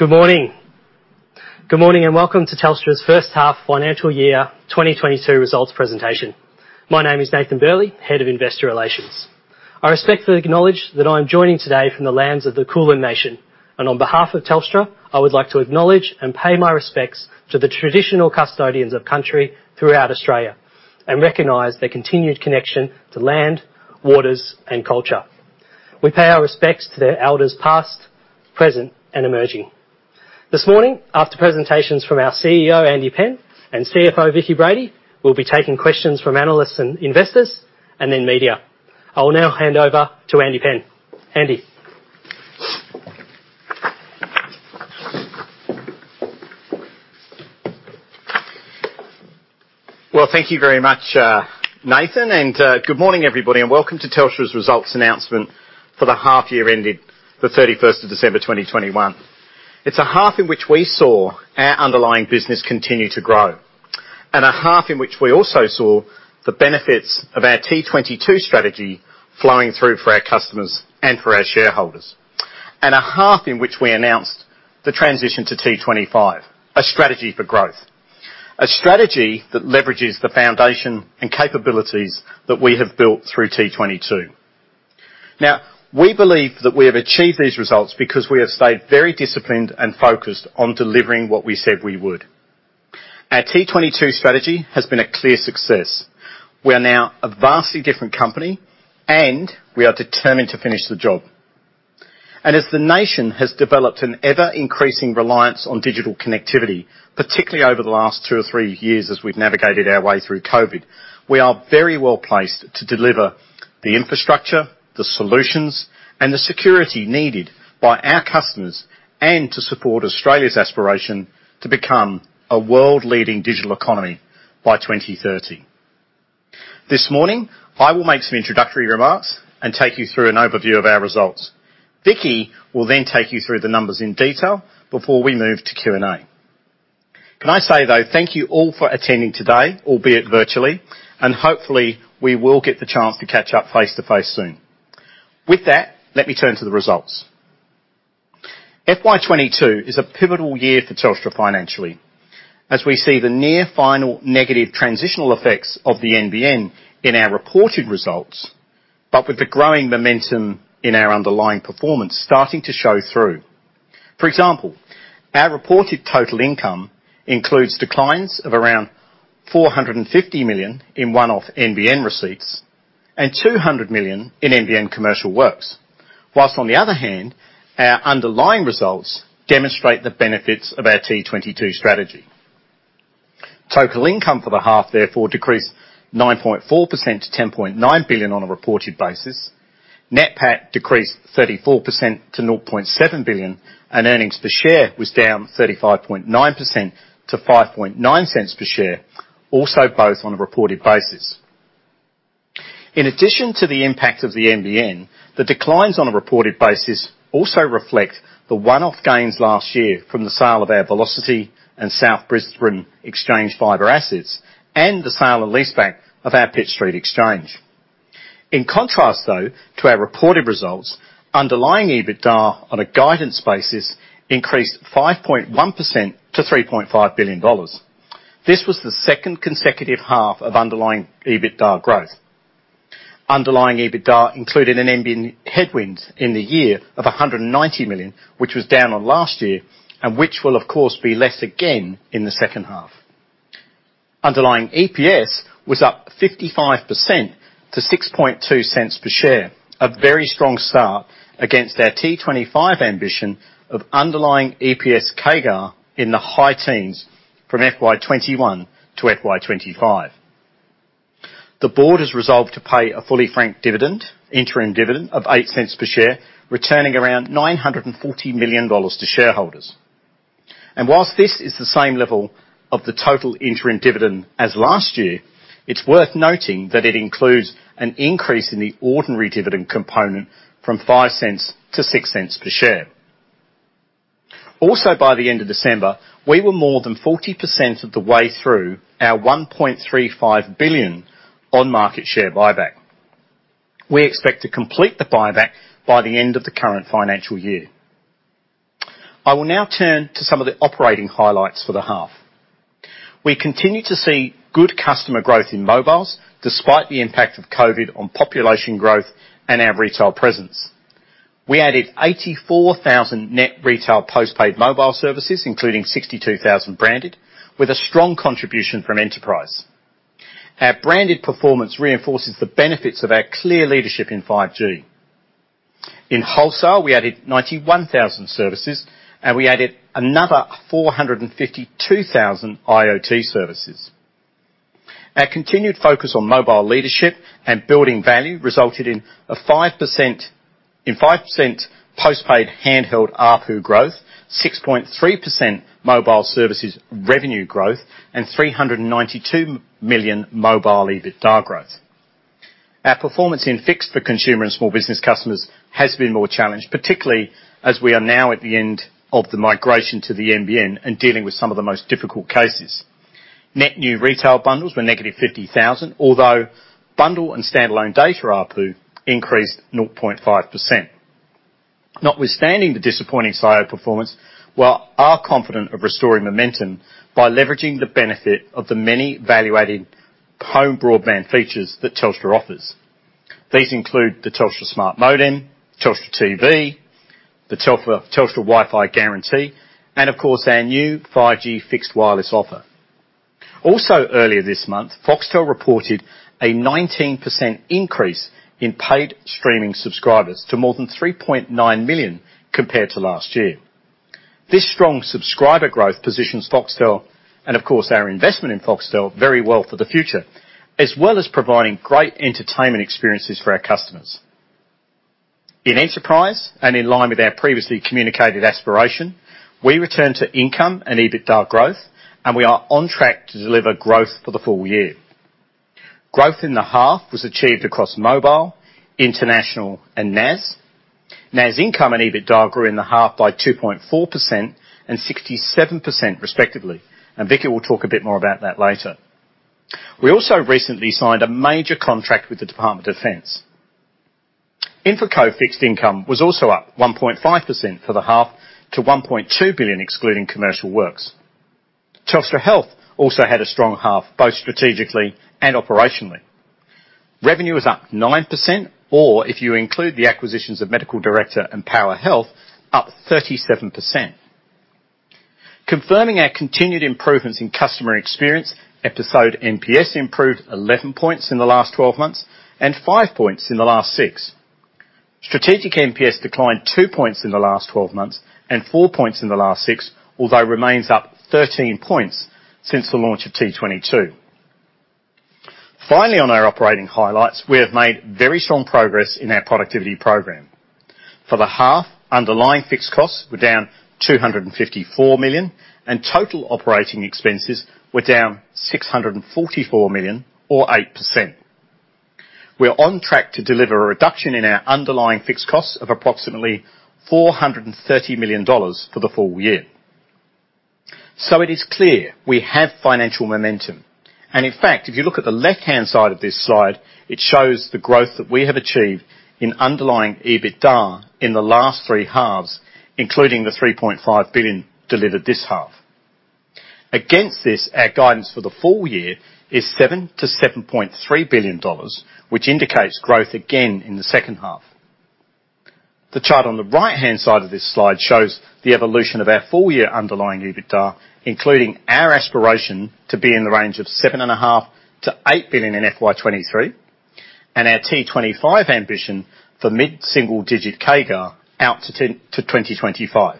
Good morning. Good morning, and welcome to Telstra's first half financial year 2022 results presentation. My name is Nathan Burley, Head of Investor Relations. I respectfully acknowledge that I'm joining today from the lands of the Kulin nation. On behalf of Telstra, I would like to acknowledge and pay my respects to the traditional custodians of country throughout Australia, and recognize their continued connection to land, waters, and culture. We pay our respects to their elders past, present, and emerging. This morning, after presentations from our CEO, Andy Penn, and CFO, Vicki Brady, we'll be taking questions from analysts and investors, and then media. I will now hand over to Andy Penn. Andy. Well, thank you very much, Nathan, and good morning, everybody, and welcome to Telstra's results announcement for the half year ending the thirty-first of December 2021. It's a half in which we saw our underlying business continue to grow. A half in which we also saw the benefits of our T22 strategy flowing through for our customers and for our shareholders. A half in which we announced the transition to T25, a strategy for growth. A strategy that leverages the foundation and capabilities that we have built through T22. Now, we believe that we have achieved these results because we have stayed very disciplined and focused on delivering what we said we would. Our T22 strategy has been a clear success. We are now a vastly different company, and we are determined to finish the job. As the nation has developed an ever-increasing reliance on digital connectivity, particularly over the last two or three years as we've navigated our way through COVID, we are very well-placed to deliver the infrastructure, the solutions, and the security needed by our customers, and to support Australia's aspiration to become a world-leading digital economy by 2030. This morning, I will make some introductory remarks and take you through an overview of our results. Vicki will then take you through the numbers in detail before we move to Q&A. Can I say, though, thank you all for attending today, albeit virtually, and hopefully we will get the chance to catch up face-to-face soon. With that, let me turn to the results. FY 2022 is a pivotal year for Telstra financially, as we see the near final negative transitional effects of the NBN in our reported results, but with the growing momentum in our underlying performance starting to show through. For example, our reported total income includes declines of around 450 million in one-off NBN receipts and 200 million in NBN commercial works. While, on the other hand, our underlying results demonstrate the benefits of our T22 strategy. Total income for the half, therefore, decreased 9.4% to 10.9 billion on a reported basis. Net PAT decreased 34% to 0.7 billion. Earnings per share was down 35.9% to 0.059 per share, also both on a reported basis. In addition to the impact of the NBN, the declines on a reported basis also reflect the one-off gains last year from the sale of our Velocity and South Brisbane Exchange fibre assets, and the sale and leaseback of our Pitt Street exchange. In contrast, though, to our reported results, underlying EBITDA on a guidance basis increased 5.1% to 3.5 billion dollars. This was the second consecutive half of underlying EBITDA growth. Underlying EBITDA included an NBN headwind in the year of 190 million, which was down on last year, and which will, of course, be less again in the second half. Underlying EPS was up 55% to 0.062 per share, a very strong start against our T25 ambition of underlying EPS CAGR in the high teens from FY 2021 to FY 2025. The board has resolved to pay a fully franked dividend, interim dividend of 0.08 per share, returning around 940 million dollars to shareholders. While this is the same level of the total interim dividend as last year, it's worth noting that it includes an increase in the ordinary dividend component from 0.05-0.06 per share. Also, by the end of December, we were more than 40% of the way through our 1.35 billion on-market share buyback. We expect to complete the buyback by the end of the current financial year. I will now turn to some of the operating highlights for the half. We continue to see good customer growth in mobiles, despite the impact of COVID on population growth and our retail presence. We added 84,000 net retail post-paid mobile services, including 62,000 branded, with a strong contribution from Enterprise. Our branded performance reinforces the benefits of our clear leadership in 5G. In wholesale, we added 91,000 services, and we added another 452,000 IoT services. Our continued focus on mobile leadership and building value resulted in a 5% post-paid handheld ARPU growth, 6.3% mobile services revenue growth, and 392 million mobile EBITDA growth. Our performance in fixed for consumer and small business customers has been more challenged, particularly as we are now at the end of the migration to the NBN and dealing with some of the most difficult cases. Net new retail bundles were -50,000, although bundle and standalone data ARPU increased 0.5%. Notwithstanding the disappointing CIO performance, we are confident of restoring momentum by leveraging the benefit of the many value-added home broadband features that Telstra offers. These include the Telstra Smart Modem, Telstra TV, the Telstra Wi-Fi Guarantee, and of course, our new 5G fixed wireless offer. Also earlier this month, Foxtel reported a 19% increase in paid streaming subscribers to more than 3.9 million compared to last year. This strong subscriber growth positions Foxtel, and of course our investment in Foxtel, very well for the future, as well as providing great entertainment experiences for our customers. In Enterprise and in line with our previously communicated aspiration, we return to income and EBITDA growth, and we are on track to deliver growth for the full year. Growth in the half was achieved across mobile, international, and NAS. NAS income and EBITDA grew in the half by 2.4% and 67% respectively, and Vicki will talk a bit more about that later. We also recently signed a major contract with the Department of Defence. InfraCo fixed income was also up 1.5% for the half to 1.2 billion excluding commercial works. Telstra Health also had a strong half, both strategically and operationally. Revenue was up 9% or if you include the acquisitions of MedicalDirector and PowerHealth, up 37%. Confirming our continued improvements in customer experience, Episode NPS improved 11 points in the last 12 months and five points in the last six. Strategic NPS declined two points in the last 12 months and four points in the last six, although remains up 13 points since the launch of T22. Finally, on our operating highlights, we have made very strong progress in our productivity program. For the half, underlying fixed costs were down 254 million, and total operating expenses were down 644 million or 8%. We're on track to deliver a reduction in our underlying fixed costs of approximately 430 million dollars for the full year. It is clear we have financial momentum. In fact, if you look at the left-hand side of this slide, it shows the growth that we have achieved in underlying EBITDA in the last three halves, including the 3.5 billion delivered this half. Against this, our guidance for the full year is 7 billion-7.3 billion dollars, which indicates growth again in the second half. The chart on the right-hand side of this slide shows the evolution of our full-year underlying EBITDA, including our aspiration to be in the range of 7.5 billion-8 billion in FY 2023, and our T25 ambition for mid-single-digit CAGR out to 2025.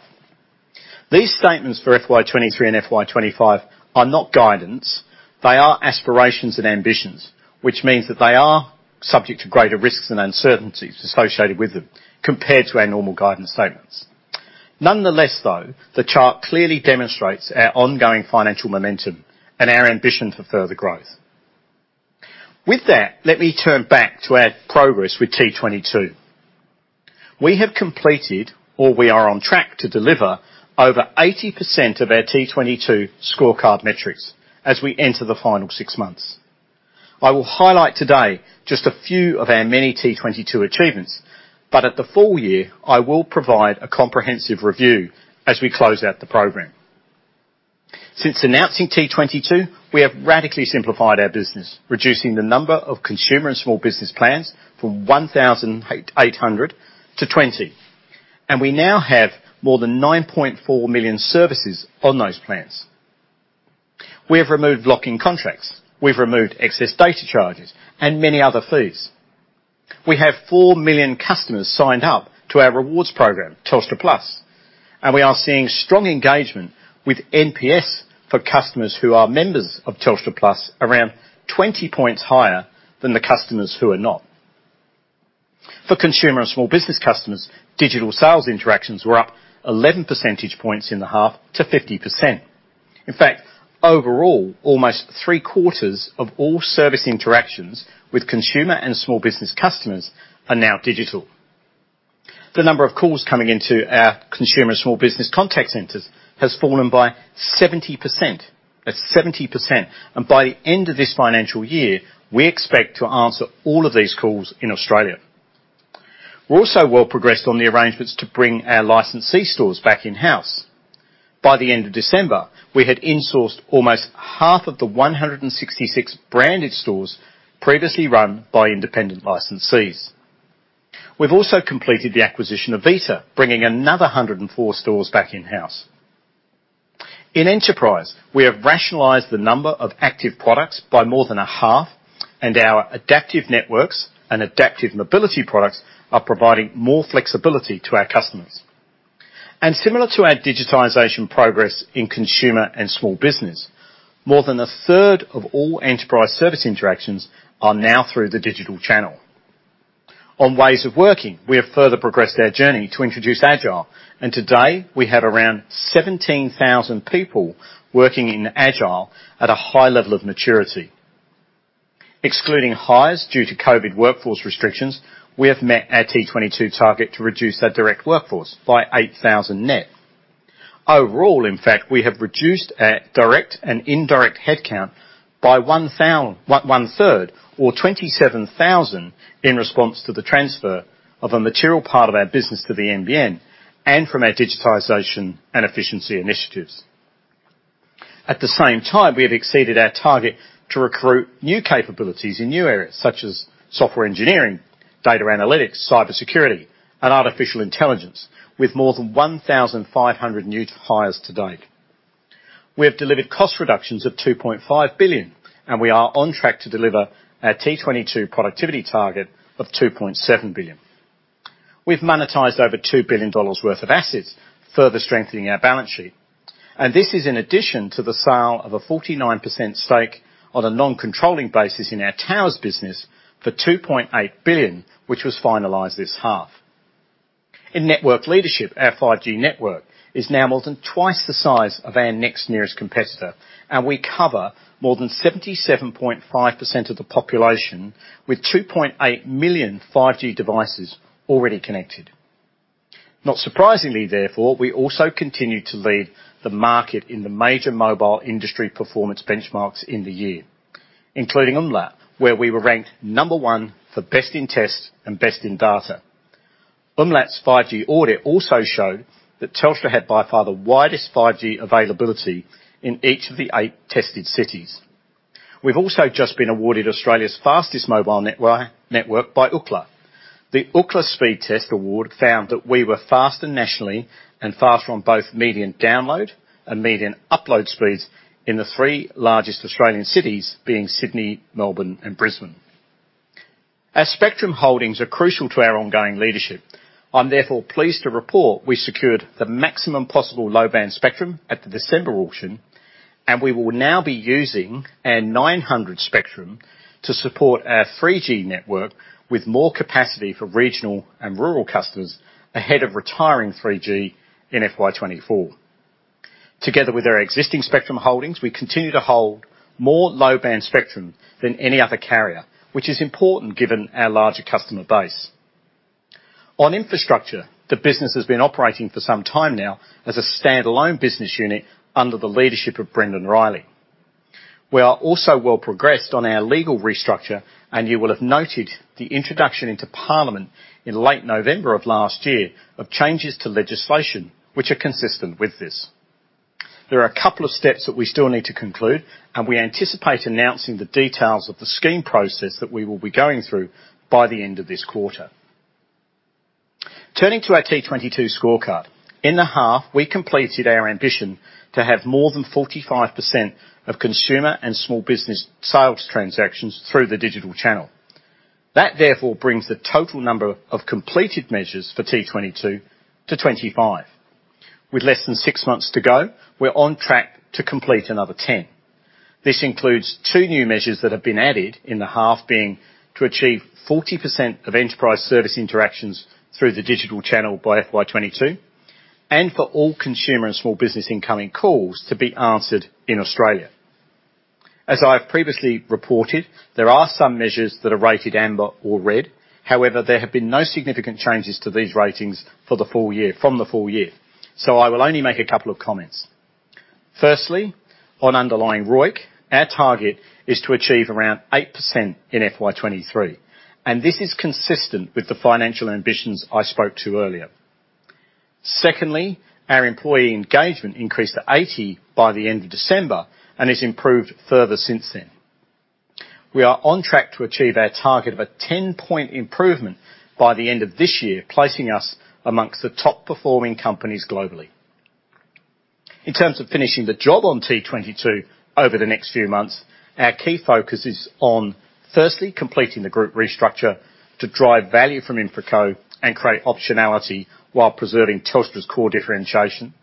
These statements for FY 2023 and FY 2025 are not guidance. They are aspirations and ambitions, which means that they are subject to greater risks and uncertainties associated with them compared to our normal guidance statements. Nonetheless, though, the chart clearly demonstrates our ongoing financial momentum and our ambition for further growth. With that, let me turn back to our progress with T22. We have completed, or we are on track to deliver over 80% of our T22 scorecard metrics as we enter the final six months. I will highlight today just a few of our many T22 achievements, but at the full year, I will provide a comprehensive review as we close out the program. Since announcing T22, we have radically simplified our business, reducing the number of consumer and small business plans from 1,800 to 20. We now have more than 9.4 million services on those plans. We have removed lock-in contracts. We've removed excess data charges and many other fees. We have 4 million customers signed up to our rewards program, Telstra Plus, and we are seeing strong engagement with NPS for customers who are members of Telstra Plus around 20 points higher than the customers who are not. For consumer and small business customers, digital sales interactions were up 11 percentage points in the half to 50%. In fact, overall, almost three-quarters of all service interactions with Consumer and Small Business customers are now digital. The number of calls coming into our Consumer and Small Business contact centers has fallen by 70%. That's 70%. By the end of this financial year, we expect to answer all of these calls in Australia. We're also well progressed on the arrangements to bring our licensee stores back in-house. By the end of December, we had insourced almost half of the 166 branded stores previously run by independent licensees. We've also completed the acquisition of Vita, bringing another 104 stores back in-house. In Enterprise, we have rationalized the number of active products by more than half, and our adaptive networks and adaptive mobility products are providing more flexibility to our customers. Similar to our digitization progress in Consumer and Small Business, more than a third of all Enterprise service interactions are now through the digital channel. On ways of working, we have further progressed our journey to introduce Agile, and today we have around 17,000 people working in Agile at a high level of maturity. Excluding hires due to COVID workforce restrictions, we have met our T22 target to reduce our direct workforce by 8,000 net. Overall, in fact, we have reduced our direct and indirect head count by one-third or 27,000 in response to the transfer of a material part of our business to the NBN and from our digitization and efficiency initiatives. At the same time, we have exceeded our target to recruit new capabilities in new areas such as software engineering, data analytics, cybersecurity, and artificial intelligence with more than 1,500 new hires to date. We have delivered cost reductions of 2.5 billion, and we are on track to deliver our T22 productivity target of 2.7 billion. We've monetized over 2 billion dollars worth of assets, further strengthening our balance sheet, and this is in addition to the sale of a 49% stake on a non-controlling basis in our towers business for 2.8 billion, which was finalized this half. In network leadership, our 5G network is now more than twice the size of our next nearest competitor, and we cover more than 77.5% of the population with 2.8 million 5G devices already connected. Not surprisingly, therefore, we also continue to lead the market in the major mobile industry performance benchmarks in the year, including umlaut, where we were ranked number one for Best in Test and Best in Data. umlaut's 5G audit also showed that Telstra had by far the widest 5G availability in each of the eight tested cities. We've also just been awarded Australia's fastest mobile network by Ookla. The Ookla Speedtest Award found that we were faster nationally and faster on both median download and median upload speeds in the three largest Australian cities being Sydney, Melbourne, and Brisbane. Our spectrum holdings are crucial to our ongoing leadership. I'm therefore pleased to report we secured the maximum possible low-band spectrum at the December auction, and we will now be using our 900 spectrum to support our 3G network with more capacity for regional and rural customers ahead of retiring 3G in FY 2024. Together with our existing spectrum holdings, we continue to hold more low-band spectrum than any other carrier, which is important given our larger customer base. On infrastructure, the business has been operating for some time now as a standalone business unit under the leadership of Brendon Riley. We are also well progressed on our legal restructure, and you will have noted the introduction into parliament in late November of last year of changes to legislation which are consistent with this. There are a couple of steps that we still need to conclude, and we anticipate announcing the details of the scheme process that we will be going through by the end of this quarter. Turning to our T22 scorecard. In the half, we completed our ambition to have more than 45% of Consumer and Small Business sales transactions through the digital channel. That therefore brings the total number of completed measures for T22-25. With less than six months to go, we're on track to complete another 10. This includes two new measures that have been added in the half being to achieve 40% of Enterprise service interactions through the digital channel by FY 2022, and for all Consumer and Small Business incoming calls to be answered in Australia. As I have previously reported, there are some measures that are rated amber or red. However, there have been no significant changes to these ratings for the full year. I will only make a couple of comments. Firstly, on underlying ROIC, our target is to achieve around 8% in FY 2023, and this is consistent with the financial ambitions I spoke to earlier. Secondly, our employee engagement increased to 80% by the end of December and has improved further since then. We are on track to achieve our target of a 10-point improvement by the end of this year, placing us amongst the top-performing companies globally. In terms of finishing the job on T22 over the next few months, our key focus is on, firstly, completing the group restructure to drive value from InfraCo and create optionality while preserving Telstra's core differentiation.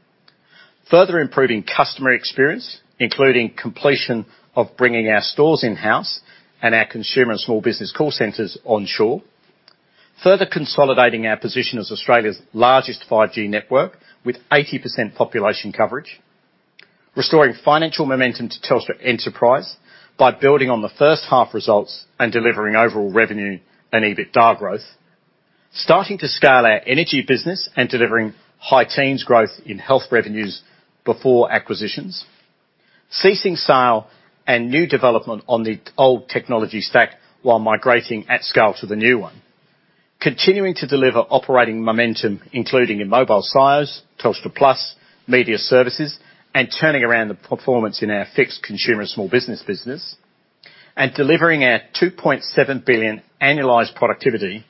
Further improving customer experience, including completion of bringing our stores in-house and our consumer and small business call centers onshore. Further consolidating our position as Australia's largest 5G network with 80% population coverage. Restoring financial momentum to Telstra Enterprise by building on the first half results and delivering overall revenue and EBITDA growth. Starting to scale our energy business and delivering high teens growth in health revenues before acquisitions. Ceasing sale and new development on the old technology stack while migrating at scale to the new one. Continuing to deliver operating momentum including in mobile sales, Telstra Plus, media services, and turning around the performance in our fixed consumer and small business business. Delivering our 2.7 billion annualized productivity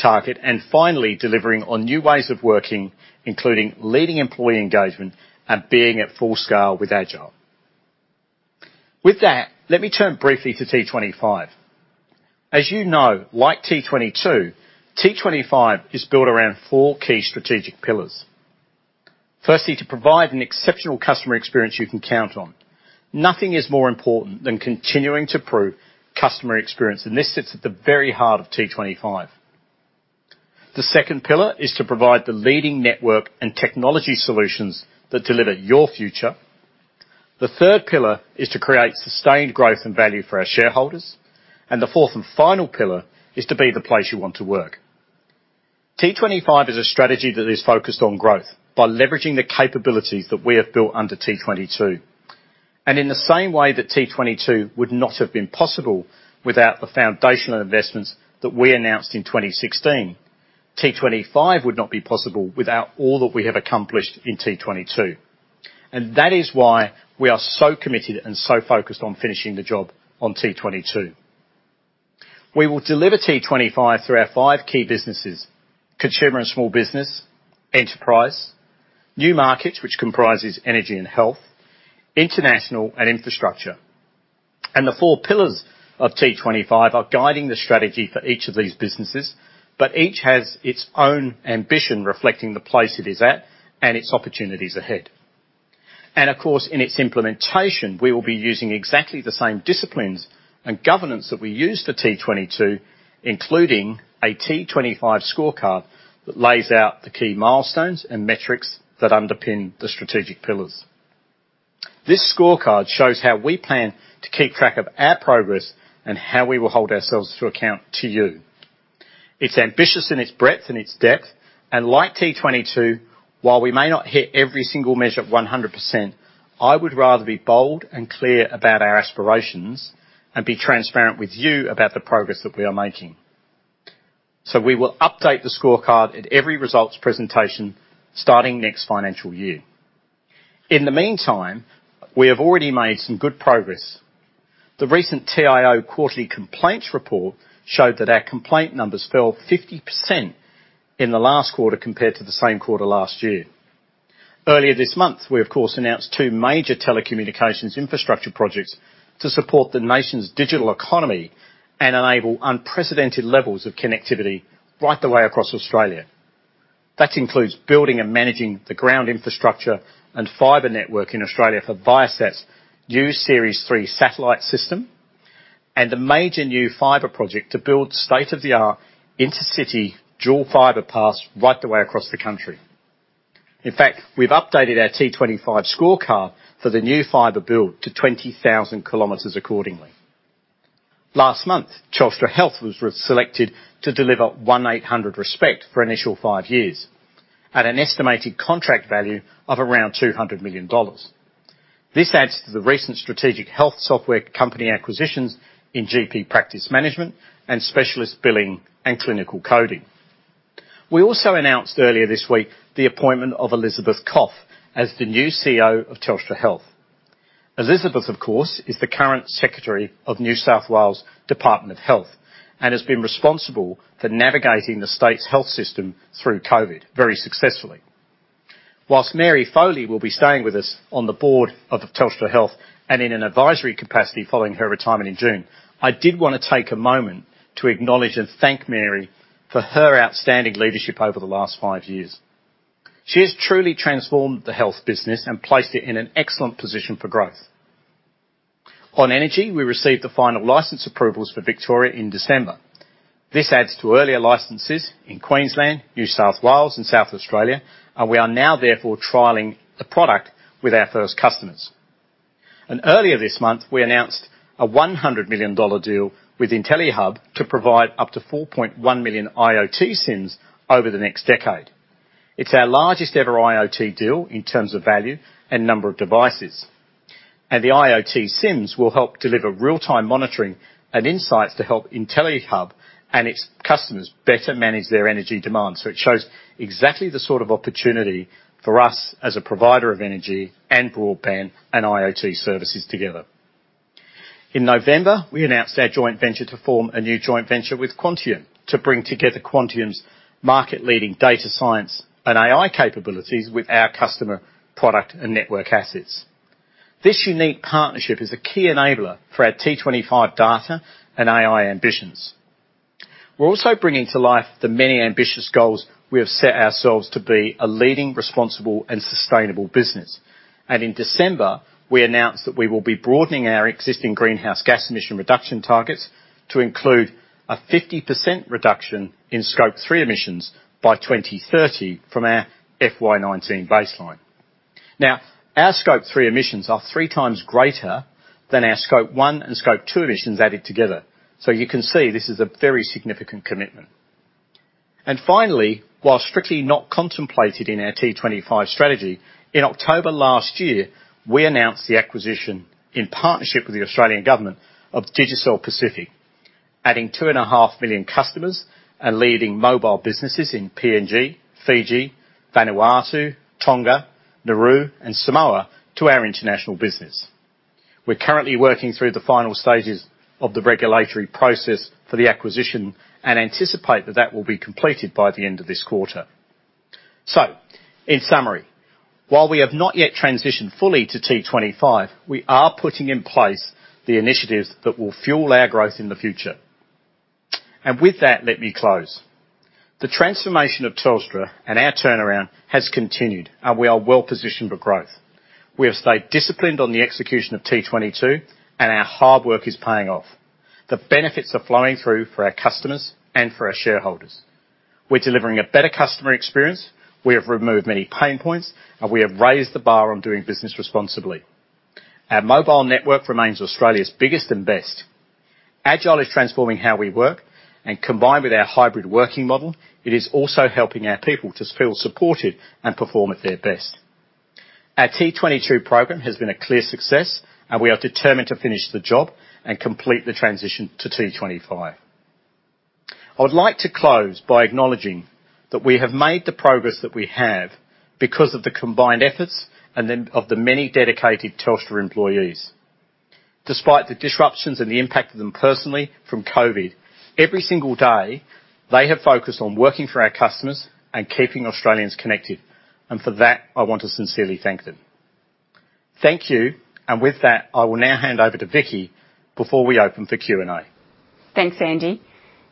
target. Finally, delivering on new ways of working, including leading employee engagement and being at full scale with Agile. With that, let me turn briefly to T25. As you know, like T22, T25 is built around four key strategic pillars. Firstly, to provide an exceptional customer experience you can count on. Nothing is more important than continuing to improve customer experience, and this sits at the very heart of T25. The second pillar is to provide the leading network and technology solutions that deliver your future. The third pillar is to create sustained growth and value for our shareholders. The fourth and final pillar is to be the place you want to work. T25 is a strategy that is focused on growth by leveraging the capabilities that we have built under T22. In the same way that T22 would not have been possible without the foundational investments that we announced in 2016, T25 would not be possible without all that we have accomplished in T22. That is why we are so committed and so focused on finishing the job on T22. We will deliver T25 through our five key businesses: Consumer and Small Business, Enterprise, New Markets, which comprises Energy and Health, International and Infrastructure. The four pillars of T25 are guiding the strategy for each of these businesses, but each has its own ambition reflecting the place it is at and its opportunities ahead. Of course, in its implementation, we will be using exactly the same disciplines and governance that we use for T22, including a T25 Scorecard that lays out the key milestones and metrics that underpin the strategic pillars. This scorecard shows how we plan to keep track of our progress and how we will hold ourselves to account to you. It's ambitious in its breadth and its depth, and like T22, while we may not hit every single measure 100%, I would rather be bold and clear about our aspirations and be transparent with you about the progress that we are making. We will update the scorecard at every results presentation starting next financial year. In the meantime, we have already made some good progress. The recent TIO quarterly complaints report showed that our complaint numbers fell 50% in the last quarter compared to the same quarter last year. Earlier this month, we, of course, announced two major telecommunications infrastructure projects to support the nation's digital economy and enable unprecedented levels of connectivity right the way across Australia. That includes building and managing the ground infrastructure and fiber network in Australia for Viasat's new ViaSat-3 satellite system and a major new fiber project to build state-of-the-art intercity dual fiber paths right the way across the country. In fact, we've updated our T25 scorecard for the new fiber build to 20,000 km accordingly. Last month, Telstra Health was re-selected to deliver 1800RESPECT for initial five years at an estimated contract value of around AUD 200 million. This adds to the recent strategic health software company acquisitions in GP practice management and specialist billing and clinical coding. We also announced earlier this week the appointment of Elizabeth Koff as the new CEO of Telstra Health. Elizabeth, of course, is the current Secretary of the New South Wales Department of Health and has been responsible for navigating the state's health system through COVID very successfully. While Mary Foley will be staying with us on the board of Telstra Health and in an advisory capacity following her retirement in June, I did wanna take a moment to acknowledge and thank Mary for her outstanding leadership over the last 5 years. She has truly transformed the health business and placed it in an excellent position for growth. On energy, we received the final license approvals for Victoria in December. This adds to earlier licenses in Queensland, New South Wales, and South Australia, and we are now therefore trialing the product with our first customers. Earlier this month, we announced an 100 million dollar deal with Intellihub to provide up to 4.1 million IoT SIMs over the next decade. It's our largest-ever IoT deal in terms of value and number of devices. The IoT SIMs will help deliver real-time monitoring and insights to help Intellihub and its customers better manage their energy demands, so it shows exactly the sort of opportunity for us as a provider of energy and broadband and IoT services together. In November, we announced our joint venture to form a new joint venture with Quantium to bring together Quantium's market-leading data science and AI capabilities with our customer product and network assets. This unique partnership is a key enabler for our T25 data and AI ambitions. We're also bringing to life the many ambitious goals we have set ourselves to be a leading, responsible, and sustainable business. In December, we announced that we will be broadening our existing greenhouse gas emission reduction targets to include a 50% reduction in Scope 3 emissions by 2030 from our FY 2019 baseline. Our Scope 3 emissions are three times greater than our Scope 1 and Scope 2 emissions added together. You can see this is a very significant commitment. Finally, while strictly not contemplated in our T25 strategy, in October last year, we announced the acquisition in partnership with the Australian Government of Digicel Pacific, adding 2.5 million customers and leading mobile businesses in PNG, Fiji, Vanuatu, Tonga, Nauru, and Samoa to our international business. We're currently working through the final stages of the regulatory process for the acquisition and anticipate that that will be completed by the end of this quarter. In summary, while we have not yet transitioned fully to T25, we are putting in place the initiatives that will fuel our growth in the future. With that, let me close. The transformation of Telstra and our turnaround has continued, and we are well-positioned for growth. We have stayed disciplined on the execution of T22, and our hard work is paying off. The benefits are flowing through for our customers and for our shareholders. We're delivering a better customer experience, we have removed many pain points, and we have raised the bar on doing business responsibly. Our mobile network remains Australia's biggest and best. Agile is transforming how we work, and combined with our hybrid working model, it is also helping our people to feel supported and perform at their best. Our T22 program has been a clear success, and we are determined to finish the job and complete the transition to T25. I would like to close by acknowledging that we have made the progress that we have because of the combined efforts and then of the many dedicated Telstra employees. Despite the disruptions and the impact of them personally from COVID, every single day, they have focused on working for our customers and keeping Australians connected, and for that, I want to sincerely thank them. Thank you. With that, I will now hand over to Vicki before we open for Q&A. Thanks, Andy.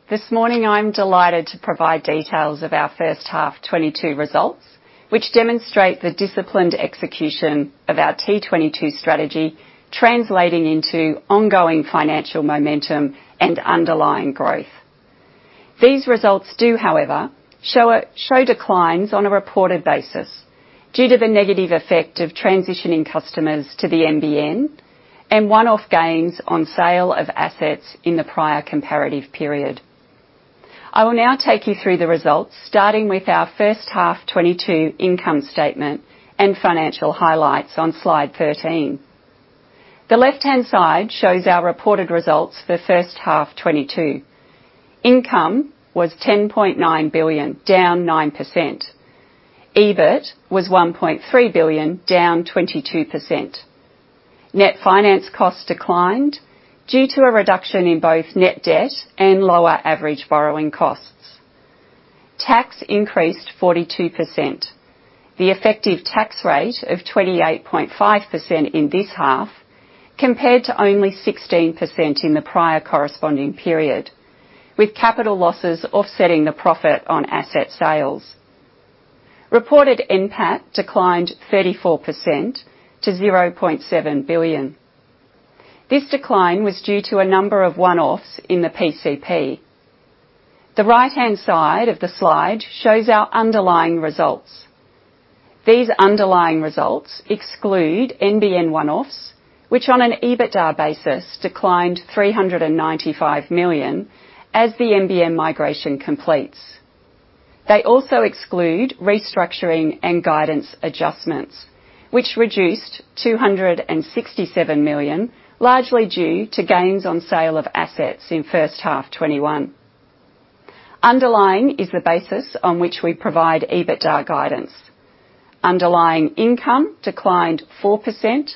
This morning I'm delighted to provide details of our first half 2022 results, which demonstrate the disciplined execution of our T22 strategy translating into ongoing financial momentum and underlying growth. These results do, however, show declines on a reported basis due to the negative effect of transitioning customers to the NBN and one-off gains on sale of assets in the prior comparative period. I will now take you through the results, starting with our first half 2022 income statement and financial highlights on slide 13. The left-hand side shows our reported results for first half 2022. Income was 10.9 billion, down 9%. EBIT was 1.3 billion, down 22%. Net finance costs declined due to a reduction in both net debt and lower average borrowing costs. Tax increased 42%. The effective tax rate of 28.5% in this half compared to only 16% in the prior corresponding period, with capital losses offsetting the profit on asset sales. Reported NPAT declined 34% to 0.7 billion. This decline was due to a number of one-offs in the PCP. The right-hand side of the slide shows our underlying results. These underlying results exclude NBN one-offs, which on an EBITDA basis declined 395 million as the NBN migration completes. They also exclude restructuring and guidance adjustments, which reduced AUD 267 million, largely due to gains on sale of assets in first half 2021. Underlying is the basis on which we provide EBITDA guidance. Underlying income declined 4%.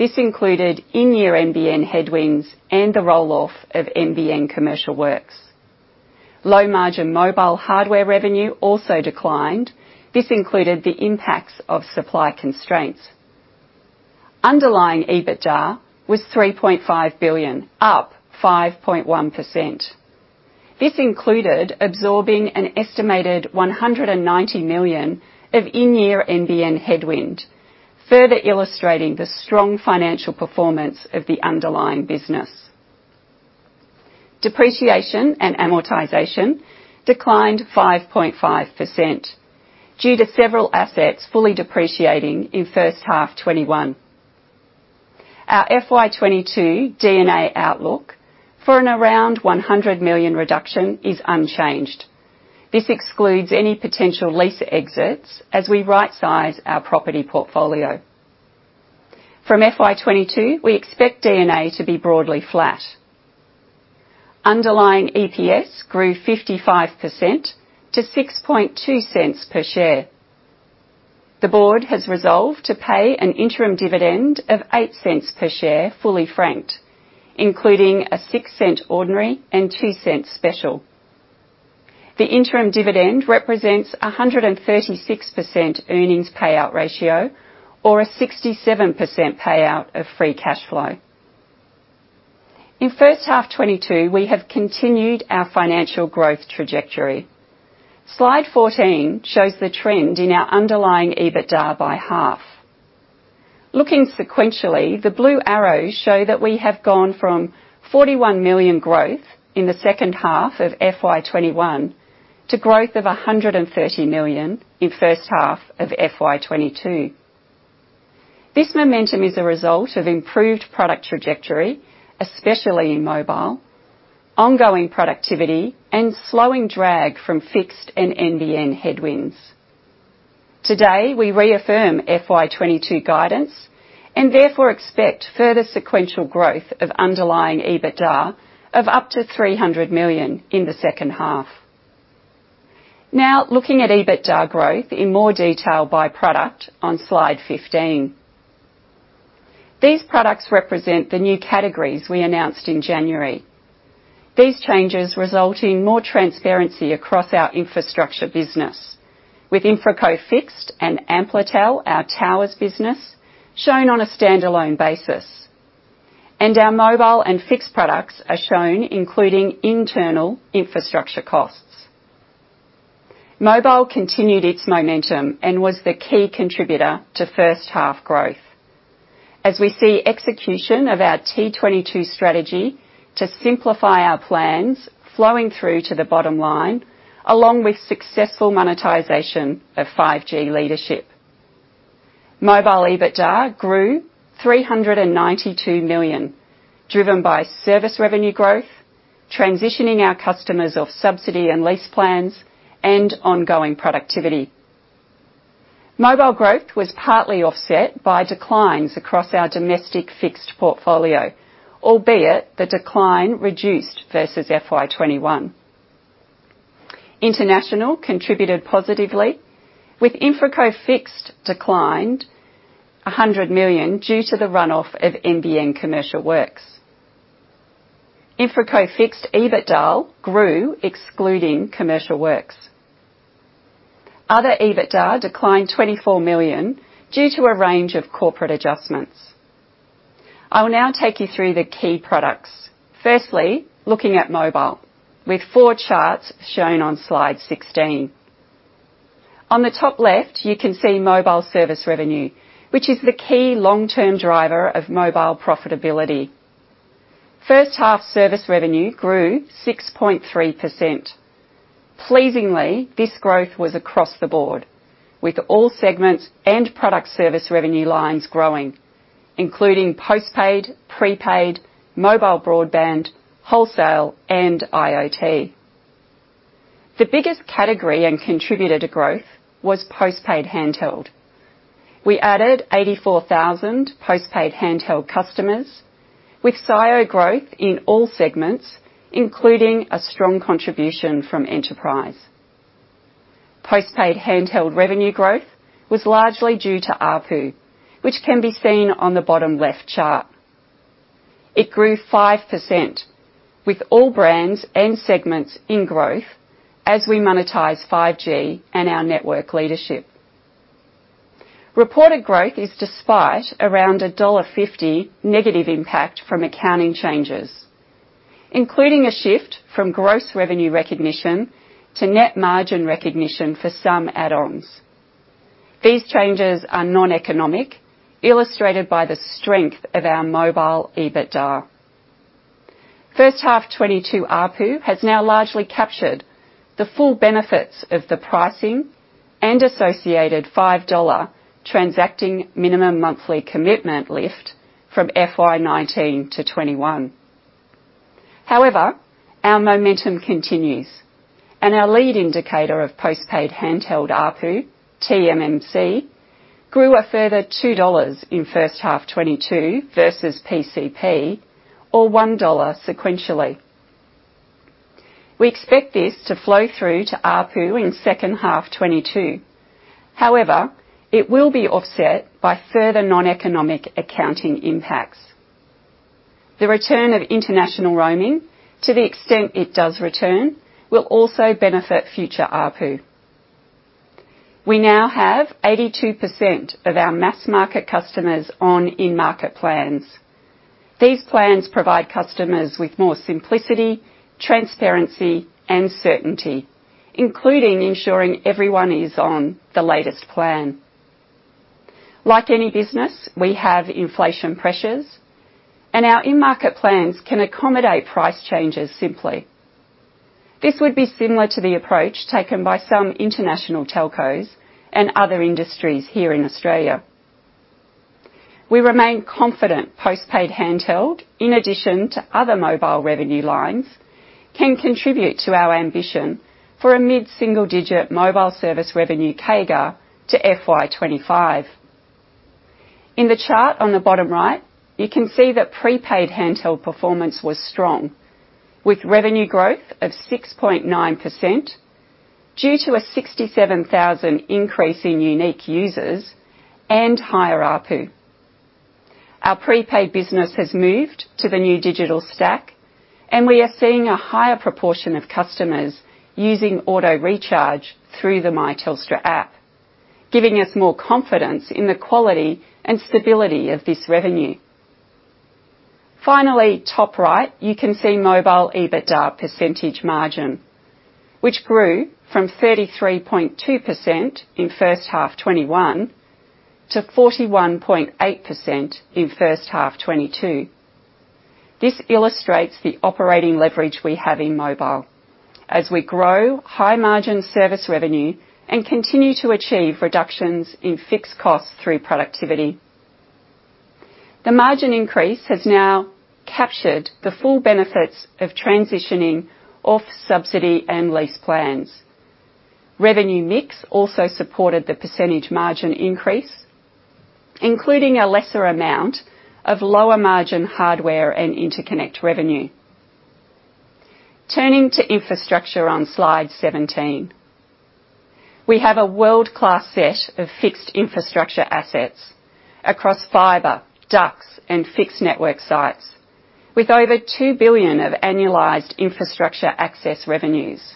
This included in-year NBN headwinds and the roll-off of NBN commercial works. Low margin mobile hardware revenue also declined. This included the impacts of supply constraints. Underlying EBITDA was 3.5 billion, up 5.1%. This included absorbing an estimated 190 million of in-year NBN headwind, further illustrating the strong financial performance of the underlying business. Depreciation and amortization declined 5.5% due to several assets fully depreciating in first half 2021. Our FY 2022 D&A outlook for an around 100 million reduction is unchanged. This excludes any potential lease exits as we right-size our property portfolio. From FY 2022, we expect D&A to be broadly flat. Underlying EPS grew 55% to 0.062 per share. The board has resolved to pay an interim dividend of 0.08 per share, fully franked, including a 0.06 ordinary and 0.02 special. The interim dividend represents a 136% earnings payout ratio, or a 67% payout of free cash flow. In first half 2022, we have continued our financial growth trajectory. Slide 14 shows the trend in our underlying EBITDA by half. Looking sequentially, the blue arrows show that we have gone from 41 million growth in the second half of FY 2021 to growth of 130 million in first half of FY 2022. This momentum is a result of improved product trajectory, especially in mobile, ongoing productivity and slowing drag from fixed and NBN headwinds. Today, we reaffirm FY 2022 guidance and therefore expect further sequential growth of underlying EBITDA of up to 300 million in the second half. Now looking at EBITDA growth in more detail by product on slide 15. These products represent the new categories we announced in January. These changes result in more transparency across our infrastructure business, with InfraCo Fixed and Amplitel, our towers business, shown on a standalone basis. Our mobile and fixed products are shown including internal infrastructure costs. Mobile continued its momentum and was the key contributor to first half growth. We see execution of our T22 strategy to simplify our plans flowing through to the bottom line, along with successful monetization of 5G leadership. Mobile EBITDA grew 392 million, driven by service revenue growth, transitioning our customers off subsidy and lease plans, and ongoing productivity. Mobile growth was partly offset by declines across our domestic fixed portfolio, albeit the decline reduced versus FY 2021. International contributed positively, with InfraCo Fixed declining 100 million due to the run-off of NBN commercial works. InfraCo Fixed EBITDA grew, excluding commercial works. Other EBITDA declined 24 million due to a range of corporate adjustments. I will now take you through the key products. Firstly, looking at mobile, with four charts shown on slide 16. On the top left, you can see mobile service revenue, which is the key long-term driver of mobile profitability. First half service revenue grew 6.3%. Pleasingly, this growth was across the board, with all segments and product service revenue lines growing, including postpaid, prepaid, mobile broadband, wholesale, and IoT. The biggest category and contributor to growth was postpaid handheld. We added 84,000 postpaid handheld customers with SIO growth in all segments, including a strong contribution from Enterprise. Postpaid handheld revenue growth was largely due to ARPU, which can be seen on the bottom left chart. It grew 5%, with all brands and segments in growth as we monetize 5G and our network leadership. Reported growth is despite around dollar 1.50 negative impact from accounting changes, including a shift from gross revenue recognition to net margin recognition for some add-ons. These changes are noneconomic, illustrated by the strength of our mobile EBITDA. First half 2022 ARPU has now largely captured the full benefits of the pricing and associated 5 dollar transacting minimum monthly commitment lift from FY 2019-2021. However, our momentum continues and our lead indicator of postpaid handheld ARPU, TMMC, grew a further 2 dollars in first half 2022 versus PCP or 1 dollar sequentially. We expect this to flow through to ARPU in second half 2022. However, it will be offset by further noneconomic accounting impacts. The return of international roaming, to the extent it does return, will also benefit future ARPU. We now have 82% of our mass market customers on in-market plans. These plans provide customers with more simplicity, transparency, and certainty, including ensuring everyone is on the latest plan. Like any business, we have inflation pressures, and our in-market plans can accommodate price changes simply. This would be similar to the approach taken by some international telcos and other industries here in Australia. We remain confident postpaid handheld, in addition to other mobile revenue lines, can contribute to our ambition for a mid-single-digit mobile service revenue CAGR to FY 2025. In the chart on the bottom right, you can see that prepaid handheld performance was strong, with revenue growth of 6.9% due to a 67,000 increase in unique users and higher ARPU. Our prepaid business has moved to the new digital stack, and we are seeing a higher proportion of customers using auto-recharge through the My Telstra app, giving us more confidence in the quality and stability of this revenue. Finally, top right, you can see mobile EBITDA percentage margin, which grew from 33.2% in first half 2021 to 41.8% in first half 2022. This illustrates the operating leverage we have in mobile as we grow high-margin service revenue and continue to achieve reductions in fixed costs through productivity. The margin increase has now captured the full benefits of transitioning off subsidy and lease plans. Revenue mix also supported the percentage margin increase, including a lesser amount of lower margin hardware and interconnect revenue. Turning to infrastructure on slide 17. We have a world-class set of fixed infrastructure assets across fiber, ducts, and fixed network sites, with over 2 billion of annualized infrastructure access revenues.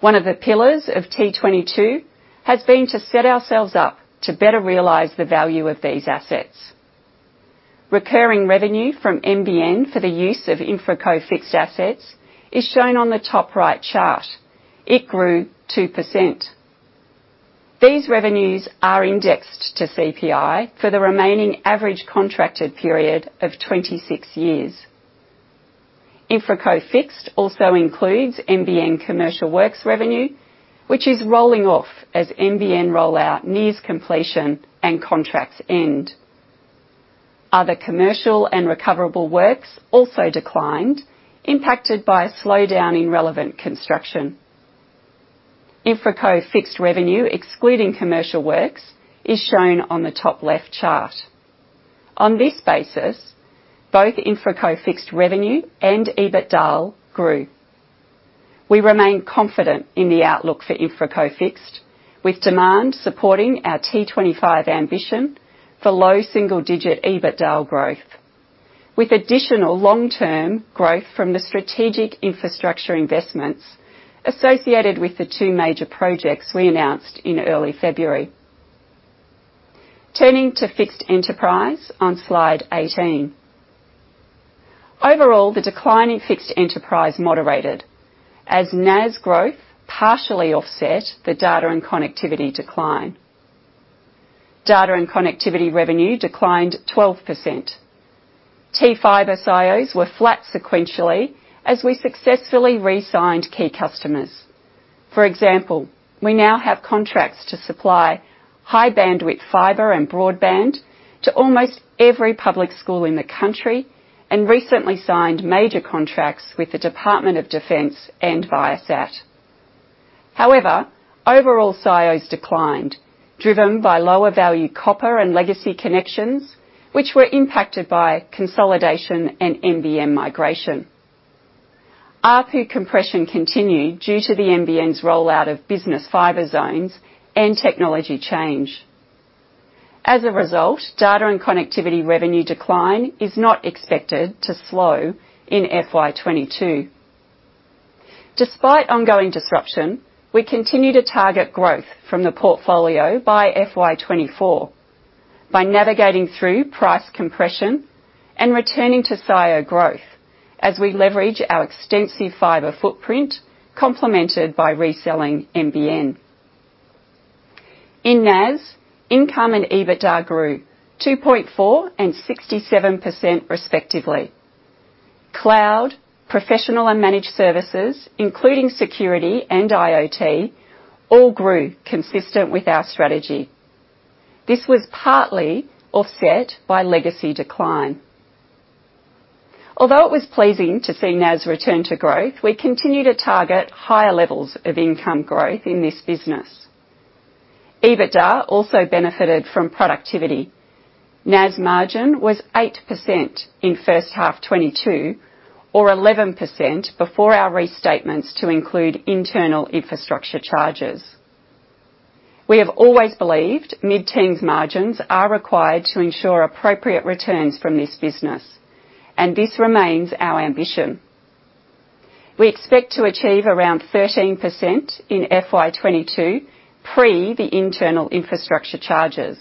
One of the pillars of T22 has been to set ourselves up to better realize the value of these assets. Recurring revenue from NBN for the use of InfraCo Fixed assets is shown on the top right chart. It grew 2%. These revenues are indexed to CPI for the remaining average contracted period of 26 years. InfraCo Fixed also includes NBN commercial works revenue, which is rolling off as NBN rollout nears completion and contracts end. Other commercial and recoverable works also declined, impacted by a slowdown in relevant construction. InfraCo Fixed revenue, excluding commercial works, is shown on the top left chart. On this basis, both InfraCo Fixed revenue and EBITDA grew. We remain confident in the outlook for InfraCo Fixed, with demand supporting our T25 ambition for low single-digit EBITDA growth. With additional long-term growth from the strategic infrastructure investments associated with the two major projects we announced in early February. Turning to Fixed Enterprise on slide 18. Overall, the decline in Fixed Enterprise moderated as SIOs growth partially offset the data and connectivity decline. Data and connectivity revenue declined 12%. T-Fibre SIOs were flat sequentially as we successfully re-signed key customers. For example, we now have contracts to supply high bandwidth fiber and broadband to almost every public school in the country, and recently signed major contracts with the Department of Defence and Viasat. However, overall SIOs declined, driven by lower value copper and legacy connections, which were impacted by consolidation and NBN migration. ARPU compression continued due to the NBN's rollout of business fiber zones and technology change. As a result, data and connectivity revenue decline is not expected to slow in FY 2022. Despite ongoing disruption, we continue to target growth from the portfolio by FY 2024 by navigating through price compression and returning to CIO growth as we leverage our extensive fiber footprint complemented by reselling NBN. In NAS, income and EBITDA grew 2.4% and 67%, respectively. Cloud, professional and managed services, including security and IoT, all grew consistent with our strategy. This was partly offset by legacy decline. Although it was pleasing to see NAS return to growth, we continue to target higher levels of income growth in this business. EBITDA also benefited from productivity. NAS margin was 8% in first half 2022 or 11% before our restatements to include internal infrastructure charges. We have always believed mid-teens margins are required to ensure appropriate returns from this business, and this remains our ambition. We expect to achieve around 13% in FY 2022, pre the internal infrastructure charges.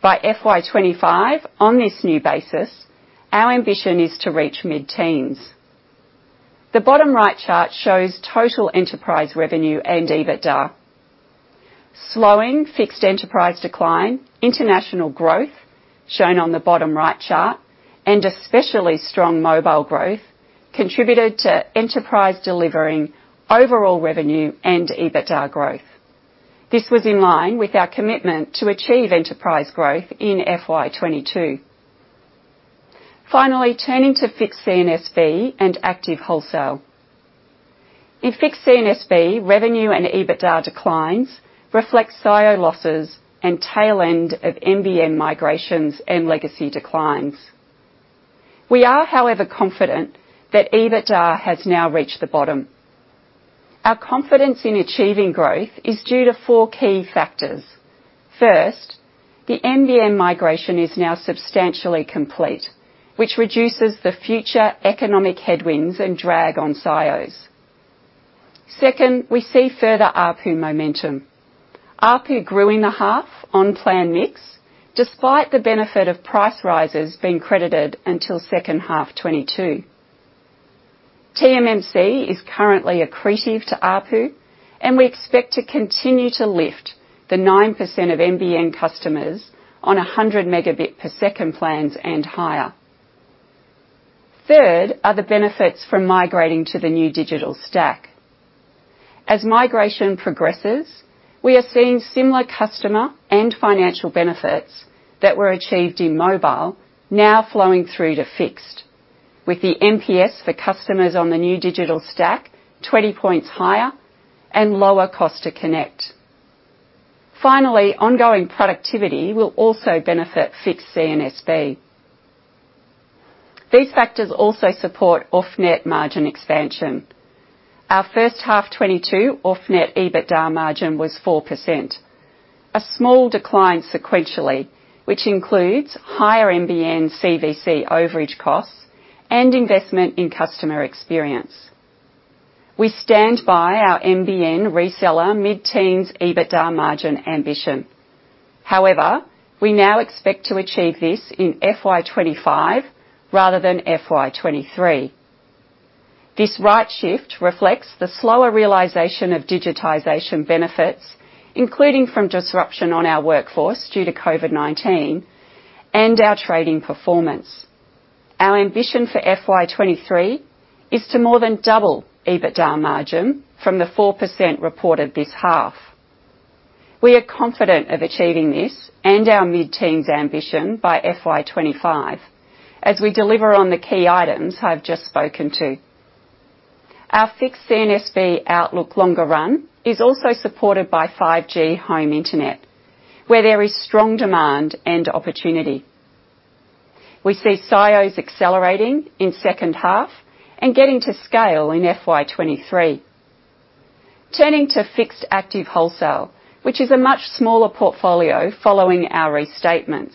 By FY 2025, on this new basis, our ambition is to reach mid-teens. The bottom right chart shows total enterprise revenue and EBITDA. Slowing Fixed Enterprise decline, international growth, shown on the bottom right chart, and especially strong mobile growth, contributed to enterprise delivering overall revenue and EBITDA growth. This was in line with our commitment to achieve enterprise growth in FY 2022. Finally, turning to Fixed CNSB and Active Wholesale. In Fixed CNSB, revenue and EBITDA declines reflect CIO losses and tail end of NBN migrations and legacy declines. We are, however, confident that EBITDA has now reached the bottom. Our confidence in achieving growth is due to four key factors. First, the NBN migration is now substantially complete, which reduces the future economic headwinds and drag on SIOs. Second, we see further ARPU momentum. ARPU grew in the half on plan mix, despite the benefit of price rises being credited until second half 2022. TMMC is currently accretive to ARPU, and we expect to continue to lift the 9% of NBN customers on 100 Mbps plans and higher. Third are the benefits from migrating to the new digital stack. As migration progresses, we are seeing similar customer and financial benefits that were achieved in mobile now flowing through to Fixed, with the NPS for customers on the new digital stack 20 points higher and lower cost to connect. Finally, ongoing productivity will also benefit Fixed C&SB. These factors also support off-net margin expansion. Our first half 2022 off-net EBITDA margin was 4%, a small decline sequentially, which includes higher NBN CVC overage costs and investment in customer experience. We stand by our NBN reseller mid-teens EBITDA margin ambition. However, we now expect to achieve this in FY 2025 rather than FY 2023. This right shift reflects the slower realization of digitization benefits, including from disruption on our workforce due to COVID-19 and our trading performance. Our ambition for FY 2023 is to more than double EBITDA margin from the 4% reported this half. We are confident of achieving this and our mid-teens ambition by FY 2025 as we deliver on the key items I've just spoken to. Our fixed C&SB outlook longer run is also supported by 5G home internet, where there is strong demand and opportunity. We see capex accelerating in second half and getting to scale in FY 2023. Turning to fixed active wholesale, which is a much smaller portfolio following our restatements,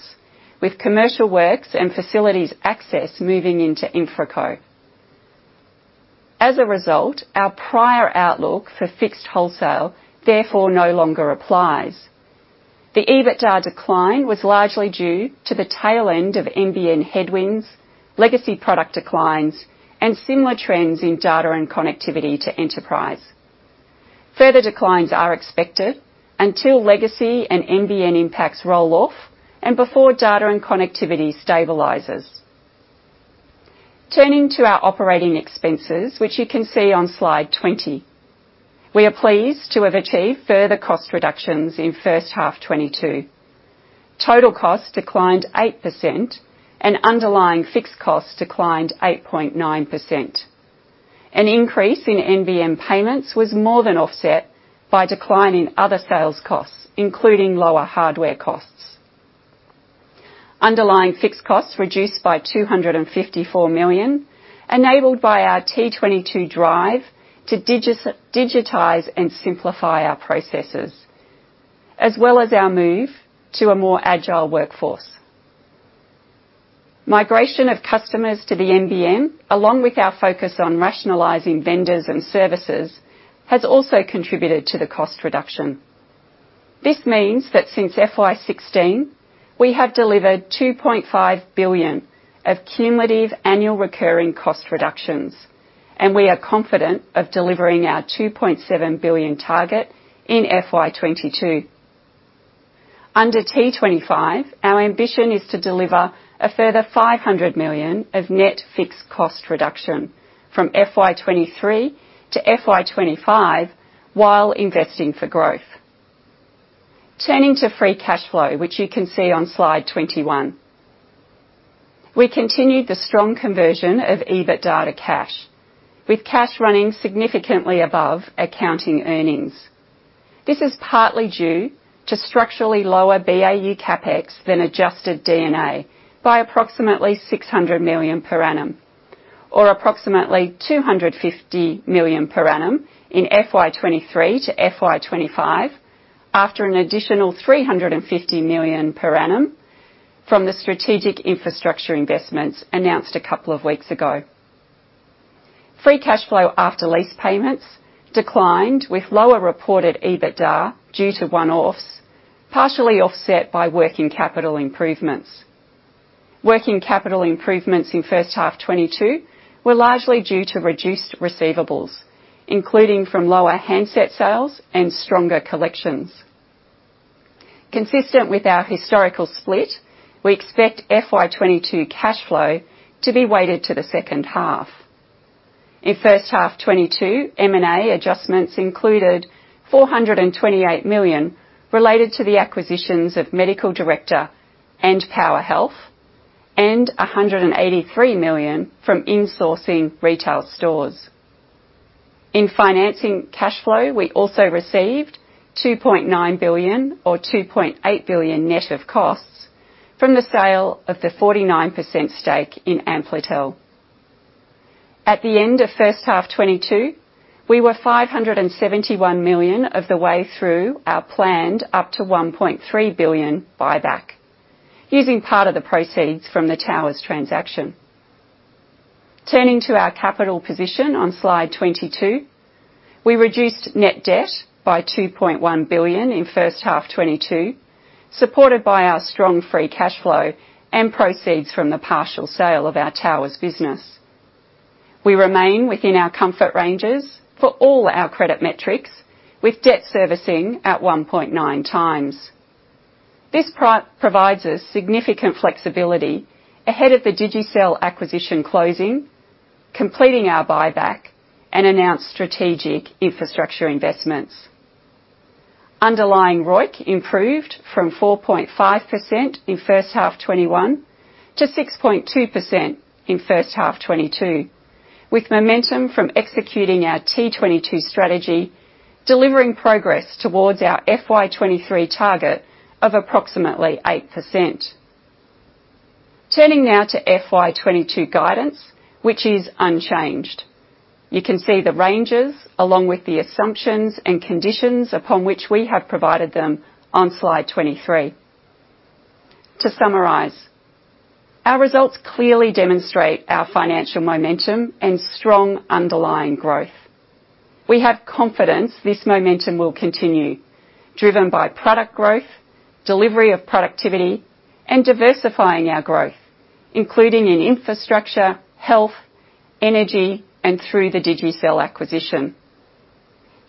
with commercial works and facilities access moving into InfraCo. As a result, our prior outlook for fixed wholesale therefore no longer applies. The EBITDA decline was largely due to the tail end of NBN headwinds, legacy product declines, and similar trends in data and connectivity to enterprise. Further declines are expected until legacy and NBN impacts roll off and before data and connectivity stabilizes. Turning to our operating expenses, which you can see on slide 20. We are pleased to have achieved further cost reductions in first half 2022. Total costs declined 8% and underlying fixed costs declined 8.9%. An increase in NBN payments was more than offset by decline in other sales costs, including lower hardware costs. Underlying fixed costs reduced by 254 million, enabled by our T22 drive to digitize and simplify our processes, as well as our move to a more Agile workforce. Migration of customers to the NBN, along with our focus on rationalizing vendors and services, has also contributed to the cost reduction. This means that since FY 2016, we have delivered 2.5 billion of cumulative annual recurring cost reductions, and we are confident of delivering our 2.7 billion target in FY 2022. Under T25, our ambition is to deliver a further 500 million of net fixed cost reduction from FY 2023 to FY 2025 while investing for growth. Turning to free cash flow, which you can see on slide 21. We continued the strong conversion of EBITDA to cash, with cash running significantly above accounting earnings. This is partly due to structurally lower BAU CapEx than adjusted D&A by approximately 600 million per annum, or approximately 250 million per annum in FY 2023 to FY 2025 after an additional 350 million per annum from the strategic infrastructure investments announced a couple of weeks ago. Free cash flow after lease payments declined with lower reported EBITDA due to one-offs, partially offset by working capital improvements. Working capital improvements in first half 2022 were largely due to reduced receivables, including from lower handset sales and stronger collections. Consistent with our historical split, we expect FY 2022 cash flow to be weighted to the second half. In first half 2022, M&A adjustments included 428 million related to the acquisitions of MedicalDirector and PowerHealth, and 183 million from insourcing retail stores. In financing cash flow, we also received 2.9 billion or 2.8 billion net of costs from the sale of the 49% stake in Amplitel. At the end of first half 2022, we were 571 million of the way through our planned up to 1.3 billion buyback, using part of the proceeds from the towers transaction. Turning to our capital position on slide 22, we reduced net debt by 2.1 billion in first half 2022, supported by our strong free cash flow and proceeds from the partial sale of our towers business. We remain within our comfort ranges for all our credit metrics with debt servicing at 1.9x. This provides us significant flexibility ahead of the Digicel acquisition closing, completing our buyback and announced strategic infrastructure investments. Underlying ROIC improved from 4.5% in 1H 2021 to 6.2% in 1H 2022, with momentum from executing our T22 strategy, delivering progress towards our FY 2023 target of approximately 8%. Turning now to FY 2022 guidance, which is unchanged. You can see the ranges along with the assumptions and conditions upon which we have provided them on slide 23. To summarize, our results clearly demonstrate our financial momentum and strong underlying growth. We have confidence this momentum will continue, driven by product growth, delivery of productivity, and diversifying our growth, including in infrastructure, health, energy, and through the Digicel acquisition.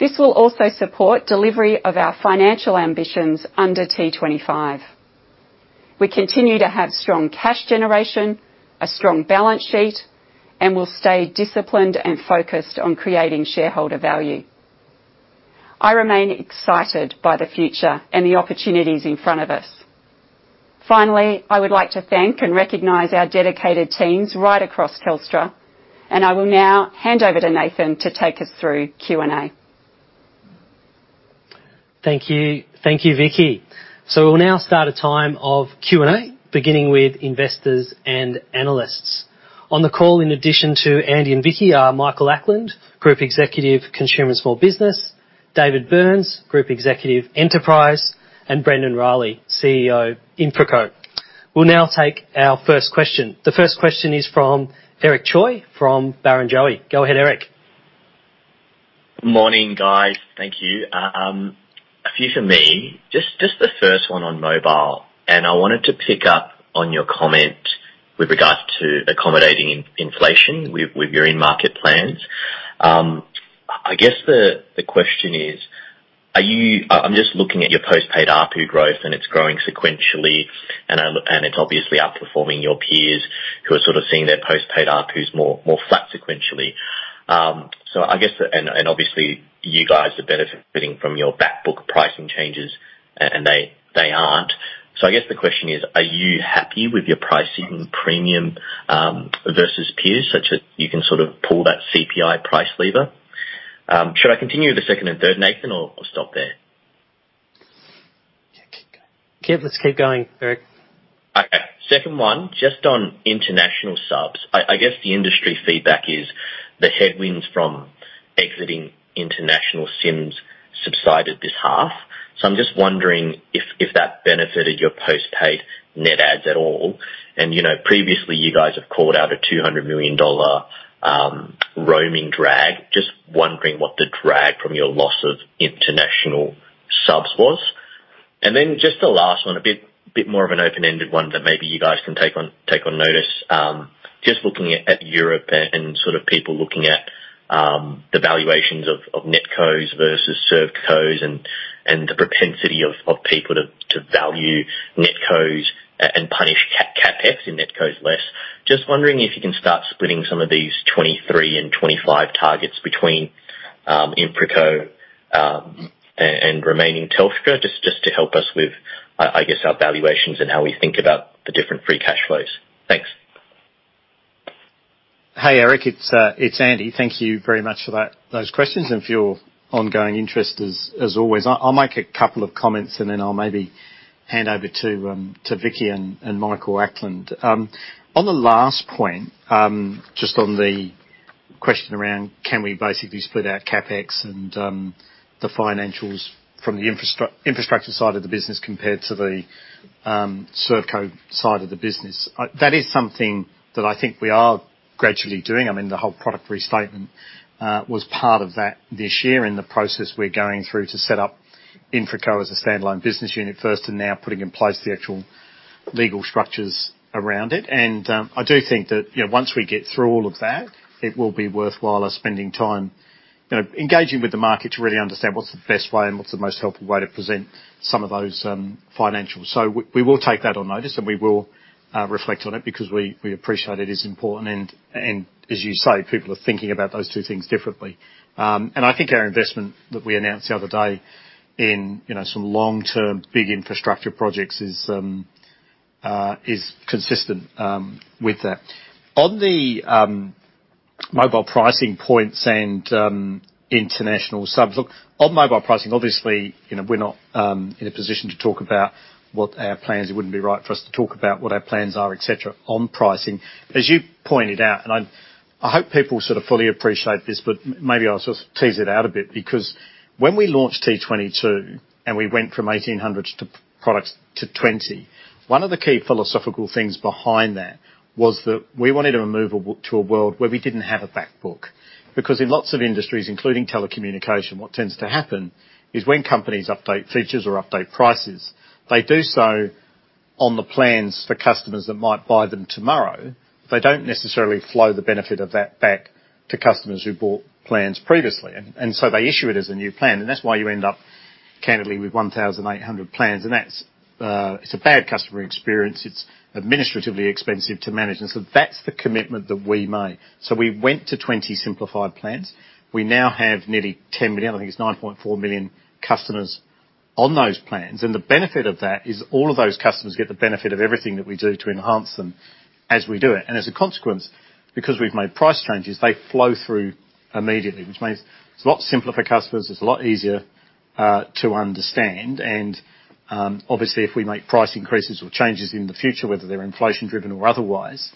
This will also support delivery of our financial ambitions under T25. We continue to have strong cash generation, a strong balance sheet, and we'll stay disciplined and focused on creating shareholder value. I remain excited by the future and the opportunities in front of us. Finally, I would like to thank and recognize our dedicated teams right across Telstra, and I will now hand over to Nathan to take us through Q&A. Thank you. Thank you, Vicki. We'll now start a time of Q&A, beginning with investors and analysts. On the call, in addition to Andy and Vicki, are Michael Ackland, Group Executive, Consumer & Small Business, David Burns, Group Executive, Enterprise, and Brendon Riley, CEO, InfraCo. We'll now take our first question. The first question is from Eric Choi from Barrenjoey. Go ahead, Eric. Morning, guys. Thank you. A few for me. Just the first one on mobile, and I wanted to pick up on your comment with regards to accommodating inflation with your in-market plans. I guess the question is, are you. I'm just looking at your post-paid ARPU growth, and it's growing sequentially, and it's obviously outperforming your peers who are sort of seeing their post-paid ARPUs more flat sequentially. I guess obviously you guys are benefiting from your back book pricing changes, and they aren't. I guess the question is, are you happy with your pricing premium versus peers so you can sort of pull that CPI price lever? Should I continue with the second and third, Nathan, or stop there? Yeah, let's keep going, Eric. Okay. Second one, just on international subs. I guess the industry feedback is the headwinds from exiting international SIMs subsided this half. So I'm just wondering if that benefited your post-paid net adds at all. You know, previously you guys have called out a 200 million dollar roaming drag. Just wondering what the drag from your loss of international subs was. Then just the last one, a bit more of an open-ended one that maybe you guys can take on notice. Just looking at Europe and sort of people looking at the valuations of NetCos versus ServeCos and the propensity of people to value NetCos and punish CapEx in NetCos less. Just wondering if you can start splitting some of these 2023 and 2025 targets between InfraCo and remaining Telstra, just to help us with, I guess, our valuations and how we think about the different free cash flows. Thanks. Hey, Eric. It's Andy. Thank you very much for that, those questions and for your ongoing interest as always. I'll make a couple of comments, and then I'll maybe hand over to Vicki and Michael Ackland. On the last point, just on the question around can we basically split out CapEx and the financials from the infrastructure side of the business compared to the ServeCo side of the business. That is something that I think we are gradually doing. I mean, the whole product restatement was part of that this year in the process we're going through to set up InfraCo as a standalone business unit first and now putting in place the actual legal structures around it. I do think that, you know, once we get through all of that, it will be worthwhile us spending time, you know, engaging with the market to really understand what's the best way and what's the most helpful way to present some of those, financials. We will take that on notice, and we will reflect on it because we appreciate it is important and as you say, people are thinking about those two things differently. I think our investment that we announced the other day in, you know, some long-term big infrastructure projects is consistent with that. On the, mobile pricing points and, international subs. Look, on mobile pricing, obviously, you know, we're not in a position to talk about what our plans. It wouldn't be right for us to talk about what our plans are, et cetera, on pricing. As you pointed out, I hope people sort of fully appreciate this, but maybe I'll sort of tease it out a bit because when we launched T22 and we went from 1,800 products to 20, one of the key philosophical things behind that was that we wanted to move to a world where we didn't have a back book. Because in lots of industries, including telecommunications, what tends to happen is when companies update features or update prices, they do so on the plans for customers that might buy them tomorrow. They don't necessarily flow the benefit of that back to customers who bought plans previously. They issue it as a new plan, and that's why you end up, candidly, with 1,800 plans. That's a bad customer experience. It's administratively expensive to manage. That's the commitment that we made. We went to 20 simplified plans. We now have nearly 10 million, I think it's 9.4 million customers on those plans. The benefit of that is all of those customers get the benefit of everything that we do to enhance them as we do it. As a consequence, because we've made price changes, they flow through immediately, which means it's a lot simpler for customers, it's a lot easier to understand. Obviously, if we make price increases or changes in the future, whether they're inflation driven or otherwise,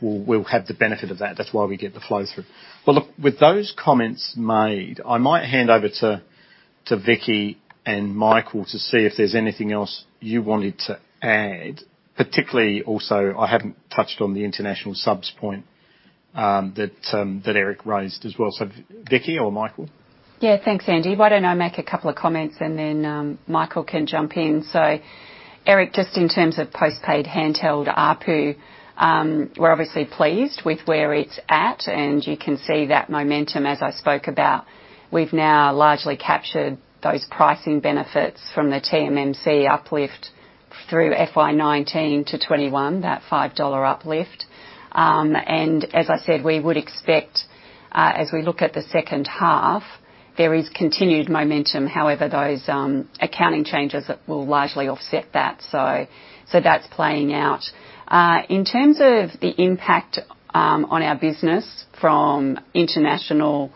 we'll have the benefit of that. That's why we get the flow through. Well, look, with those comments made, I might hand over to Vicki and Michael to see if there's anything else you wanted to add. Particularly also, I haven't touched on the international subs point, that Eric raised as well. Vicki or Michael. Yeah. Thanks, Andy. Why don't I make a couple of comments, and then Michael can jump in. Eric, just in terms of postpaid handheld ARPU, we're obviously pleased with where it's at, and you can see that momentum as I spoke about. We've now largely captured those pricing benefits from the TMMC uplift through FY 2019-2021, that AUD 5 uplift. And as I said, we would expect, as we look at the second half, there is continued momentum. However, those accounting changes will largely offset that. That's playing out. In terms of the impact on our business from international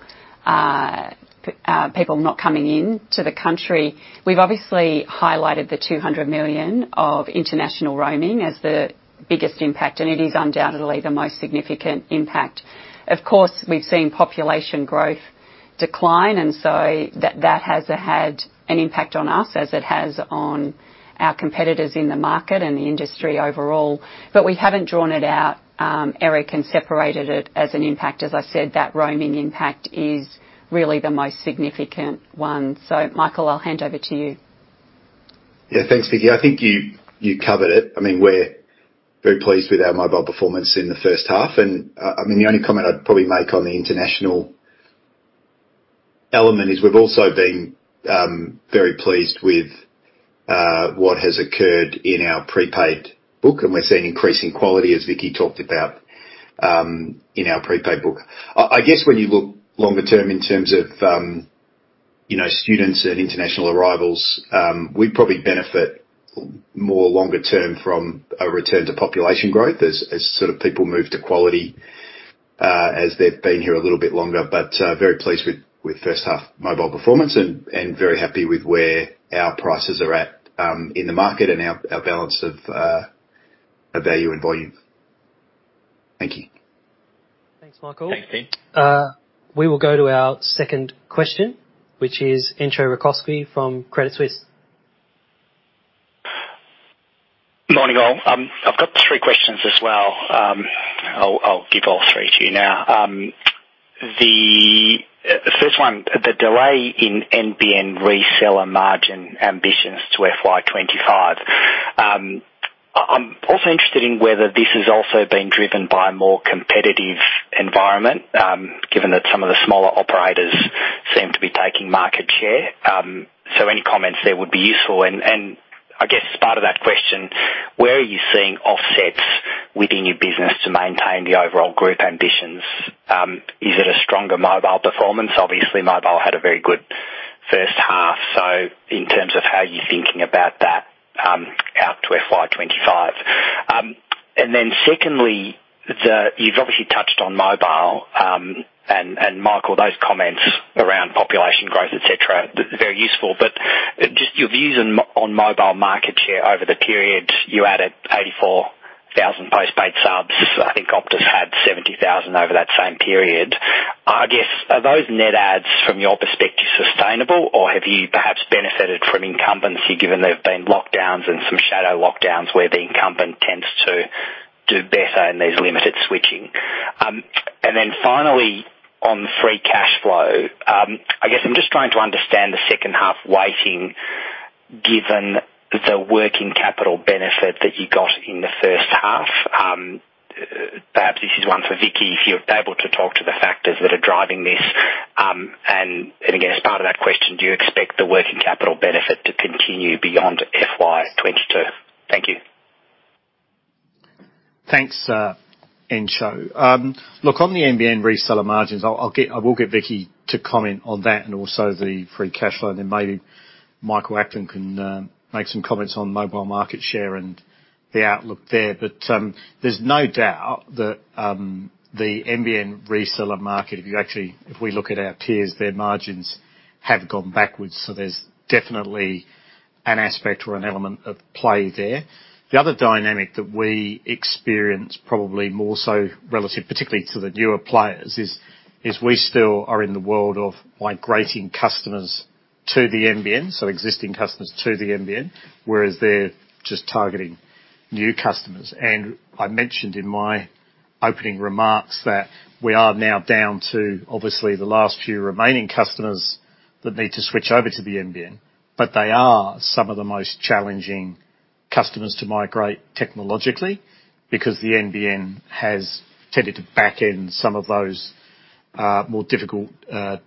people not coming in to the country, we've obviously highlighted the 200 million of international roaming as the biggest impact, and it is undoubtedly the most significant impact. Of course, we've seen population growth decline, and so that has had an impact on us as it has on our competitors in the market and the industry overall. But we haven't drawn it out, Eric, and separated it as an impact. As I said, that roaming impact is really the most significant one. Michael, I'll hand over to you. Yeah. Thanks, Vicki. I think you covered it. I mean, we're very pleased with our mobile performance in the first half. The only comment I'd probably make on the international element is we've also been very pleased with what has occurred in our prepaid book, and we're seeing increasing quality, as Vicki talked about, in our prepaid book. I guess when you look longer term in terms of you know, students and international arrivals, we probably benefit more longer term from a return to population growth as sort of people move to quality as they've been here a little bit longer. Very pleased with first half mobile performance and very happy with where our prices are at in the market and our balance of value and volume. Thank you. Thanks, Michael. Thanks you. We will go to our second question, which is Entcho Raykovski from Credit Suisse. Morning, all. I've got three questions as well. I'll give all three to you now. The first one, the delay in NBN reseller margin ambitions to FY 2025, I'm also interested in whether this has also been driven by a more competitive environment, given that some of the smaller operators seem to be taking market share. Any comments there would be useful. I guess part of that question, where are you seeing offsets within your business to maintain the overall group ambitions? Is it a stronger mobile performance? Obviously, mobile had a very good first half, so in terms of how you're thinking about that, out to FY 2025. Then secondly, you've obviously touched on mobile, and Michael, those comments around population growth, et cetera, very useful. Just your views on mobile market share over the period, you added 84,000 postpaid subs. I think Optus had 70,000 over that same period. I guess, are those net adds from your perspective sustainable, or have you perhaps benefited from incumbency given there have been lockdowns and some shadow lockdowns where the incumbent tends to do better and there's limited switching? And then finally, on free cash flow, I guess I'm just trying to understand the second half weighting given the working capital benefit that you got in the first half. Perhaps this is one for Vicki, if you're able to talk to the factors that are driving this. And again, as part of that question, do you expect the working capital benefit to continue beyond FY 2022? Thank you. Thanks, Enzo. Look, on the NBN reseller margins, I will get Vicki to comment on that and also the free cash flow, and then maybe Michael Ackland can make some comments on mobile market share and the outlook there. There's no doubt that the NBN reseller market, if we look at our peers, their margins have gone backwards, so there's definitely an aspect or an element at play there. The other dynamic that we experience probably more so relative particularly to the newer players is we still are in the world of migrating customers to the NBN, so existing customers to the NBN, whereas they're just targeting new customers. I mentioned in my opening remarks that we are now down to obviously the last few remaining customers that need to switch over to the NBN. They are some of the most challenging customers to migrate technologically because the NBN has tended to back in some of those, more difficult,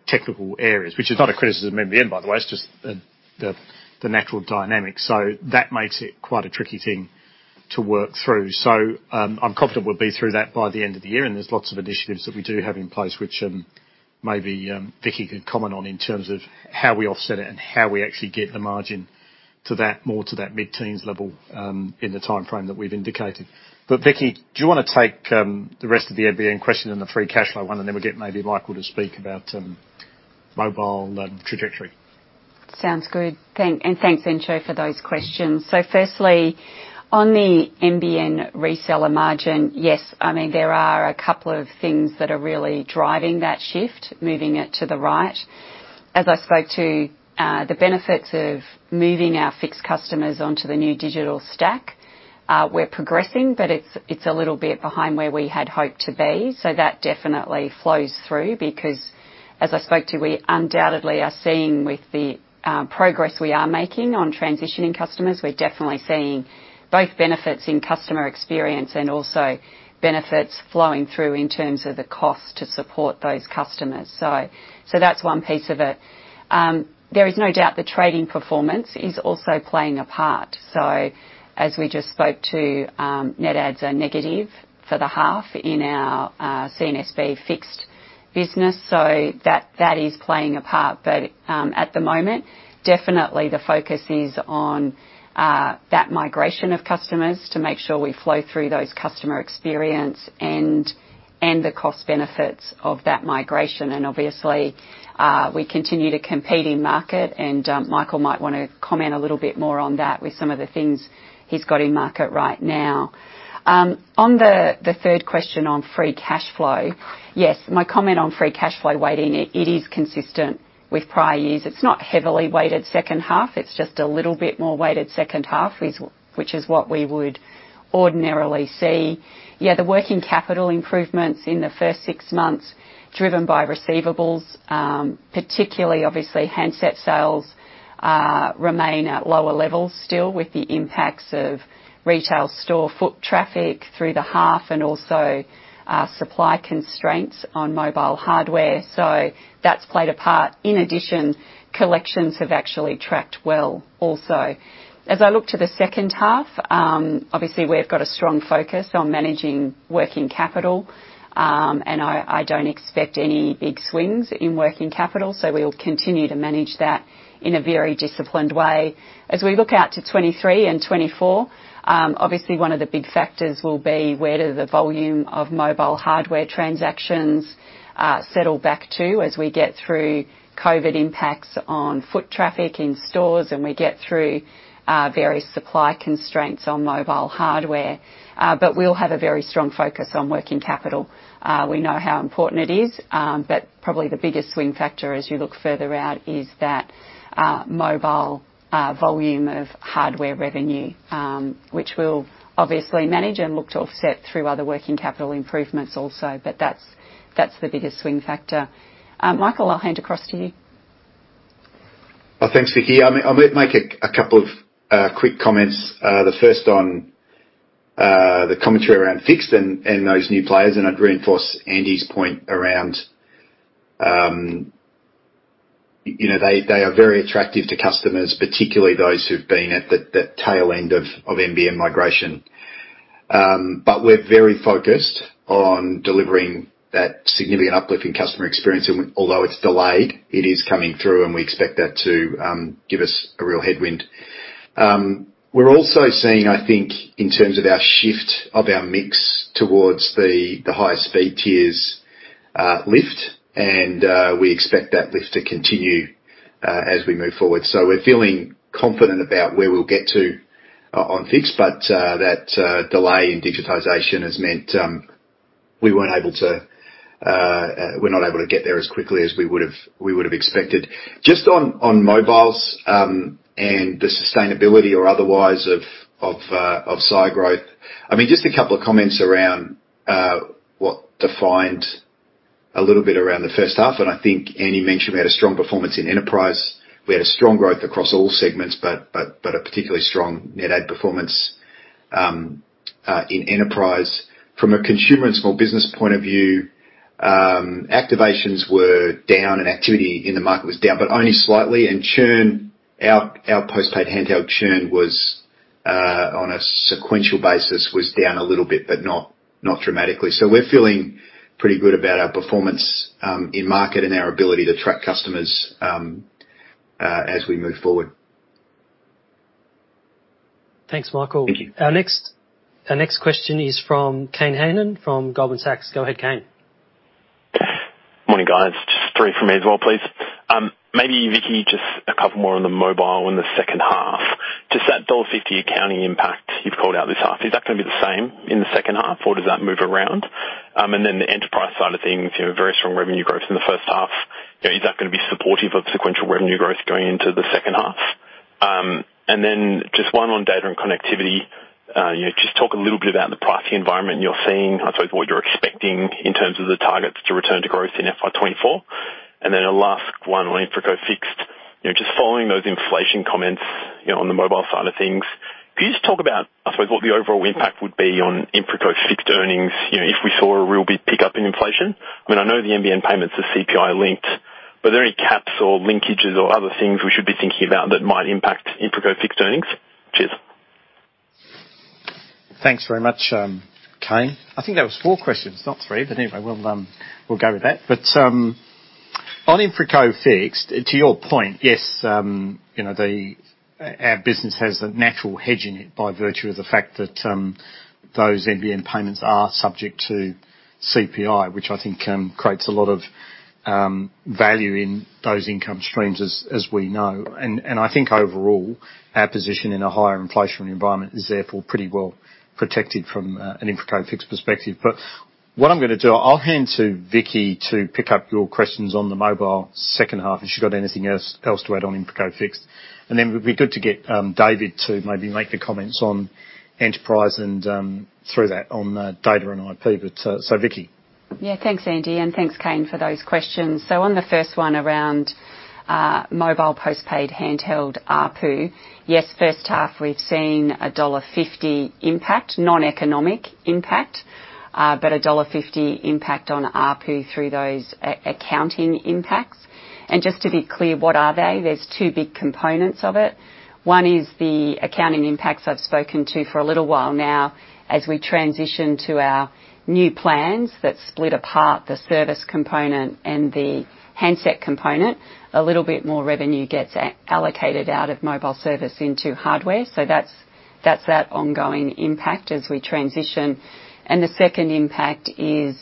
technical areas. Which is not a criticism of NBN, by the way, it's just the natural dynamics. That makes it quite a tricky thing to work through. I'm confident we'll be through that by the end of the year, and there's lots of initiatives that we do have in place which, maybe, Vicki can comment on in terms of how we offset it and how we actually get the margin to that, more to that mid-teens level, in the timeframe that we've indicated. Vicki, do you wanna take the rest of the NBN question and the free cash flow one, and then we'll get maybe Michael to speak about mobile trajectory? Sounds good. Thanks, Enzo, for those questions. Firstly, on the NBN reseller margin, yes, I mean, there are a couple of things that are really driving that shift, moving it to the right. As I spoke to, the benefits of moving our fixed customers onto the new digital stack, we're progressing, but it's a little bit behind where we had hoped to be. That definitely flows through because as I spoke to, we undoubtedly are seeing with the progress we are making on transitioning customers, we're definitely seeing both benefits in customer experience and also benefits flowing through in terms of the cost to support those customers. That's one piece of it. There is no doubt the trading performance is also playing a part. As we just spoke to, net adds are negative for the half in our C&SB fixed business, so that is playing a part. At the moment, definitely the focus is on that migration of customers to make sure we flow through those customer experience and the cost benefits of that migration. Obviously, we continue to compete in market, and Michael might wanna comment a little bit more on that with some of the things he's got in market right now. On the third question on free cash flow. Yes, my comment on free cash flow weighting, it is consistent with prior years. It's not heavily weighted second half. It's just a little bit more weighted second half, which is what we would ordinarily see. Yeah, the working capital improvements in the first six months driven by receivables, particularly obviously handset sales, remain at lower levels still with the impacts of retail store foot traffic through the half and also, supply constraints on mobile hardware. So that's played a part. In addition, collections have actually tracked well also. As I look to the second half, obviously we've got a strong focus on managing working capital, and I don't expect any big swings in working capital, so we'll continue to manage that in a very disciplined way. As we look out to 2023 and 2024, obviously one of the big factors will be where do the volume of mobile hardware transactions, settle back to as we get through COVID impacts on foot traffic in stores and we get through various supply constraints on mobile hardware. We'll have a very strong focus on working capital. We know how important it is, but probably the biggest swing factor as you look further out is that, mobile, volume of hardware revenue, which we'll obviously manage and look to offset through other working capital improvements also. That's the biggest swing factor. Michael, I'll hand across to you. Well, thanks, Vicki. I'll make a couple of quick comments. The first on the commentary around fixed and those new players, and I'd reinforce Andy's point around you know, they are very attractive to customers, particularly those who've been at the tail end of NBN migration. We're very focused on delivering that significant uplift in customer experience. Although it's delayed, it is coming through, and we expect that to give us a real tailwind. We're also seeing, I think, in terms of our shift of our mix towards the higher speed tiers lift, and we expect that lift to continue as we move forward. We're feeling confident about where we'll get to on fixed, but that delay in digitization has meant we're not able to get there as quickly as we would've expected. Just on mobiles and the sustainability or otherwise of 5G growth. I mean, just a couple of comments around what defined a little bit around the first half, and I think Andy mentioned we had a strong performance in Enterprise. We had strong growth across all segments, but a particularly strong net add performance in Enterprise. From a Consumer and Small Business point of view, activations were down and activity in the market was down, but only slightly. Churn, our post-paid handheld churn was down a little bit on a sequential basis, but not dramatically. We're feeling pretty good about our performance in market and our ability to track customers as we move forward. Thanks, Michael. Thank you. Our next question is from Kane Hannan from Goldman Sachs. Go ahead, Kane. Morning, guys. Just three from me as well, please. Maybe Vicki, just a couple more on the mobile and the second half. Just that AUD 1.50 accounting impact you've called out this half, is that gonna be the same in the second half, or does that move around? Then the enterprise side of things, you know, very strong revenue growth in the first half. You know, is that gonna be supportive of sequential revenue growth going into the second half? Then just one on data and connectivity. You know, just talk a little bit about the pricing environment you're seeing, I suppose what you're expecting in terms of the targets to return to growth in FY 2024. Then a last one on InfraCo Fixed. You know, just following those inflation comments, you know, on the mobile side of things. Could you just talk about, I suppose, what the overall impact would be on InfraCo Fixed earnings, you know, if we saw a real big pickup in inflation? I mean, I know the NBN payments are CPI linked, but are there any caps or linkages or other things we should be thinking about that might impact InfraCo Fixed earnings? Cheers. Thanks very much, Kane. I think that was four questions, not three. Anyway, we'll go with that. On InfraCo Fixed, to your point, yes, you know, our business has a natural hedge in it by virtue of the fact that, Those NBN payments are subject to CPI, which I think creates a lot of value in those income streams as we know. I think overall, our position in a higher inflationary environment is therefore pretty well protected from an InfraCo Fixed perspective. What I'm gonna do, I'll hand to Vicki to pick up your questions on the mobile second half, if she's got anything else to add on InfraCo Fixed. Then it would be good to get David to maybe make the comments on enterprise and through that on data and IP. Vicki. Yeah, thanks, Andy, and thanks Kane for those questions. On the first one around mobile post-paid handheld ARPU, yes, first half we've seen a dollar 1.50 impact, non-economic impact, but a dollar 1.50 impact on ARPU through those accounting impacts. Just to be clear, what are they? There's two big components of it. One is the accounting impacts I've spoken to for a little while now as we transition to our new plans that split apart the service component and the handset component. A little bit more revenue gets allocated out of mobile service into hardware. That's that ongoing impact as we transition. The second impact is,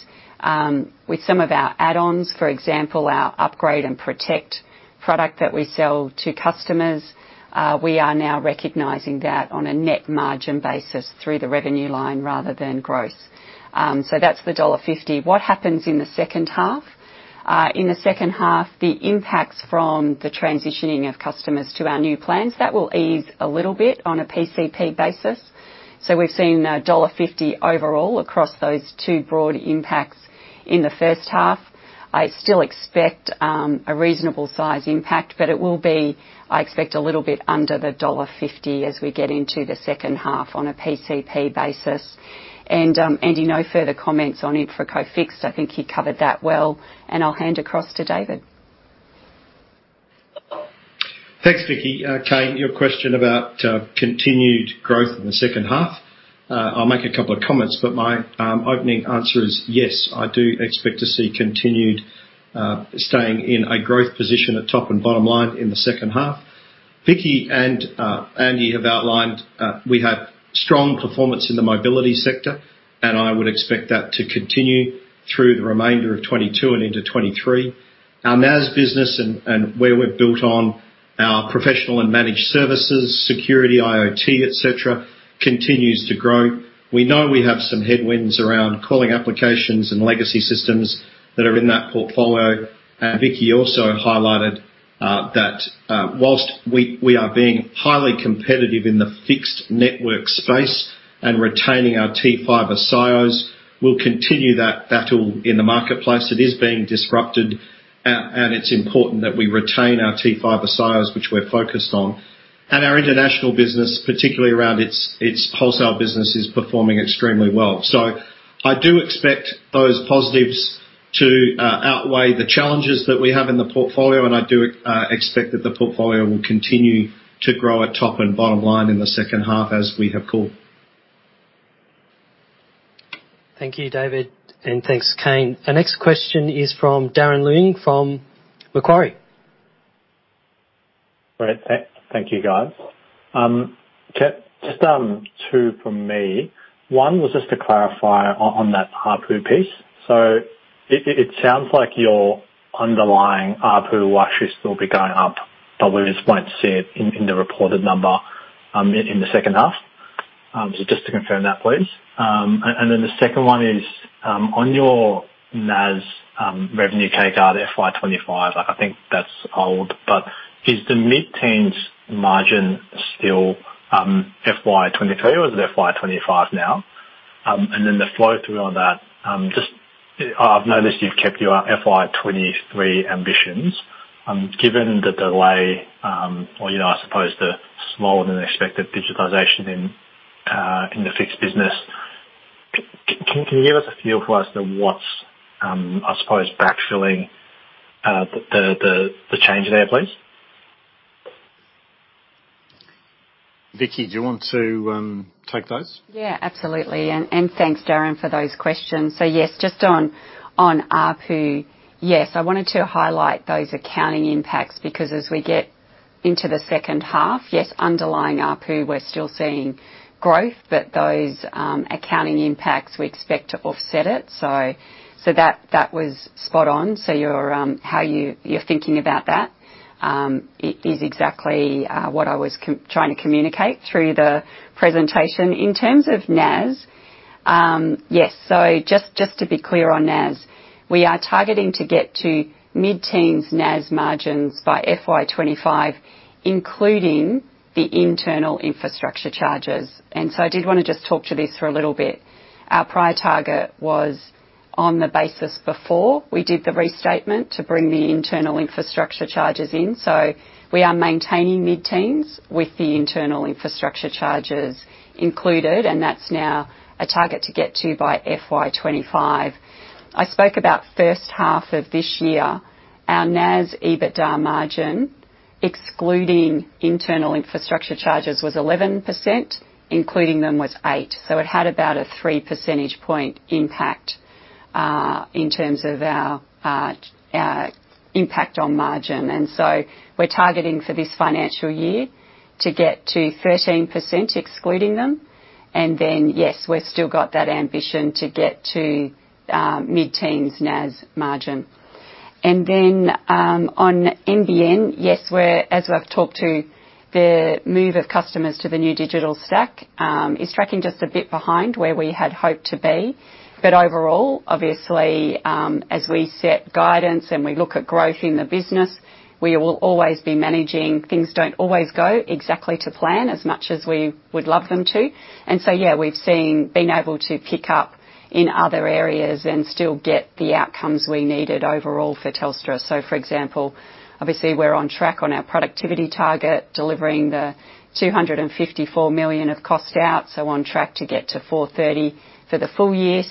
with some of our add-ons, for example, our upgrade and protect product that we sell to customers, we are now recognizing that on a net margin basis through the revenue line rather than gross. That's the dollar 1.50. What happens in the second half? In the second half, the impacts from the transitioning of customers to our new plans, that will ease a little bit on a PCP basis. We've seen an dollar 1.50 overall across those two broad impacts in the first half. I still expect a reasonable size impact, but it will be, I expect, a little bit under the dollar 1.50 as we get into the second half on a PCP basis. Andy, no further comments on InfraCo Fixed. I think you covered that well. I'll hand across to David. Thanks, Vicki. Kane, your question about continued growth in the second half. I'll make a couple of comments, but my opening answer is yes. I do expect to see continued staying in a growth position at top and bottom line in the second half. Vicki and Andy have outlined we have strong performance in the mobility sector, and I would expect that to continue through the remainder of 2022 and into 2023. Our NAS business and where we've built on our professional and managed services, security, IoT, et cetera, continues to grow. We know we have some headwinds around calling applications and legacy systems that are in that portfolio. Vicki also highlighted that while we are being highly competitive in the fixed network space and retaining our T-Fibre SIOs, we'll continue that battle in the marketplace. It is being disrupted, and it's important that we retain our T-Fibre SIOs, which we're focused on. Our international business, particularly around its wholesale business, is performing extremely well. I do expect those positives to outweigh the challenges that we have in the portfolio, and I do expect that the portfolio will continue to grow at top and bottom line in the second half as we have called. Thank you, David, and thanks, Kane. Our next question is from Darren Leung from Macquarie. Great. Thank you, guys. Just two from me. One was just to clarify on that ARPU piece. It sounds like your underlying ARPU washes will be going up, but we just won't see it in the reported number in the second half. Just to confirm that, please. And then the second one is on your NAS revenue guard FY 2025, like I think that's old, but is the mid-teens margin still FY 2022 or is it FY 2025 now? And then the flow through on that, just I've noticed you've kept your FY 2023 ambitions. Given the delay, or you know, I suppose the smaller than expected digitalization in the fixed business, can you give us a feel for as to what's, I suppose backfilling the change there, please? Vicki, do you want to take those? Yeah, absolutely. Thanks, Darren, for those questions. Yes, just on ARPU, I wanted to highlight those accounting impacts because as we get into the second half, underlying ARPU, we're still seeing growth, but those accounting impacts, we expect to offset it. That was spot on. Your how you're thinking about that is exactly what I was trying to communicate through the presentation. In terms of NAS, to be clear on NAS, we are targeting to get to mid-teens NAS margins by FY 2025, including the internal infrastructure charges. I did want to just talk to this for a little bit. Our prior target was on the basis before we did the restatement to bring the internal infrastructure charges in. We are maintaining mid-teens with the internal infrastructure charges included, and that's now a target to get to by FY 2025. I spoke about first half of this year. Our NAS EBITDA margin, excluding internal infrastructure charges, was 11%, including them was 8%. It had about a three percentage point impact. In terms of our impact on margin, we're targeting for this financial year to get to 13% excluding them. Yes, we've still got that ambition to get to mid-teens NAS margin. On NBN, yes, as I've talked to the move of customers to the new digital stack is tracking just a bit behind where we had hoped to be. Overall, obviously, as we set guidance and we look at growth in the business, we will always be managing. Things don't always go exactly to plan as much as we wuld love them to. Yeah, we've been able to pick up in other areas and still get the outcomes we needed overall for Telstra. For example, obviously, we're on track on our productivity target, delivering 254 million of cost out, so on track to get to 430 for the full year.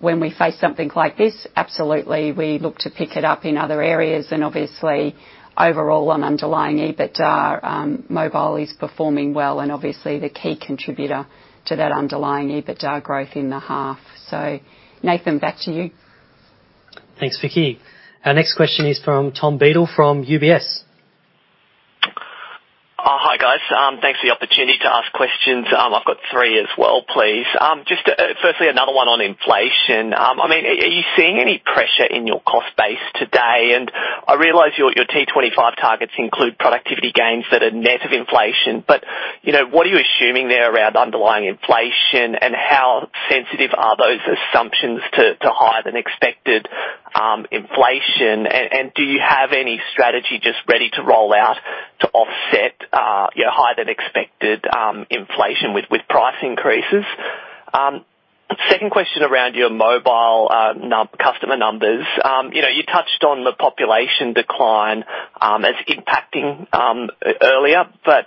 When we face something like this, absolutely, we look to pick it up in other areas. And obviously, overall on underlying EBITDA, mobile is performing well and obviously the key contributor to that underlying EBITDA growth in the half. Nathan, back to you. Thanks, Vicki. Our next question is from Tom Beadle from UBS. Hi, guys. Thanks for the opportunity to ask questions. I've got three as well, please. Just, firstly, another one on inflation. I mean, are you seeing any pressure in your cost base today? I realize your T25 targets include productivity gains that are net of inflation, but, you know, what are you assuming there around underlying inflation, and how sensitive are those assumptions to higher than expected inflation? And do you have any strategy just ready to roll out to offset higher than expected inflation with price increases? Second question around your mobile customer numbers. You know, you touched on the population decline as impacting earlier, but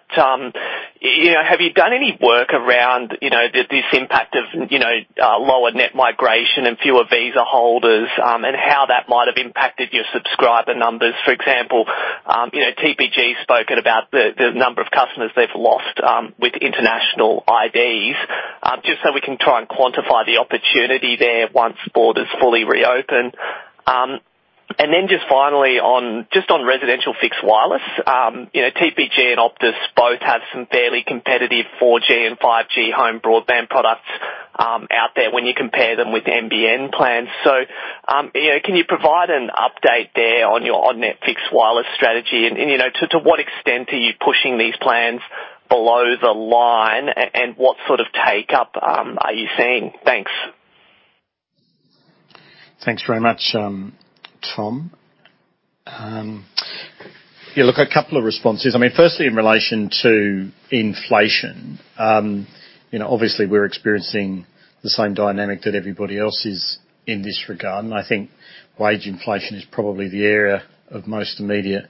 you know, have you done any work around you know this impact of you know lower net migration and fewer visa holders and how that might have impacted your subscriber numbers? For example, you know, TPG has spoken about the number of customers they've lost with international IDs. Just so we can try and quantify the opportunity there once borders fully reopen. Then just finally on residential fixed wireless. You know, TPG and Optus both have some fairly competitive 4G and 5G home broadband products out there when you compare them with NBN plans. You know, can you provide an update there on your on-net fixed wireless strategy? You know, to what extent are you pushing these plans below the line? What sort of take-up are you seeing? Thanks. Thanks very much, Tom. Yeah, look, a couple of responses. I mean, firstly, in relation to inflation, you know, obviously we're experiencing the same dynamic that everybody else is in this regard, and I think wage inflation is probably the area of most immediate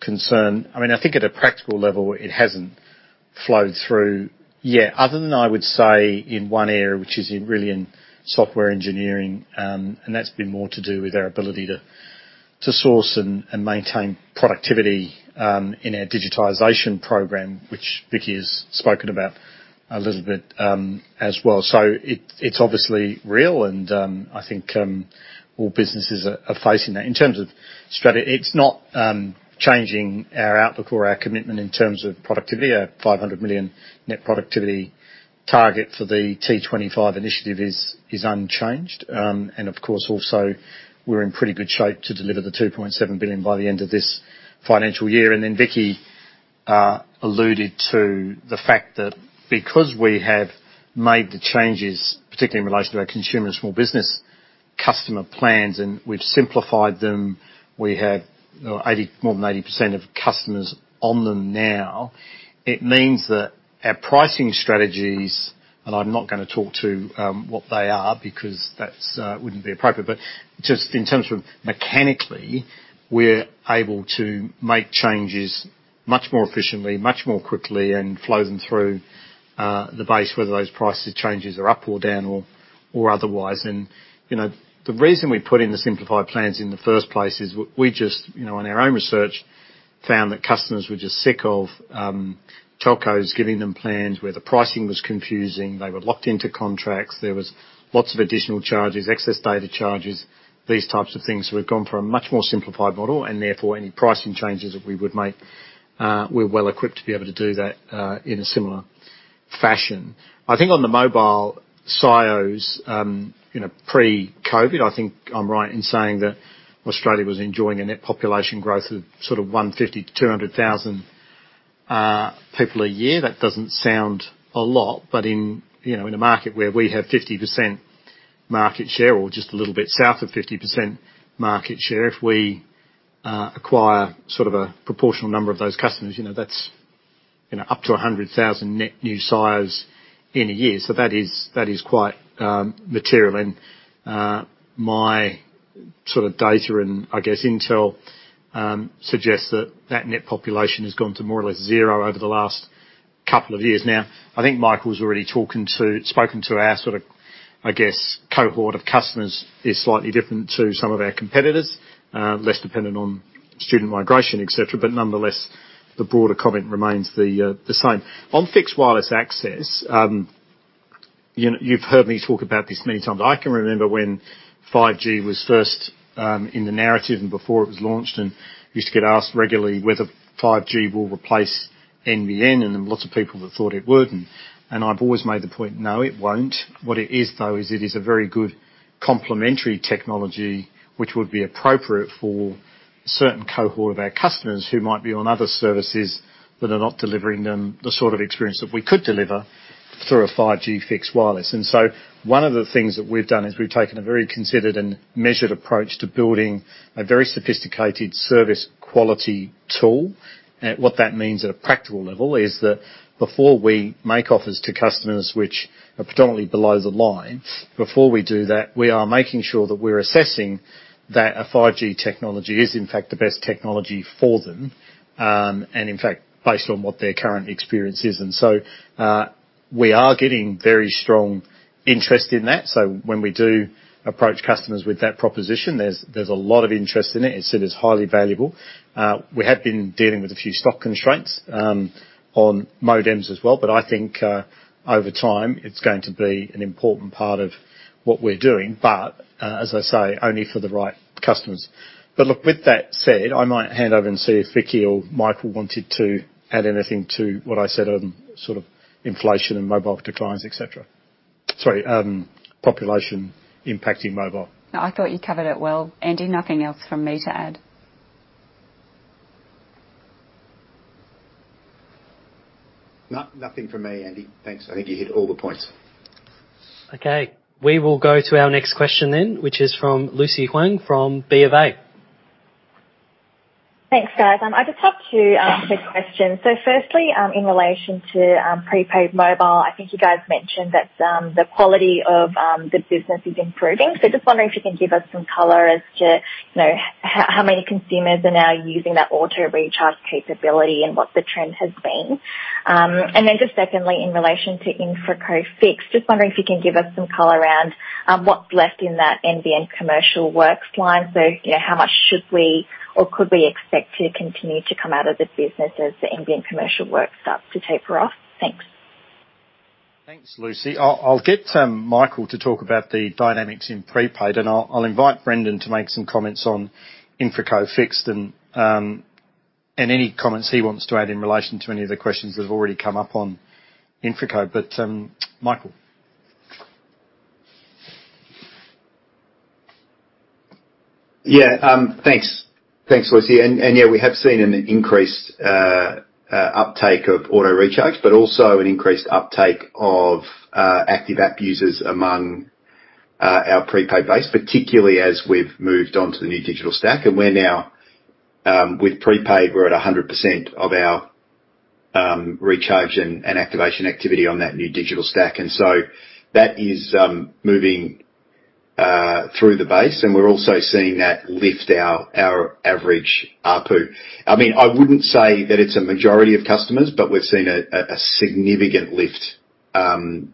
concern. I mean, I think at a practical level, it hasn't flowed through yet, other than I would say in one area, which is in, really, in software engineering, and that's been more to do with our ability to source and maintain productivity in our digitization program, which Vicki has spoken about a little bit, as well. It's obviously real and I think all businesses are facing that. In terms of strategy, it's not changing our outlook or our commitment in terms of productivity. Our 500 million net productivity target for the T25 initiative is unchanged. Of course, we're in pretty good shape to deliver the 2.7 billion by the end of this financial year. Then Vicki alluded to the fact that because we have made the changes, particularly in relation to our consumer and small business customer plans, and we've simplified them, we have, you know, more than 80% of customers on them now. It means that our pricing strategies, and I'm not gonna talk to what they are because that wouldn't be appropriate, but just in terms of mechanically, we're able to make changes much more efficiently, much more quickly, and flow them through the base, whether those price changes are up or down or otherwise. You know, the reason we put in the simplified plans in the first place is we just, you know, in our own research, found that customers were just sick of telcos giving them plans where the pricing was confusing, they were locked into contracts, there was lots of additional charges, excess data charges, these types of things. We've gone for a much more simplified model, and therefore, any pricing changes that we would make, we're well equipped to be able to do that in a similar fashion. I think on the mobile SIOs, you know, pre-COVID, I think I'm right in saying that Australia was enjoying a net population growth of sort of 150,000-200,000 people a year. That doesn't sound a lot, but in, you know, in a market where we have 50% market share or just a little bit south of 50% market share, if we acquire sort of a proportional number of those customers, you know, that's, you know, up to 100,000 net new SIOs in a year. So that is quite material and my sort of data and, I guess, intel suggests that that net population has gone to more or less zero over the last couple of years now. I think Michael's already spoken to our sorta, I guess, cohort of customers is slightly different to some of our competitors, less dependent on student migration, et cetera. But nonetheless, the broader comment remains the same. On fixed wireless access, you know, you've heard me talk about this many times. I can remember when 5G was first in the narrative and before it was launched, and used to get asked regularly whether 5G will replace NBN, and then lots of people that thought it wouldn't. I've always made the point, "No, it won't." What it is, though, is it is a very good complementary technology which would be appropriate for certain cohort of our customers who might be on other services that are not delivering them the sort of experience that we could deliver through a 5G fixed wireless. One of the things that we've done is we've taken a very considered and measured approach to building a very sophisticated service quality tool. What that means at a practical level is that before we make offers to customers which are predominantly below the line, before we do that, we are making sure that we're assessing that a 5G technology is, in fact, the best technology for them, and in fact, based on what their current experience is. We are getting very strong interest in that. When we do approach customers with that proposition, there's a lot of interest in it. It's seen as highly valuable. We have been dealing with a few stock constraints on modems as well, but I think over time, it's going to be an important part of what we're doing. As I say, only for the right customers. Look, with that said, I might hand over and see if Vicki or Michael wanted to add anything to what I said on sort of inflation and mobile declines, et cetera. Sorry, population impacting mobile. No, I thought you covered it well, Andy. Nothing else for me to add. Nothing from me, Andy. Thanks. I think you hit all the points. Okay. We will go to our next question then, which is from Lucy Huang from BofA. Thanks, guys. I just have two quick questions. Firstly, in relation to prepaid mobile, I think you guys mentioned that the quality of the business is improving. Just wondering if you can give us some color as to, you know, how many consumers are now using that auto-recharge capability and what the trend has been. And then just secondly, in relation to InfraCo Fixed, just wondering if you can give us some color around what's left in that NBN commercial works line. You know, how much should we or could we expect to continue to come out of the business as the NBN commercial work starts to taper off? Thanks. Thanks, Lucy. I'll get Michael to talk about the dynamics in prepaid, and I'll invite Brendan to make some comments on InfraCo Fixed and any comments he wants to add in relation to any of the questions that have already come up on InfraCo. Michael. Yeah, thanks. Thanks, Lucy. Yeah, we have seen an increased uptake of auto recharges, but also an increased uptake of active app users among our prepaid base, particularly as we've moved on to the new digital stack. We're now, with prepaid, we're at 100% of our recharge and activation activity on that new digital stack. That is moving through the base, and we're also seeing that lift our average ARPU. I mean, I wouldn't say that it's a majority of customers, but we've seen a significant lift in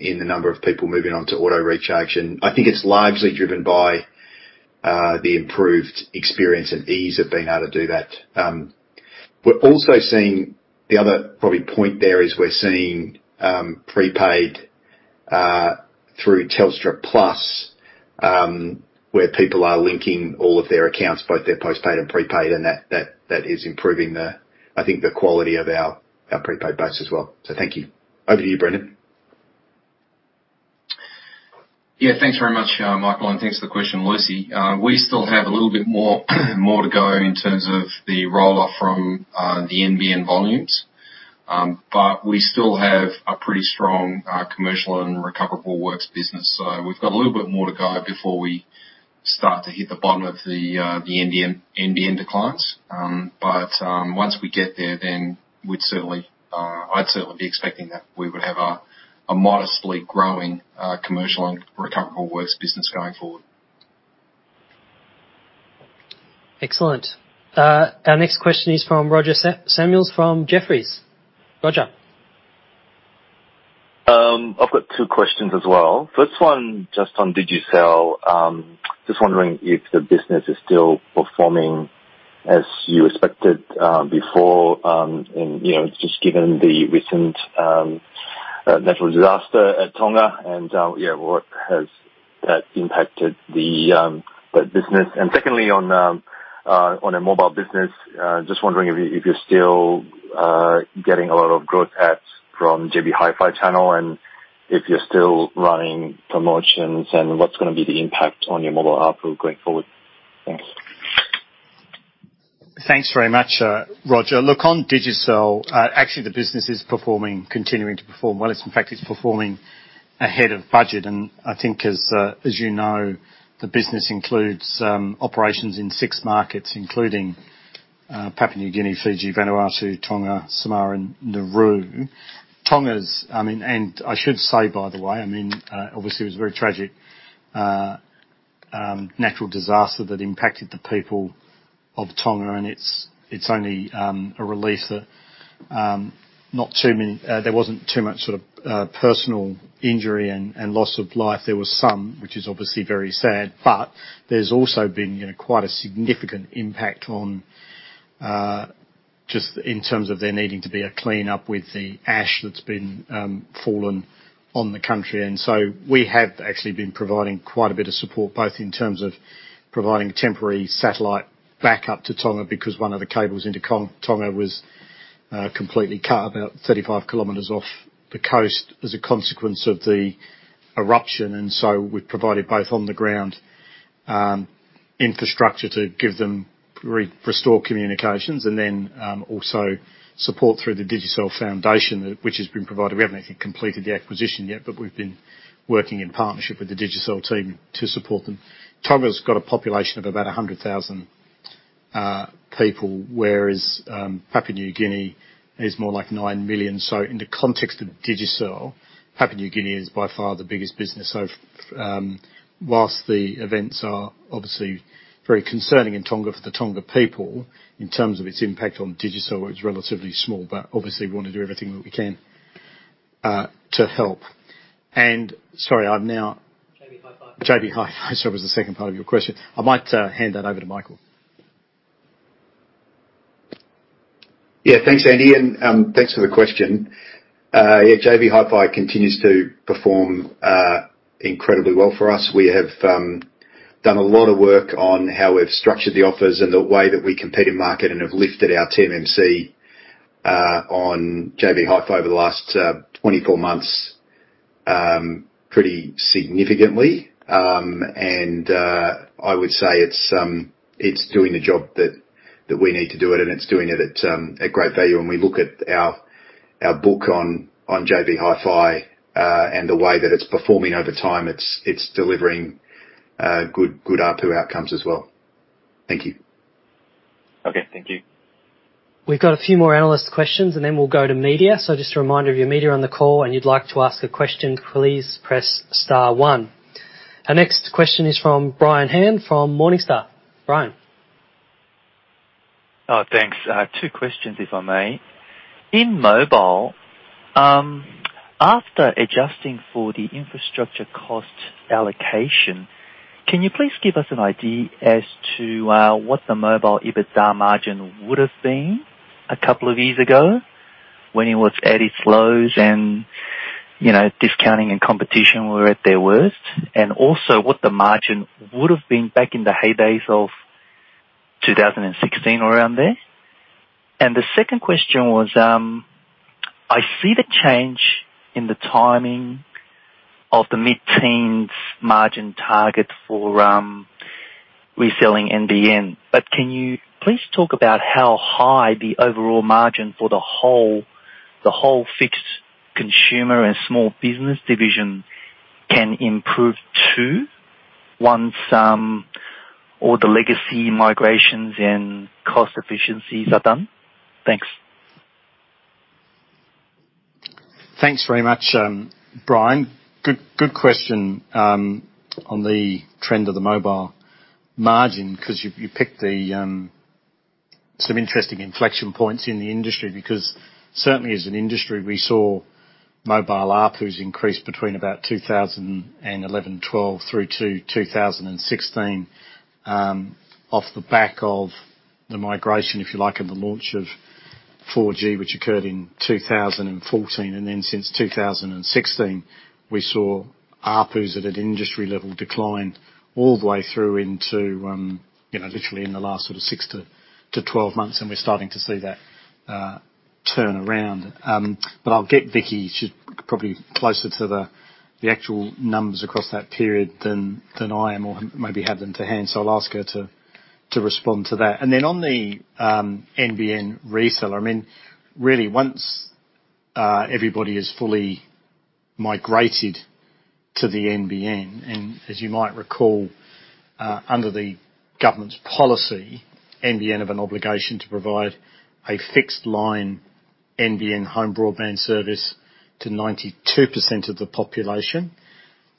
the number of people moving on to auto recharge. I think it's largely driven by the improved experience and ease of being able to do that. We're also seeing... The other probably point there is we're seeing prepaid through Telstra Plus where people are linking all of their accounts both their postpaid and prepaid and that is improving the I think the quality of our prepaid base as well. Thank you. Over to you, Brendan. Yeah. Thanks very much, Michael, and thanks for the question, Lucy. We still have a little bit more to go in terms of the roll-off from the NBN volumes. But we still have a pretty strong commercial and recoverable works business. We've got a little bit more to go before we start to hit the bottom of the NBN declines. But once we get there, then I'd certainly be expecting that we would have a modestly growing commercial and recoverable works business going forward. Excellent. Our next question is from Roger Samuel from Jefferies. Roger. I've got two questions as well. First one, just on Digicel. Just wondering if the business is still performing as you expected before, and you know, just given the recent natural disaster at Tonga and yeah, what has that impacted the business? Secondly, on a mobile business, just wondering if you're still getting a lot of growth adds from JB Hi-Fi channel and if you're still running promotions and what's gonna be the impact on your mobile outlook going forward? Thanks. Thanks very much, Roger. Look, on Digicel, actually, the business is performing, continuing to perform well. It's in fact performing ahead of budget. I think as you know, the business includes operations in six markets, including Papua New Guinea, Fiji, Vanuatu, Tonga, Samoa, and Nauru. I should say, by the way, I mean, obviously it was a very tragic natural disaster that impacted the people of Tonga, and it's only a relief that there wasn't too much sort of personal injury and loss of life. There was some, which is obviously very sad, but there's also been, you know, quite a significant impact on just in terms of there needing to be a cleanup with the ash that's fallen on the country. We have actually been providing quite a bit of support, both in terms of providing temporary satellite backup to Tonga, because one of the cables into Tonga was completely cut about 35 km off the coast as a consequence of the eruption. We've provided both on the ground infrastructure to give them restore communications, and then also support through the Digicel Foundation, which has been provided. We haven't actually completed the acquisition yet, but we've been working in partnership with the Digicel team to support them. Tonga's got a population of about 100,000 people, whereas Papua New Guinea is more like 9 million. In the context of Digicel, Papua New Guinea is by far the biggest business. While the events are obviously very concerning in Tonga for the Tonga people, in terms of its impact on Digicel, it's relatively small. Obviously we wanna do everything that we can to help. Sorry, I'm now- JB Hi-Fi, sorry, was the second part of your question. I might hand that over to Michael. Yeah, thanks, Andy, and thanks for the question. Yeah, JB Hi-Fi continues to perform incredibly well for us. We have done a lot of work on how we've structured the offers and the way that we compete in market and have lifted our TMMC on JB Hi-Fi over the last 24 months pretty significantly. I would say it's doing the job that we need to do it and it's doing it at great value. When we look at our book on JB Hi-Fi and the way that it's performing over time, it's delivering good ARPU outcomes as well. Thank you. Okay. Thank you. We've got a few more analyst questions, and then we'll go to media. Just a reminder, if you're media on the call and you'd like to ask a question, please press star one. Our next question is from Brian Han from Morningstar. Brian. Oh, thanks. I have two questions, if I may. In mobile, after adjusting for the infrastructure cost allocation, can you please give us an idea as to what the mobile EBITDA margin would have been a couple of years ago when it was at its lows and, you know, discounting and competition were at their worst? Also what the margin would have been back in the heydays of 2016 or around there? The second question was, I see the change in the timing of the mid-teens margin target for reselling NBN. But can you please talk about how high the overall margin for the whole fixed consumer and small business division can improve to once all the legacy migrations and cost efficiencies are done? Thanks. Thanks very much, Brian. Good question on the trend of the mobile margin, 'cause you picked some interesting inflection points in the industry, because certainly as an industry, we saw mobile ARPUs increase between about 2011-2012 through to 2016 off the back of the migration, if you like, and the launch of 4G, which occurred in 2014. Then since 2016, we saw ARPUs at an industry level decline all the way through into you know, literally in the last sort of six to 12 months. We're starting to see that turn around. But I'll get Vicki. She's probably closer to the actual numbers across that period than I am, or maybe have them to hand. I'll ask her to respond to that. On the NBN reseller, I mean, really once everybody is fully migrated to the NBN, and as you might recall, under the government's policy, NBN have an obligation to provide a fixed line NBN home broadband service to 92% of the population.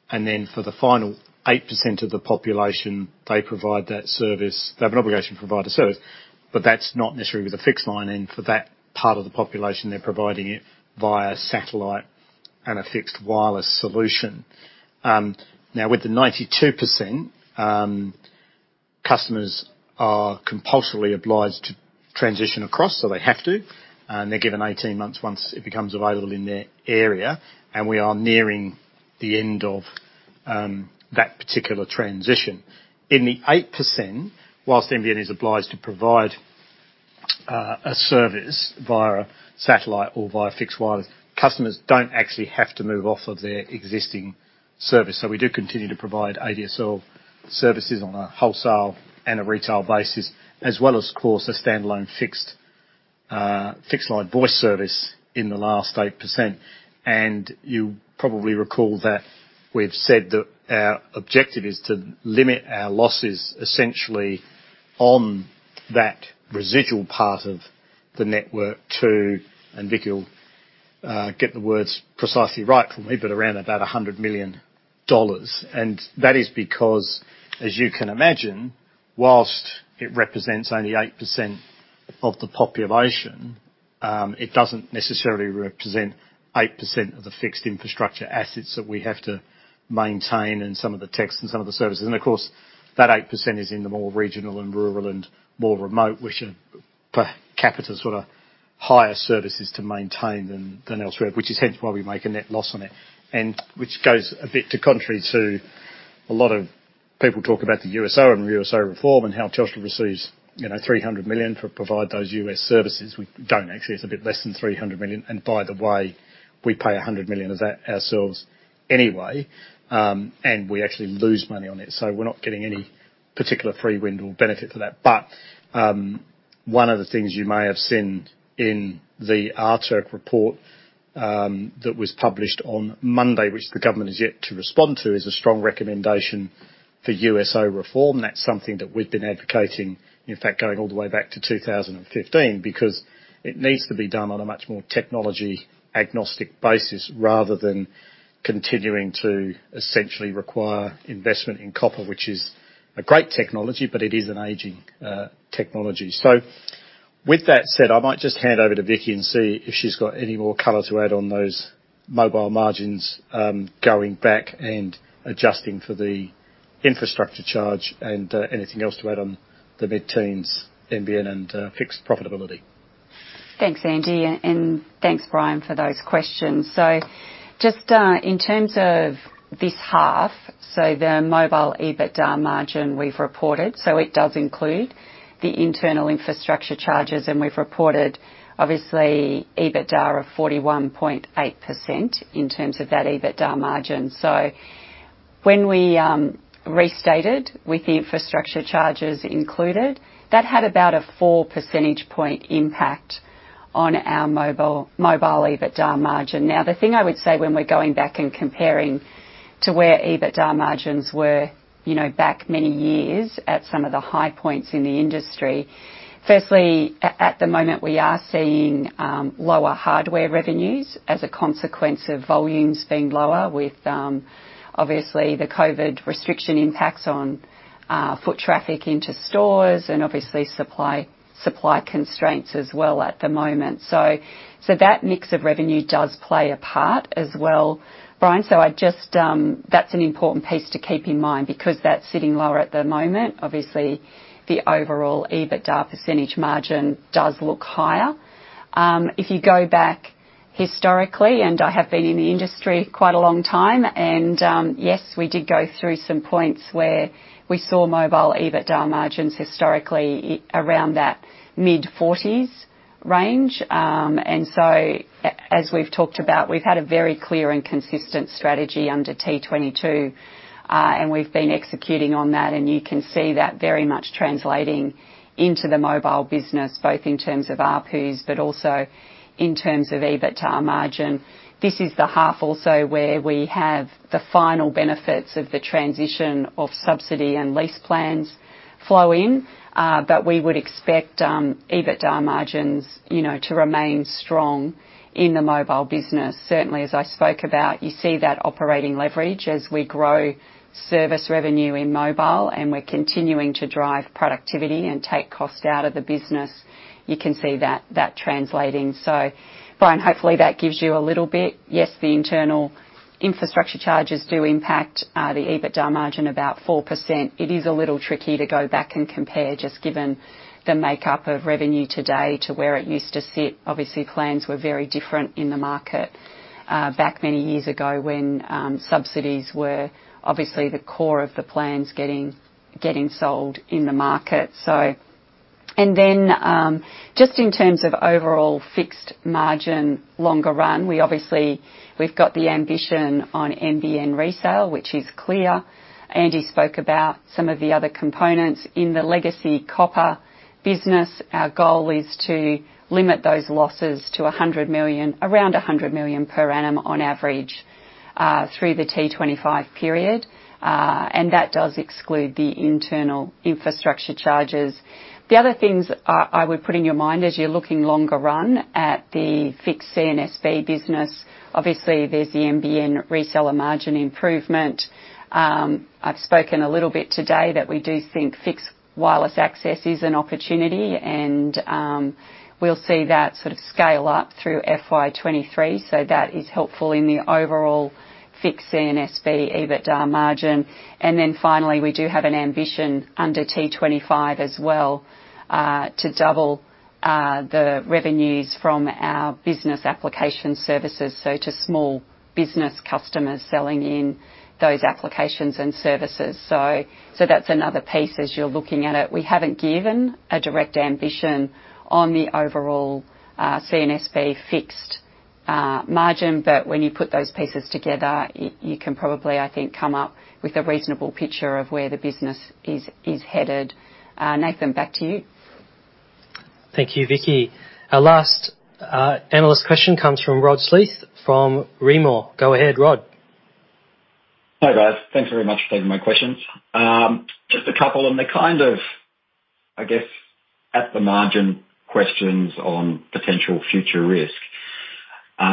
For the final 8% of the population, they provide that service. They have an obligation to provide a service, but that's not necessarily with a fixed line. For that part of the population, they're providing it via satellite and a fixed wireless solution. Now with the 92%, customers are compulsorily obliged to transition across, so they have to, and they're given 18 months once it becomes available in their area, and we are nearing the end of that particular transition. In the 8%, while NBN is obliged to provide a service via satellite or via fixed wireless, customers don't actually have to move off of their existing service. We do continue to provide ADSL services on a wholesale and a retail basis, as well as, of course, a standalone fixed fixed line voice service in the last 8%. You probably recall that we've said that our objective is to limit our losses essentially on that residual part of the network to, and Vicki will get the words precisely right for me, but around 100 million dollars. That is because, as you can imagine, while it represents only 8% of the population, it doesn't necessarily represent 8% of the fixed infrastructure assets that we have to maintain in some of the techs and some of the services. Of course, that 8% is in the more regional and rural and more remote, which are per capita sort of higher services to maintain than elsewhere, which is hence why we make a net loss on it. Which goes a bit to the contrary to what a lot of people talk about the USO and USO reform and how Telstra receives, you know, 300 million for providing those USO services. We don't actually, it's a bit less than 300 million. By the way, we pay 100 million of that ourselves anyway, and we actually lose money on it. We're not getting any particular free ride or benefit for that. One of the things you may have seen in the ACCC report that was published on Monday, which the government has yet to respond to, is a strong recommendation for USO reform. That's something that we've been advocating, in fact, going all the way back to 2015, because it needs to be done on a much more technology-agnostic basis, rather than continuing to essentially require investment in copper, which is a great technology, but it is an aging technology. With that said, I might just hand over to Vicki and see if she's got any more color to add on those mobile margins, going back and adjusting for the infrastructure charge and anything else to add on the mid-teens NBN and fixed profitability. Thanks, Andy, and thanks, Brian, for those questions. Just in terms of this half, the mobile EBITDA margin we've reported does include the internal infrastructure charges, and we've reported, obviously, EBITDA of 41.8% in terms of that EBITDA margin. When we restated with the infrastructure charges included, that had about a four percentage point impact on our mobile EBITDA margin. The thing I would say when we're going back and comparing to where EBITDA margins were, you know, back many years at some of the high points in the industry, firstly, at the moment, we are seeing lower hardware revenues as a consequence of volumes being lower with, obviously, the COVID restriction impacts on foot traffic into stores and obviously supply constraints as well at the moment. That mix of revenue does play a part as well, Brian. That's an important piece to keep in mind because that's sitting lower at the moment. Obviously, the overall EBITDA percentage margin does look higher. If you go back historically, and I have been in the industry quite a long time, yes, we did go through some points where we saw mobile EBITDA margins historically around that mid-40s range. As we've talked about, we've had a very clear and consistent strategy under T22, and we've been executing on that, and you can see that very much translating into the mobile business, both in terms of ARPU but also in terms of EBITDA margin. This is the half also where we have the final benefits of the transition of subsidy and lease plans flow in, but we would expect EBITDA margins, you know, to remain strong in the mobile business. Certainly, as I spoke about, you see that operating leverage as we grow service revenue in mobile, and we're continuing to drive productivity and take costs out of the business. You can see that translating. Brian, hopefully that gives you a little bit. Yes, the internal infrastructure charges do impact the EBITDA margin about 4%. It is a little tricky to go back and compare just given the makeup of revenue today to where it used to sit. Obviously, plans were very different in the market back many years ago when subsidies were obviously the core of the plans getting sold in the market. Just in terms of overall fixed margin longer run, we obviously we've got the ambition on NBN resale, which is clear. Andy spoke about some of the other components. In the legacy copper business, our goal is to limit those losses to 100 million, around 100 million per annum on average, through the T25 period, and that does exclude the internal infrastructure charges. The other things I would put in your mind as you're looking longer run at the fixed CNSB business, obviously there's the NBN reseller margin improvement. I've spoken a little bit today that we do think fixed wireless access is an opportunity and, we'll see that sort of scale up through FY 2023. That is helpful in the overall fixed CNSB EBITDA margin. Finally, we do have an ambition under T25 as well to double the revenues from our business application services, so to small business customers selling in those applications and services. That's another piece as you're looking at it. We haven't given a direct ambition on the overall C&SB fixed margin, but when you put those pieces together, you can probably, I think, come up with a reasonable picture of where the business is headed. Nathan, back to you. Thank you, Vicki. Our last analyst question comes from Rod Smith from Rimor. Go ahead, Rod. Hi, guys. Thanks very much for taking my questions. Just a couple and they're kind of, I guess, at the margin questions on potential future risk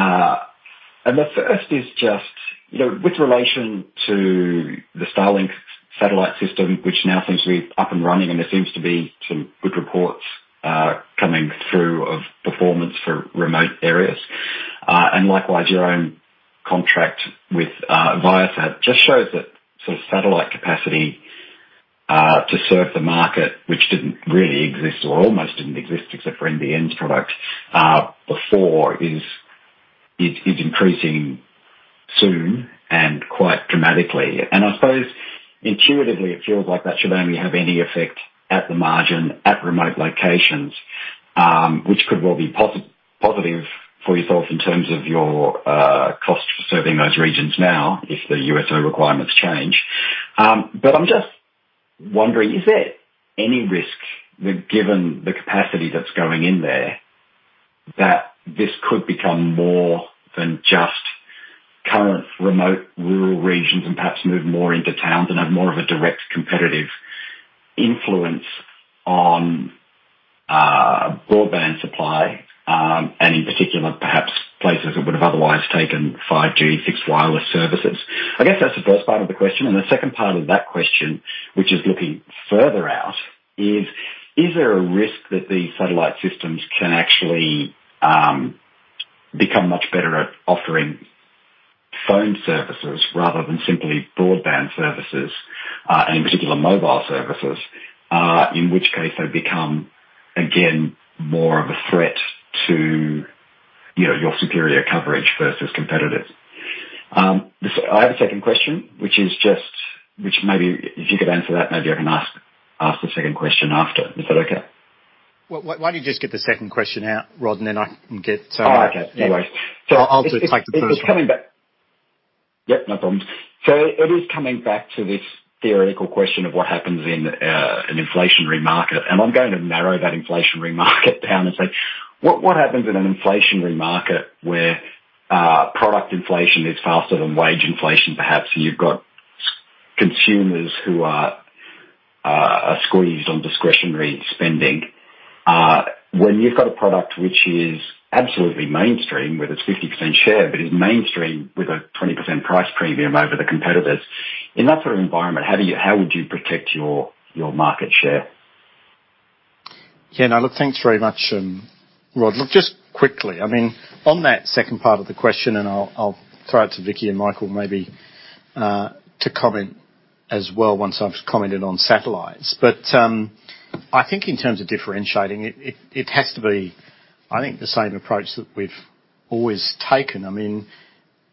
The first is just, you know, with relation to the Starlink satellite system, which now seems to be up and running, and there seems to be some good reports coming through of performance for remote areas. Likewise, your own contract with Viasat just shows that sort of satellite capacity to serve the market, which didn't really exist or almost didn't exist except for NBN's product before is increasing soon and quite dramatically. I suppose intuitively it feels like that should only have any effect at the margin at remote locations, which could well be positive for yourself in terms of your cost for serving those regions now if the USO requirements change. I'm just wondering, is there any risk that given the capacity that's going in there, that this could become more than just current remote rural regions and perhaps move more into towns and have more of a direct competitive influence on, broadband supply, and in particular perhaps places that would have otherwise taken 5G fixed wireless services? I guess that's the first part of the question. The second part of that question, which is looking further out, is there a risk that these satellite systems can actually become much better at offering phone services rather than simply broadband services, and in particular mobile services? In which case they become again more of a threat to, you know, your superior coverage versus competitors. I have a second question, which maybe if you could answer that, maybe I can ask the second question after. Is that okay? Well, why don't you just get the second question out, Rod, and then I can get Tony All right. Anyways. It's coming back. I'll take the first one. Yep, no problems. It is coming back to this theoretical question of what happens in an inflationary market. I'm going to narrow that inflationary market down and say, what happens in an inflationary market where product inflation is faster than wage inflation perhaps? You've got consumers who are squeezed on discretionary spending. When you've got a product which is absolutely mainstream with its 50% share, but is mainstream with a 20% price premium over the competitors. In that sort of environment, how would you protect your market share? Yeah, no, look, thanks very much, Rod. Look, just quickly, I mean, on that second part of the question, and I'll throw it to Vicki and Michael maybe to comment as well once I've commented on satellites. I think in terms of differentiating, it has to be, I think the same approach that we've always taken. I mean,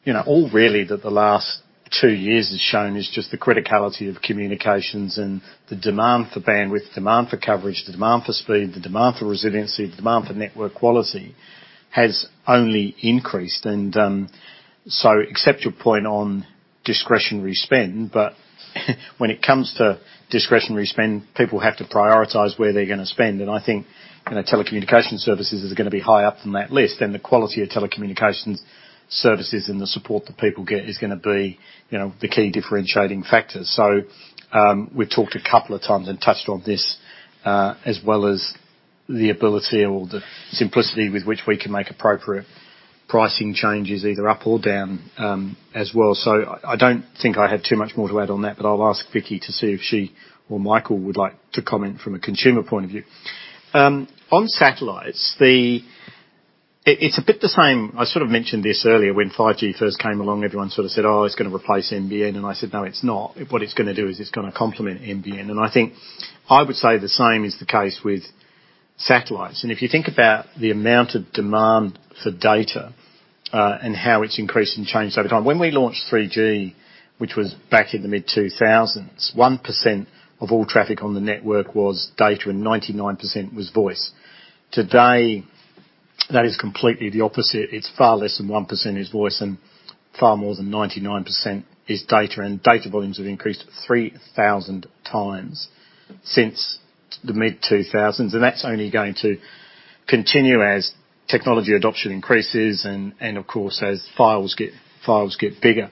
you know, all really that the last two years has shown is just the criticality of communications and the demand for bandwidth, the demand for coverage, the demand for speed, the demand for resiliency, the demand for network quality has only increased. I accept your point on discretionary spend, but when it comes to discretionary spend, people have to prioritize where they're gonna spend. I think, you know, telecommunications services is gonna be high up on that list. The quality of telecommunications services and the support that people get is gonna be, you know, the key differentiating factor. We've talked a couple of times and touched on this, as well as the ability or the simplicity with which we can make appropriate pricing changes either up or down, as well. I don't think I have too much more to add on that, but I'll ask Vicki to see if she or Michael would like to comment from a consumer point of view. On satellites, it's a bit the same. I sort of mentioned this earlier when 5G first came along, everyone sorta said, "Oh, it's gonna replace NBN." I said, "No, it's not. What it's gonna do is it's gonna complement NBN." I think I would say the same is the case with satellites. If you think about the amount of demand for data and how it's increased and changed over time. When we launched 3G, which was back in the mid-2000s, 1% of all traffic on the network was data and 99% was voice. Today, that is completely the opposite. It's far less than 1% is voice and far more than 99% is data. Data volumes have increased 3,000 times since the mid-2000s. That's only going to continue as technology adoption increases and of course, as files get bigger.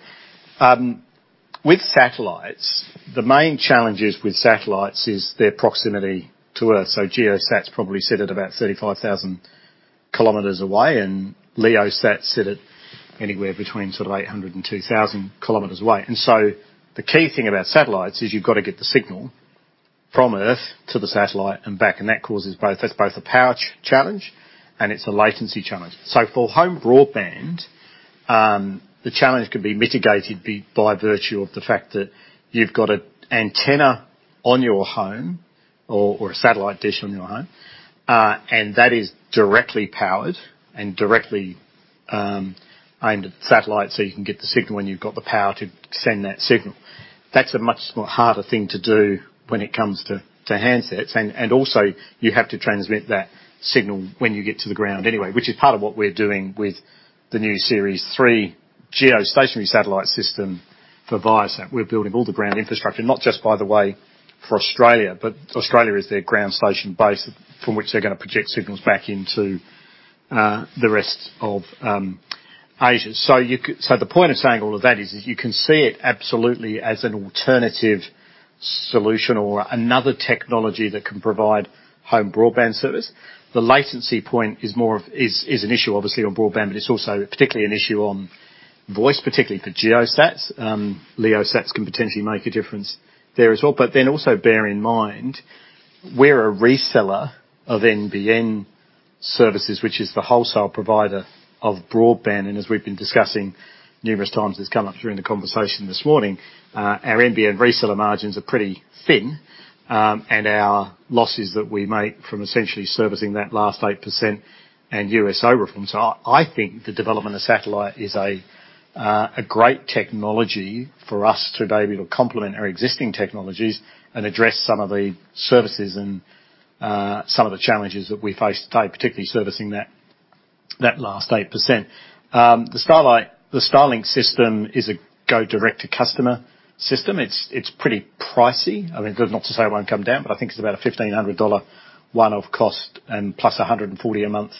With satellites, the main challenges with satellites is their proximity to Earth. GEO sats probably sit at about 35,000 km away, and LEO sats sit at anywhere between sort of 800-2,000 km away. The key thing about satellites is you've got to get the signal from Earth to the satellite and back, and that causes both a power challenge and it's a latency challenge. For home broadband, the challenge can be mitigated by virtue of the fact that you've got an antenna on your home or a satellite dish on your home, and that is directly powered and directly aimed at the satellite so you can get the signal when you've got the power to send that signal. That's a much more harder thing to do when it comes to handsets. Also you have to transmit that signal when you get to the ground anyway, which is part of what we're doing with the new ViaSat-3 geostationary satellite system for Viasat. We're building all the ground infrastructure, not just by the way for Australia, but Australia is their ground station base from which they're gonna project signals back into the rest of Asia. The point of saying all of that is you can see it absolutely as an alternative solution or another technology that can provide home broadband service. The latency point is an issue obviously on broadband, but it's also particularly an issue on voice, particularly for GEO sats. LEO sats can potentially make a difference there as well. Bear in mind, we're a reseller of NBN services, which is the wholesale provider of broadband. As we've been discussing numerous times, it's come up during the conversation this morning, our NBN reseller margins are pretty thin, and our losses that we make from essentially servicing that last 8% and USO. I think the development of satellite is a great technology for us today. It'll complement our existing technologies and address some of the services and some of the challenges that we face today, particularly servicing that last 8%. The Starlink system is a direct to customer system. It's pretty pricey. I mean, not to say it won't come down, but I think it's about a 1,500 dollar one-off cost and plus 140 a month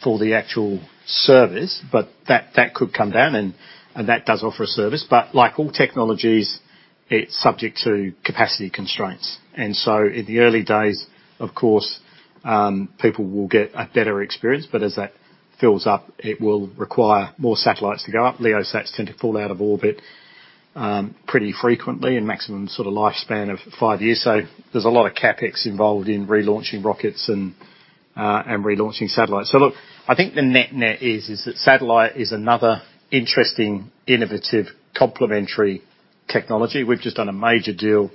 for the actual service. But that could come down and that does offer a service. Like all technologies, it's subject to capacity constraints. In the early days, of course, people will get a better experience, but as that fills up, it will require more satellites to go up. LEO sats tend to fall out of orbit pretty frequently and maximum sort of lifespan of five years. There's a lot of CapEx involved in relaunching rockets and relaunching satellites. Look, I think the net-net is that satellite is another interesting, innovative, complementary technology. We've just done a major deal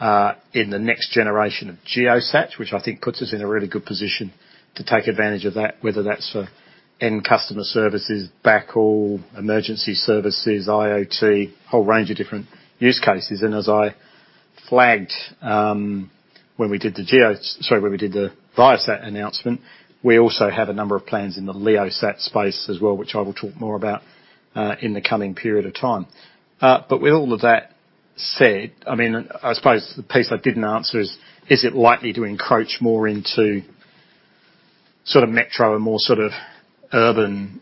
in the next generation of GEO sats, which I think puts us in a really good position to take advantage of that, whether that's for end customer services, backhaul, emergency services, IoT, whole range of different use cases. As I flagged, when we did the Viasat announcement, we also have a number of plans in the LEO sat space as well, which I will talk more about in the coming period of time. With all of that said, I mean, I suppose the piece I didn't answer is it likely to encroach more into sort of metro and more sort of urban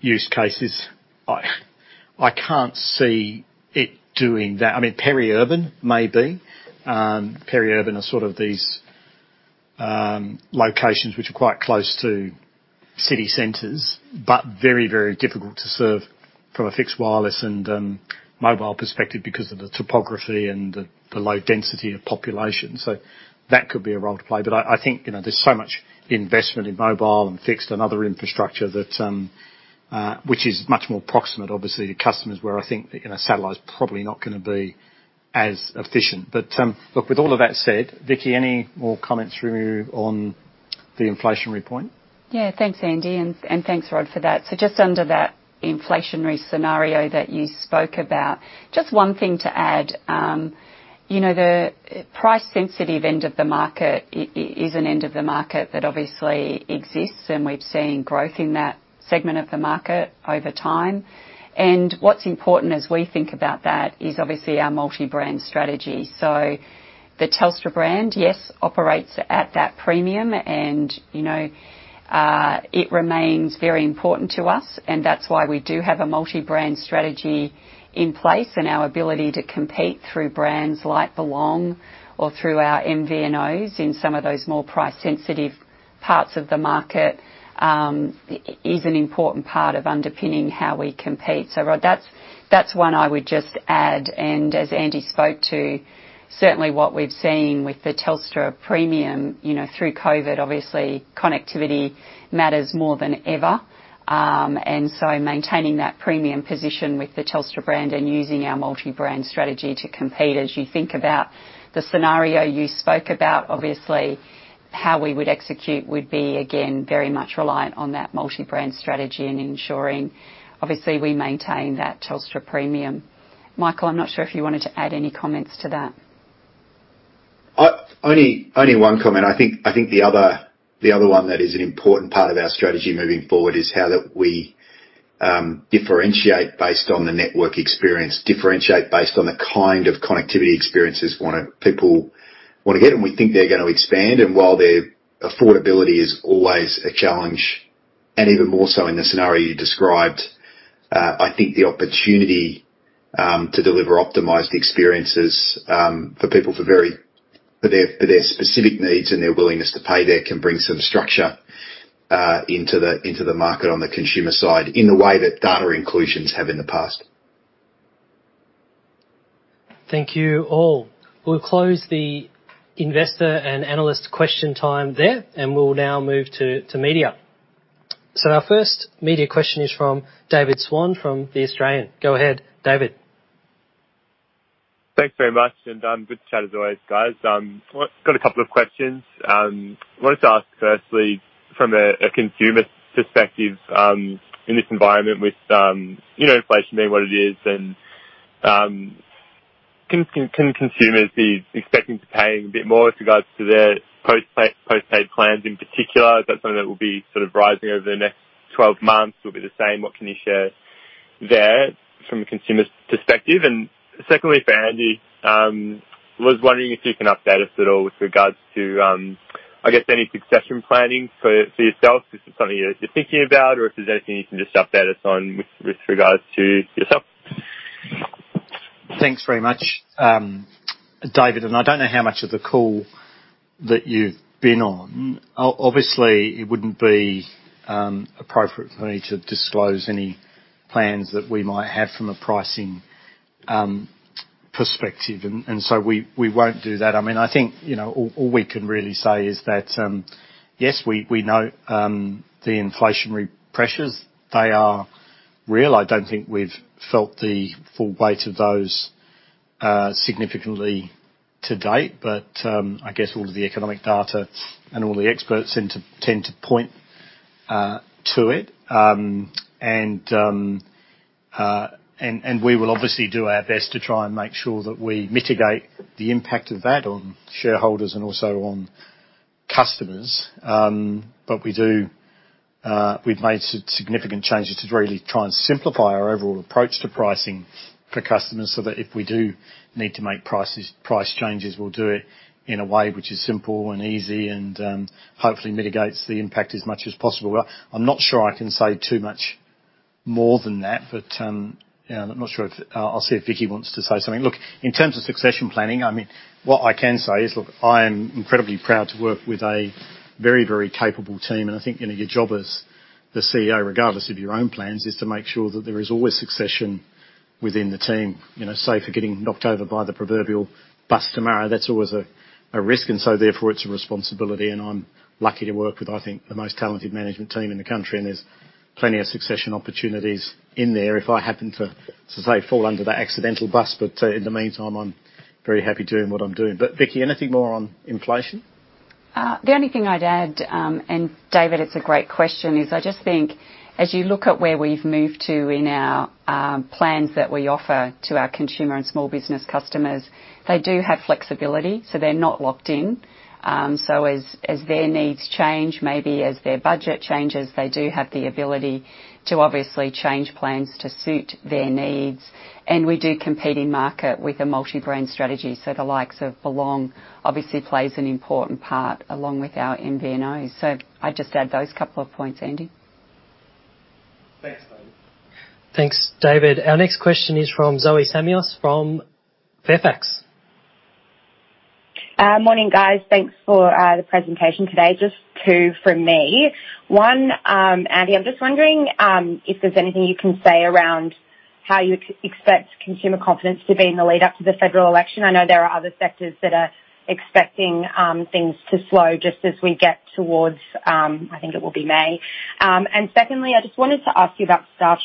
use cases? I can't see it doing that. I mean, peri-urban, maybe. Peri-urban are sort of these locations which are quite close to city centers, but very, very difficult to serve from a fixed, wireless, and mobile perspective because of the topography and the low density of population. That could be a role to play. I think, you know, there's so much investment in mobile and fixed and other infrastructure that, which is much more proximate, obviously, to customers where I think, you know, satellite's probably not gonna be as efficient. Look, with all of that said, Vicki, any more comments from you on the inflationary point? Yeah. Thanks, Andy, and thanks, Rod, for that. Just under that inflationary scenario that you spoke about, just one thing to add. You know, the price-sensitive end of the market is an end of the market that obviously exists, and we've seen growth in that segment of the market over time. What's important as we think about that is obviously our multi-brand strategy. The Telstra brand, yes, operates at that premium and, you know, it remains very important to us, and that's why we do have a multi-brand strategy in place. Our ability to compete through brands like Belong or through our MVNOs in some of those more price-sensitive parts of the market, is an important part of underpinning how we compete. Rod, that's one I would just add. As Andy spoke to, certainly what we've seen with the Telstra premium, you know, through COVID, obviously connectivity matters more than ever. Maintaining that premium position with the Telstra brand and using our multi-brand strategy to compete, as you think about the scenario you spoke about, obviously how we would execute would be, again, very much reliant on that multi-brand strategy and ensuring obviously we maintain that Telstra premium. Michael, I'm not sure if you wanted to add any comments to that. Only one comment. I think the other one that is an important part of our strategy moving forward is how we differentiate based on the network experience, differentiate based on the kind of connectivity experiences people wanna get, and we think they're gonna expand. While their affordability is always a challenge, and even more so in the scenario you described, I think the opportunity to deliver optimized experiences for people, for their specific needs and their willingness to pay, that can bring some structure into the market on the consumer side in the way that data inclusions have in the past. Thank you all. We'll close the investor and analyst question time there, and we'll now move to media. So our first media question is from David Swan from The Australian. Go ahead, David. Thanks very much, and good to chat as always, guys. Got a couple of questions. Wanted to ask firstly from a consumer perspective, in this environment with, you know, inflation being what it is and, can consumers be expecting to pay a bit more with regards to their postpaid plans in particular? Is that something that will be sort of rising over the next 12 months? Will it be the same? What can you share there from a consumer's perspective? Secondly, for Andy, was wondering if you can update us at all with regards to, I guess any succession planning for yourself. Is this something you're thinking about, or if there's anything you can just update us on with regards to yourself? Thanks very much, David. I don't know how much of the call that you've been on. Obviously, it wouldn't be appropriate for me to disclose any plans that we might have from a pricing perspective, and so we won't do that. I mean, I think, you know, all we can really say is that yes, we know the inflationary pressures. They are real. I don't think we've felt the full weight of those significantly to date, but I guess all of the economic data and all the experts tend to point to it. We will obviously do our best to try and make sure that we mitigate the impact of that on shareholders and also on customers. We do. We've made some significant changes to really try and simplify our overall approach to pricing for customers so that if we do need to make price changes, we'll do it in a way which is simple and easy and hopefully mitigates the impact as much as possible. Well, I'm not sure I can say too much more than that, but I'll see if Vicki wants to say something. Look, in terms of succession planning, I mean, what I can say is, look, I am incredibly proud to work with a very, very capable team, and I think, you know, your job as the CEO, regardless of your own plans, is to make sure that there is always succession within the team, you know, save for getting knocked over by the proverbial bus tomorrow. That's always a risk, and so therefore, it's a responsibility, and I'm lucky to work with, I think, the most talented management team in the country, and there's plenty of succession opportunities in there if I happen to, as I say, fall under that accidental bus. In the meantime, I'm very happy doing what I'm doing. Vicki, anything more on inflation? The only thing I'd add, and David, it's a great question, is I just think as you look at where we've moved to in our plans that we offer to our consumer and small business customers, they do have flexibility, so they're not locked in. As their needs change, maybe as their budget changes, they do have the ability to obviously change plans to suit their needs. We do compete in market with a multi-brand strategy, so the likes of Belong obviously plays an important part along with our MVNOs. I'd just add those couple of points, Andy. Thanks, David. Thanks, David. Our next question is from Zoe Samios from Fairfax. Morning, guys. Thanks for the presentation today. Just two from me. One, Andy, I'm just wondering if there's anything you can say around how you expect consumer confidence to be in the lead up to the federal election. I know there are other sectors that are expecting things to slow just as we get towards, I think it will be May. Secondly, I just wanted to ask you about staff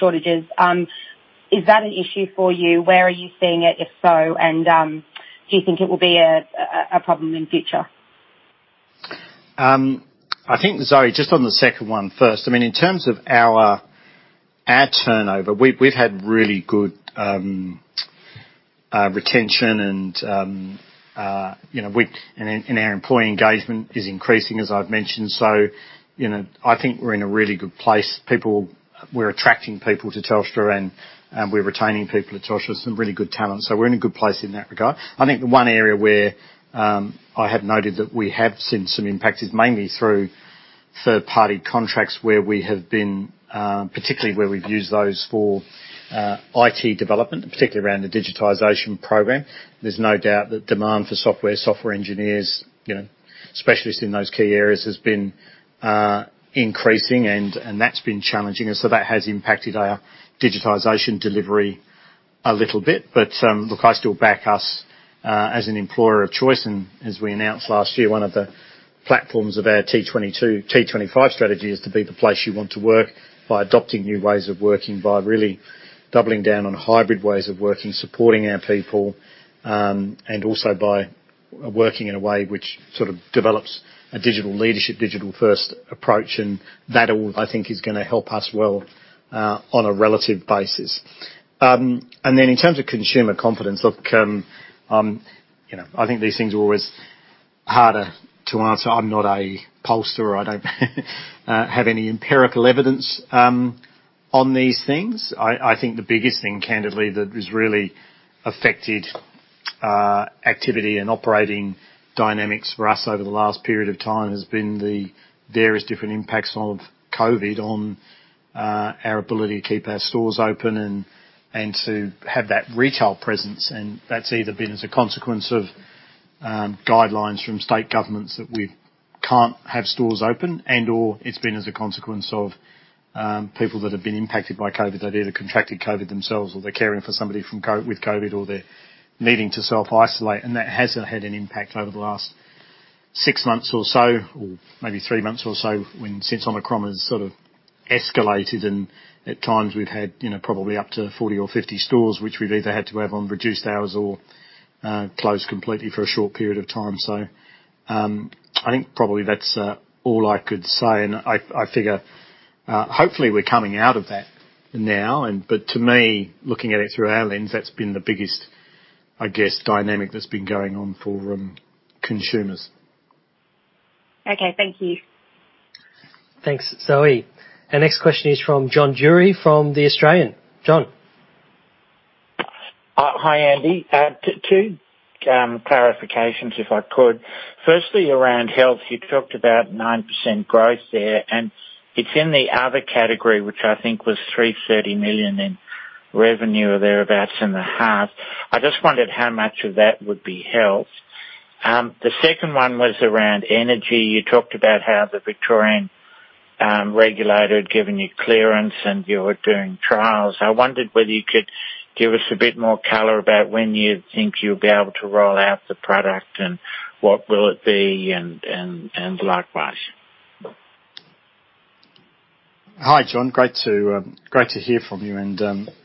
shortages. Is that an issue for you? Where are you seeing it, if so? Do you think it will be a problem in future? I think, Zoe, just on the second one first, I mean, in terms of our turnover, we've had really good retention and, you know, and our employee engagement is increasing, as I've mentioned. You know, I think we're in a really good place. We're attracting people to Telstra and we're retaining people at Telstra, some really good talent, so we're in a good place in that regard. I think the one area where I have noted that we have seen some impact is mainly through third-party contracts where we have been, particularly where we've used those for IT development, particularly around the digitization program. There's no doubt that demand for software engineers, you know, specialists in those key areas has been increasing and that's been challenging. That has impacted our digitization delivery a little bit. Look, I still back us as an employer of choice. As we announced last year, one of the platforms of our T25 strategy is to be the place you want to work by adopting new ways of working, by really doubling down on hybrid ways of working, supporting our people, and also by working in a way which sort of develops a digital leadership, digital first approach. That all, I think, is gonna help us well on a relative basis. In terms of consumer confidence, look, you know, I think these things are always harder to answer. I'm not a pollster. I don't have any empirical evidence on these things. I think the biggest thing, candidly, that has really affected activity and operating dynamics for us over the last period of time has been the various different impacts of COVID on our ability to keep our stores open and to have that retail presence. That's either been as a consequence of guidelines from state governments that we can't have stores open and/or it's been as a consequence of people that have been impacted by COVID. They've either contracted COVID themselves or they're caring for somebody with COVID or they're needing to self-isolate. That has had an impact over the last six months or so, or maybe three months or so since Omicron has sort of escalated and at times we've had, you know, probably up to 40 or 50 stores, which we've either had to have on reduced hours or closed completely for a short period of time. I think probably that's all I could say. I figure hopefully we're coming out of that now. But to me, looking at it through our lens, that's been the biggest, I guess, dynamic that's been going on for consumers. Okay, thank you. Thanks, Zoe. Our next question is from John Durie from The Australian. John. Hi, Andy. Two clarifications, if I could. Firstly, around health, you talked about 9% growth there, and it's in the other category, which I think was 330 million in revenue or thereabout in the half. I just wondered how much of that would be health. The second one was around energy. You talked about how the Victorian regulator had given you clearance, and you were doing trials. I wondered whether you could give us a bit more color about when you think you'll be able to roll out the product and what it will be and likewise. Hi, John. Great to hear from you and,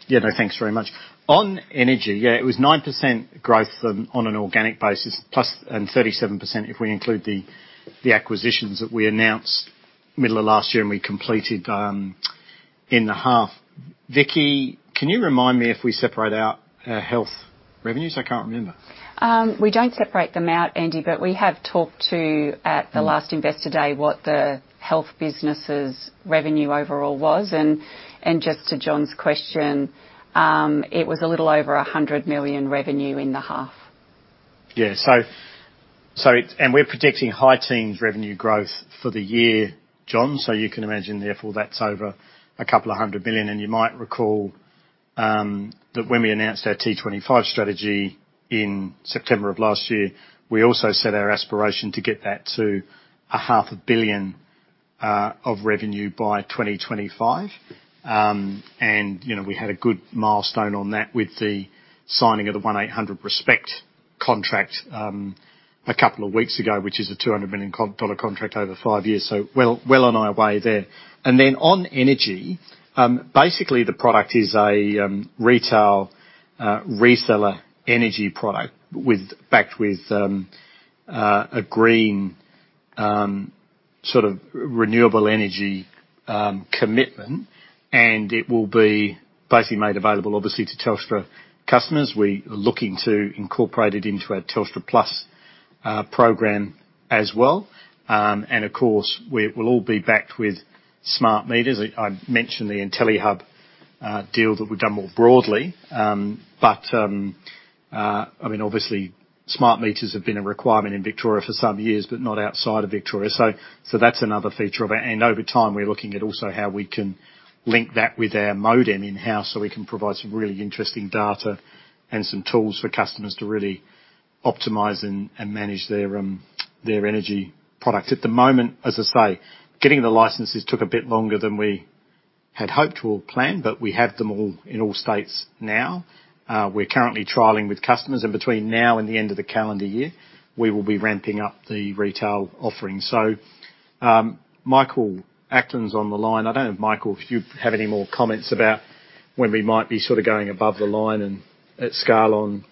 yeah, no, thanks very much. On energy, it was 9% growth on an organic basis plus and 37% if we include the acquisitions that we announced middle of last year and we completed in the half. Vicki, can you remind me if we separate out our health revenues? I can't remember. We don't separate them out, Andy, but we have talked to, at the last Investor Day, what the health business' revenue overall was. Just to John's question, it was a little over 100 million revenue in the half. We're predicting high-teens revenue growth for the year, John. You can imagine, therefore, that's over 200 million. You might recall that when we announced our T25 strategy in September of last year, we also set our aspiration to get that to 0.5 billion Of revenue by 2025. We had a good milestone on that with the signing of the 1800RESPECT contract a couple of weeks ago, which is an 200 million dollar contract over five years. We're well on our way there. Then on energy, basically, the product is a retail reseller energy product backed with a green sort of renewable energy commitment, and it will be basically made available obviously to Telstra customers. We are looking to incorporate it into our Telstra Plus program as well. Of course, we will all be backed with smart meters. I mentioned the Intellihub deal that we've done more broadly. I mean, obviously, smart meters have been a requirement in Victoria for some years, but not outside of Victoria. That's another feature of it. Over time, we're looking at also how we can link that with our modem in-house, so we can provide some really interesting data and some tools for customers to really optimize and manage their energy product. At the moment, as I say, getting the licenses took a bit longer than we had hoped or planned, but we have them all in all states now. We're currently trialing with customers. Between now and the end of the calendar year, we will be ramping up the retail offering. Michael Ackland's on the line. I don't know, Michael, if you have any more comments about when we might be sort of going above the line and at scale on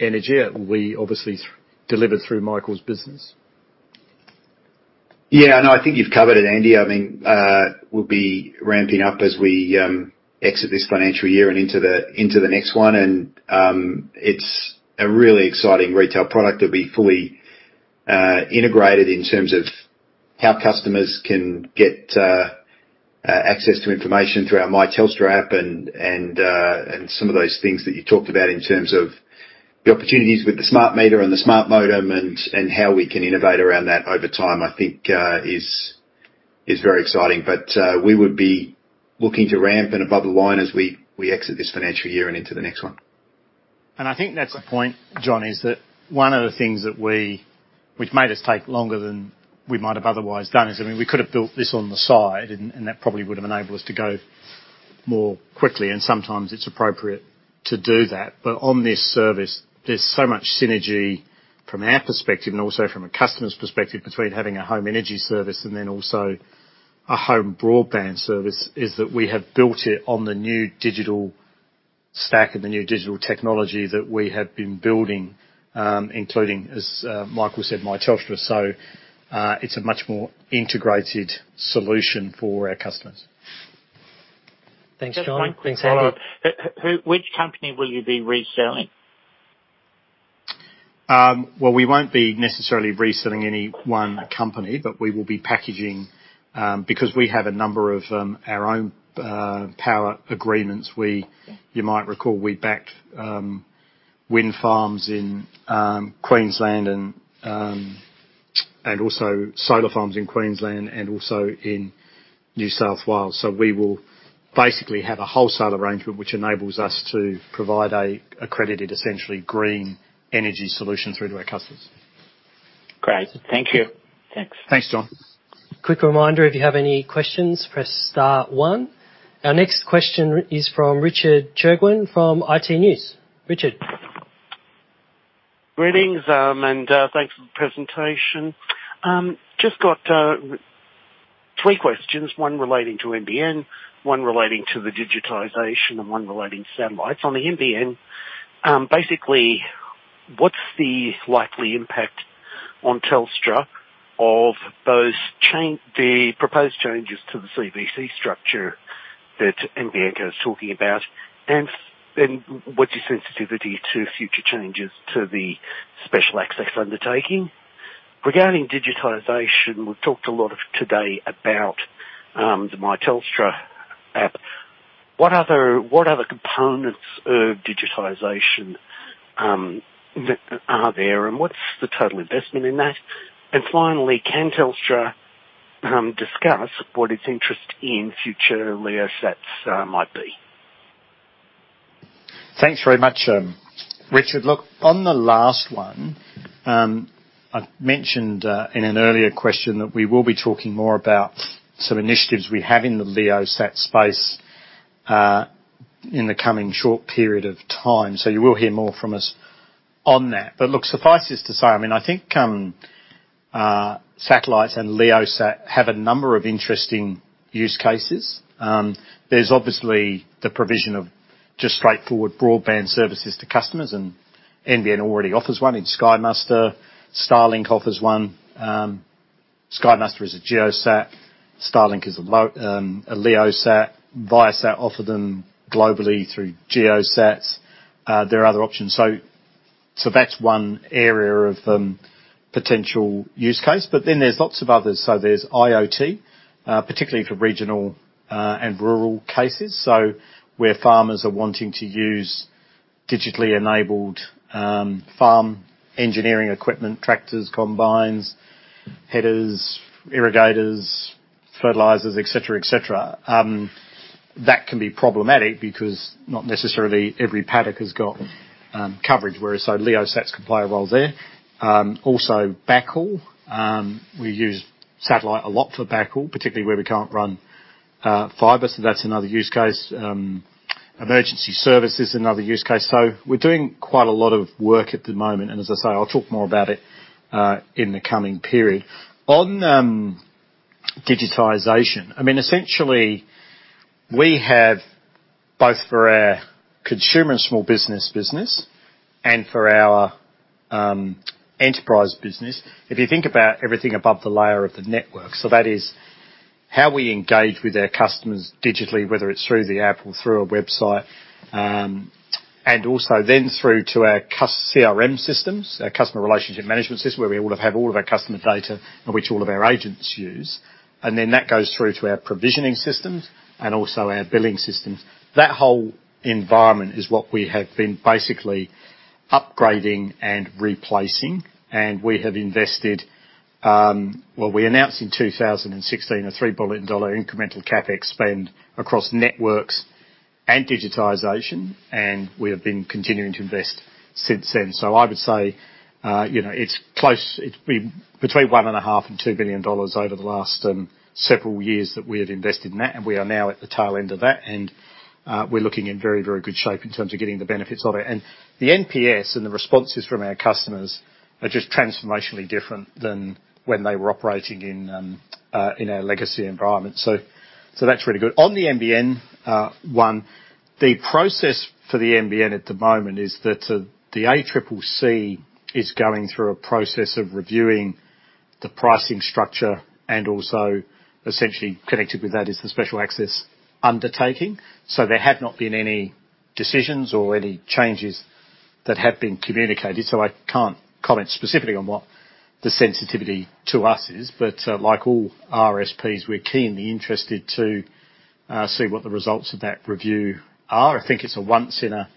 energy. It will be obviously delivered through Michael's business. Yeah. No, I think you've covered it, Andy. I mean, we'll be ramping up as we exit this financial year and into the next one. It's a really exciting retail product. It'll be fully integrated in terms of how customers can get access to information through our My Telstra app and some of those things that you talked about in terms of the opportunities with the smart meter and the smart modem and how we can innovate around that over time, I think, is very exciting. We would be looking to ramp and above the line as we exit this financial year and into the next one. I think that's the point, John, is that one of the things that which made us take longer than we might have otherwise done is, I mean, we could have built this on the side and that probably would have enabled us to go more quickly, and sometimes it's appropriate to do that. On this service, there's so much synergy from our perspective and also from a customer's perspective between having a home energy service and then also a home broadband service, is that we have built it on the new digital stack and the new digital technology that we have been building, including, as Michael said, My Telstra. It's a much more integrated solution for our customers. Thanks, John. Just one quick follow-up. Thanks. Which company will you be reselling? Well, we won't be necessarily reselling any one company, but we will be packaging, because we have a number of our own power agreements. You might recall, we backed wind farms in Queensland and also solar farms in Queensland and also in New South Wales. We will basically have a wholesale arrangement which enables us to provide a accredited, essentially green energy solution through to our customers. Great. Thank you. Thanks. Thanks, John. Our next question is from Richard Chirgwin from iTnews. Richard. Greetings and thanks for the presentation. I just got three questions, one relating to NBN, one relating to the digitization, and one relating to satellites. On the NBN, basically, what's the likely impact on Telstra of those, the proposed changes to the CVC structure? That NBN is talking about, and what's your sensitivity to future changes to the Special Access Undertaking? Regarding digitization, we've talked a lot today about the My Telstra app. What other components of digitization are there, and what's the total investment in that? Finally, can Telstra discuss what its interest in future LEO sats might be? Thanks very much, Richard. Look, on the last one, I mentioned in an earlier question that we will be talking more about some initiatives we have in the LEO sat space, in the coming short period of time. You will hear more from us on that. Look, suffice it to say, I mean, I think, satellites and LEO sat have a number of interesting use cases. There's obviously the provision of just straightforward broadband services to customers, and NBN already offers one in Sky Muster. Starlink offers one. Sky Muster is a GEO sat. Starlink is a LEO sat. Viasat offer them globally through GEO sats. There are other options. So that's one area of potential use case. Then there's lots of others. There's IoT, particularly for regional and rural cases. Where farmers are wanting to use digitally enabled farm engineering equipment, tractors, combines, headers, irrigators, fertilizers, et cetera, that can be problematic because not necessarily every paddock has got coverage, whereas our LEO sats can play well there. Also backhaul. We use satellite a lot for backhaul, particularly where we can't run fiber, so that's another use case. Emergency service is another use case. We're doing quite a lot of work at the moment, and as I say, I'll talk more about it in the coming period. On digitization, I mean, essentially, we have both for our consumer and small business business and for our enterprise business, if you think about everything above the layer of the network, so that is how we engage with our customers digitally, whether it's through the app or through a website, and also then through to our CRM systems, our customer relationship management system, where we all have all of our customer data and which all of our agents use. That goes through to our provisioning systems and also our billing systems. That whole environment is what we have been basically upgrading and replacing. We have invested, well, we announced in 2016 a 3 billion dollar incremental CapEx spend across networks and digitization, and we have been continuing to invest since then. I would say, you know, it's close. It's between 1.5 billion and 2 billion dollars over the last several years that we have invested in that, and we are now at the tail end of that. We're looking in very, very good shape in terms of getting the benefits of it. The NPS and the responses from our customers are just transformationally different than when they were operating in our legacy environment. That's really good. On the NBN, one, the process for the NBN at the moment is that the ACCC is going through a process of reviewing the pricing structure and also essentially connected with that is the Special Access Undertaking. There have not been any decisions or any changes that have been communicated, so I can't comment specifically on what the sensitivity to us is. Like all RSPs, we're keenly interested to see what the results of that review are. I think it's a once in a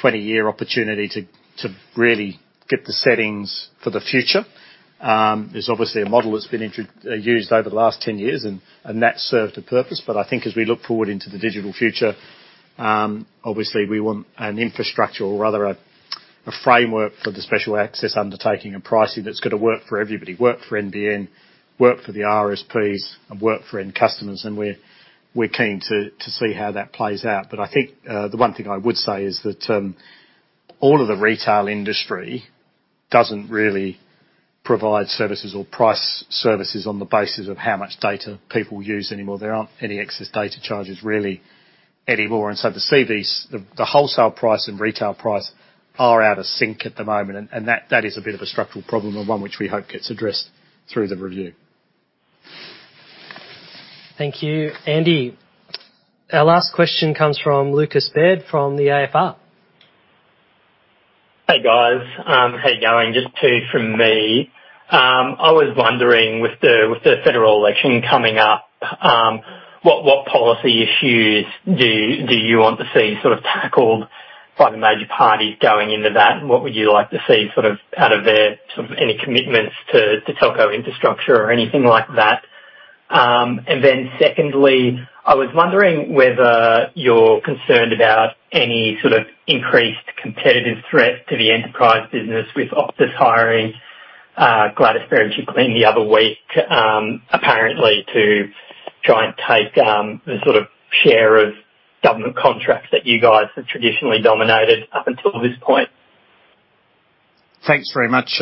20-year opportunity to really get the settings for the future. There's obviously a model that's been used over the last 10 years and that served a purpose. I think as we look forward into the digital future, obviously we want an infrastructure or rather a framework for the Special Access Undertaking and pricing that's gonna work for everybody, work for NBN, work for the RSPs, and work for end customers. We're keen to see how that plays out. I think the one thing I would say is that all of the retail industry doesn't really provide services or price services on the basis of how much data people use anymore. There aren't any excess data charges really anymore. To see the wholesale price and retail price are out of sync at the moment, and that is a bit of a structural problem and one which we hope gets addressed through the review. Thank you, Andy. Our last question comes from Lucas Baird from the AFR. Hey, guys. How you going? Just two from me. I was wondering with the federal election coming up, what policy issues do you want to see sort of tackled by the major parties going into that? What would you like to see sort of out of their sort of any commitments to telco infrastructure or anything like that? Secondly, I was wondering whether you're concerned about any sort of increased competitive threat to the enterprise business with Optus hiring Gladys Berejiklian the other week, apparently to try and take the sort of share of government contracts that you guys have traditionally dominated up until this point. Thanks very much,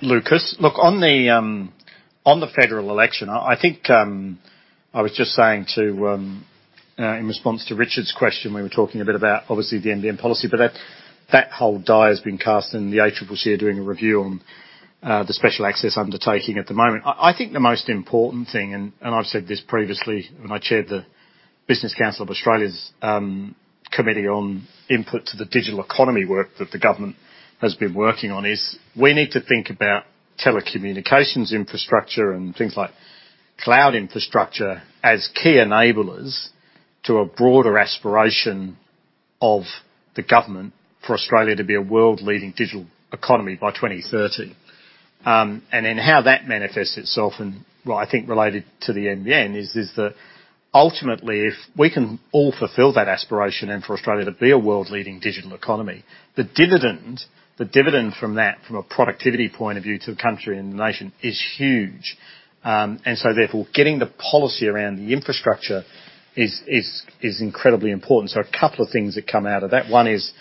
Lucas. Look, on the federal election, I think I was just saying in response to Richard's question, we were talking a bit about obviously the NBN policy, but that whole die has been cast, and the ACCC are doing a review on the Special Access Undertaking at the moment. I think the most important thing, and I've said this previously when I chaired the Business Council of Australia's committee on input to the digital economy work that the government has been working on, is we need to think about telecommunications infrastructure and things like cloud infrastructure as key enablers to a broader aspiration of the government for Australia to be a world-leading digital economy by 2030. In how that manifests itself and what I think related to the NBN is that ultimately, if we can all fulfill that aspiration for Australia to be a world-leading digital economy, the dividend from that, from a productivity point of view to the country and the nation, is huge. Therefore, getting the policy around the infrastructure is incredibly important. A couple of things come out of that. One is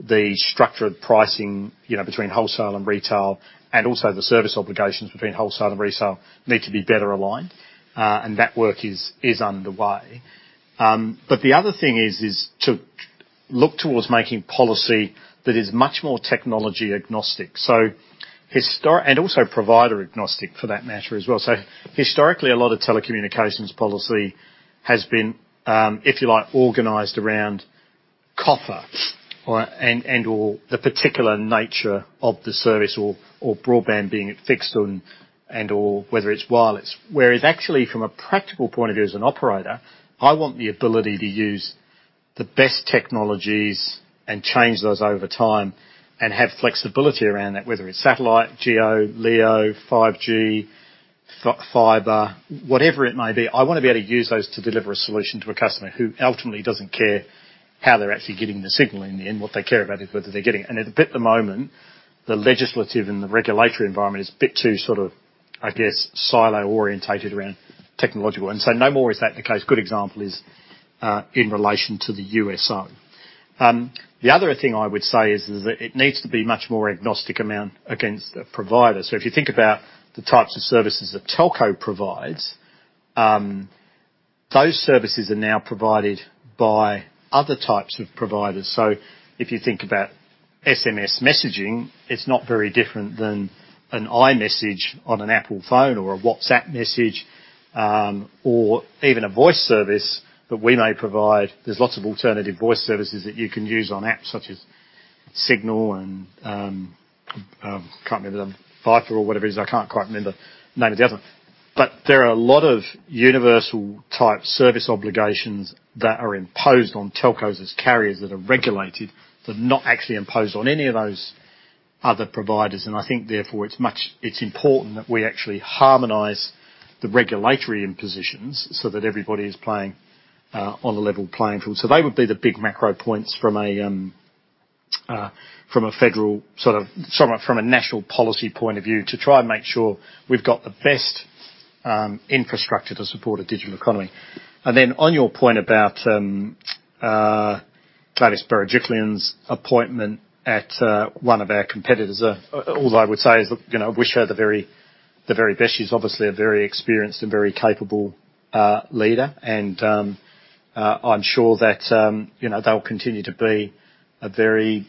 the structure of pricing, you know, between wholesale and retail, and also the service obligations between wholesale and retail need to be better aligned, and that work is underway. The other thing is to look towards making policy that is much more technology agnostic and also provider agnostic for that matter as well. Historically, a lot of telecommunications policy has been, if you like, organized around copper or, and/or the particular nature of the service or broadband being fixed or whether it's wireless. Whereas actually, from a practical point of view as an operator, I want the ability to use the best technologies and change those over time and have flexibility around that, whether it's satellite, GEO, LEO, 5G, fiber, whatever it may be. I wanna be able to use those to deliver a solution to a customer who ultimately doesn't care how they're actually getting the signal in the end. What they care about is whether they're getting it. At the moment, the legislative and the regulatory environment is a bit too sort of, I guess, silo-oriented around technological. No more is that the case. Good example is in relation to the USO. The other thing I would say is that it needs to be much more agnostic against the provider. So if you think about the types of services that telco provides, those services are now provided by other types of providers. So if you think about SMS messaging, it's not very different than an iMessage on an Apple phone or a WhatsApp message, or even a voice service that we may provide. There's lots of alternative voice services that you can use on apps such as Signal and Viber or whatever it is. I can't quite remember the name of the other. But there are a lot of universal type service obligations that are imposed on telcos as carriers that are regulated, but not actually imposed on any of those other providers. I think therefore it's important that we actually harmonize the regulatory impositions so that everybody is playing on a level playing field. They would be the big macro points from a federal, sort of, national policy point of view, to try and make sure we've got the best infrastructure to support a digital economy. Then on your point about Gladys Berejiklian's appointment at one of our competitors, all I would say is, look, you know, I wish her the very best. She's obviously a very experienced and very capable leader, and I'm sure that, you know, they'll continue to be a competitor, very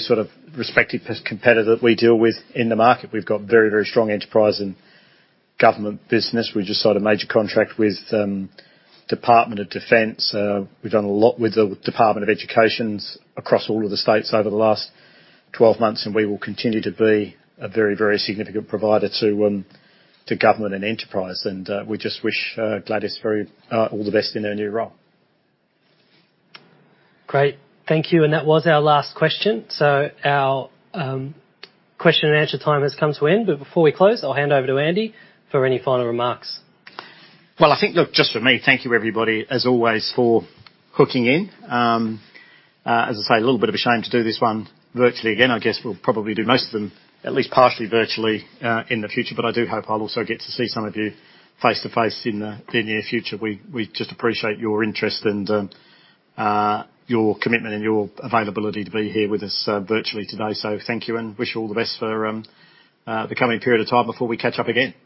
sort of respected competitor that we deal with in the market. We've got very, very strong enterprise and government business. We just signed a major contract with Department of Defence. We've done a lot with the Department of Education across all of the states over the last 12 months, and we will continue to be a very, very significant provider to government and enterprise. We just wish Gladys very all the best in her new role. Great. Thank you. That was our last question. Our question and answer time has come to an end. Before we close, I'll hand over to Andy for any final remarks. Well, I think, look, just from me, thank you everybody as always for hooking in. As I say, a little bit of a shame to do this one virtually again. I guess we'll probably do most of them at least partially virtually in the future. I do hope I'll also get to see some of you face-to-face in the near future. We just appreciate your interest and your commitment and your availability to be here with us virtually today. Thank you, and wish you all the best for the coming period of time before we catch up again. Thank you.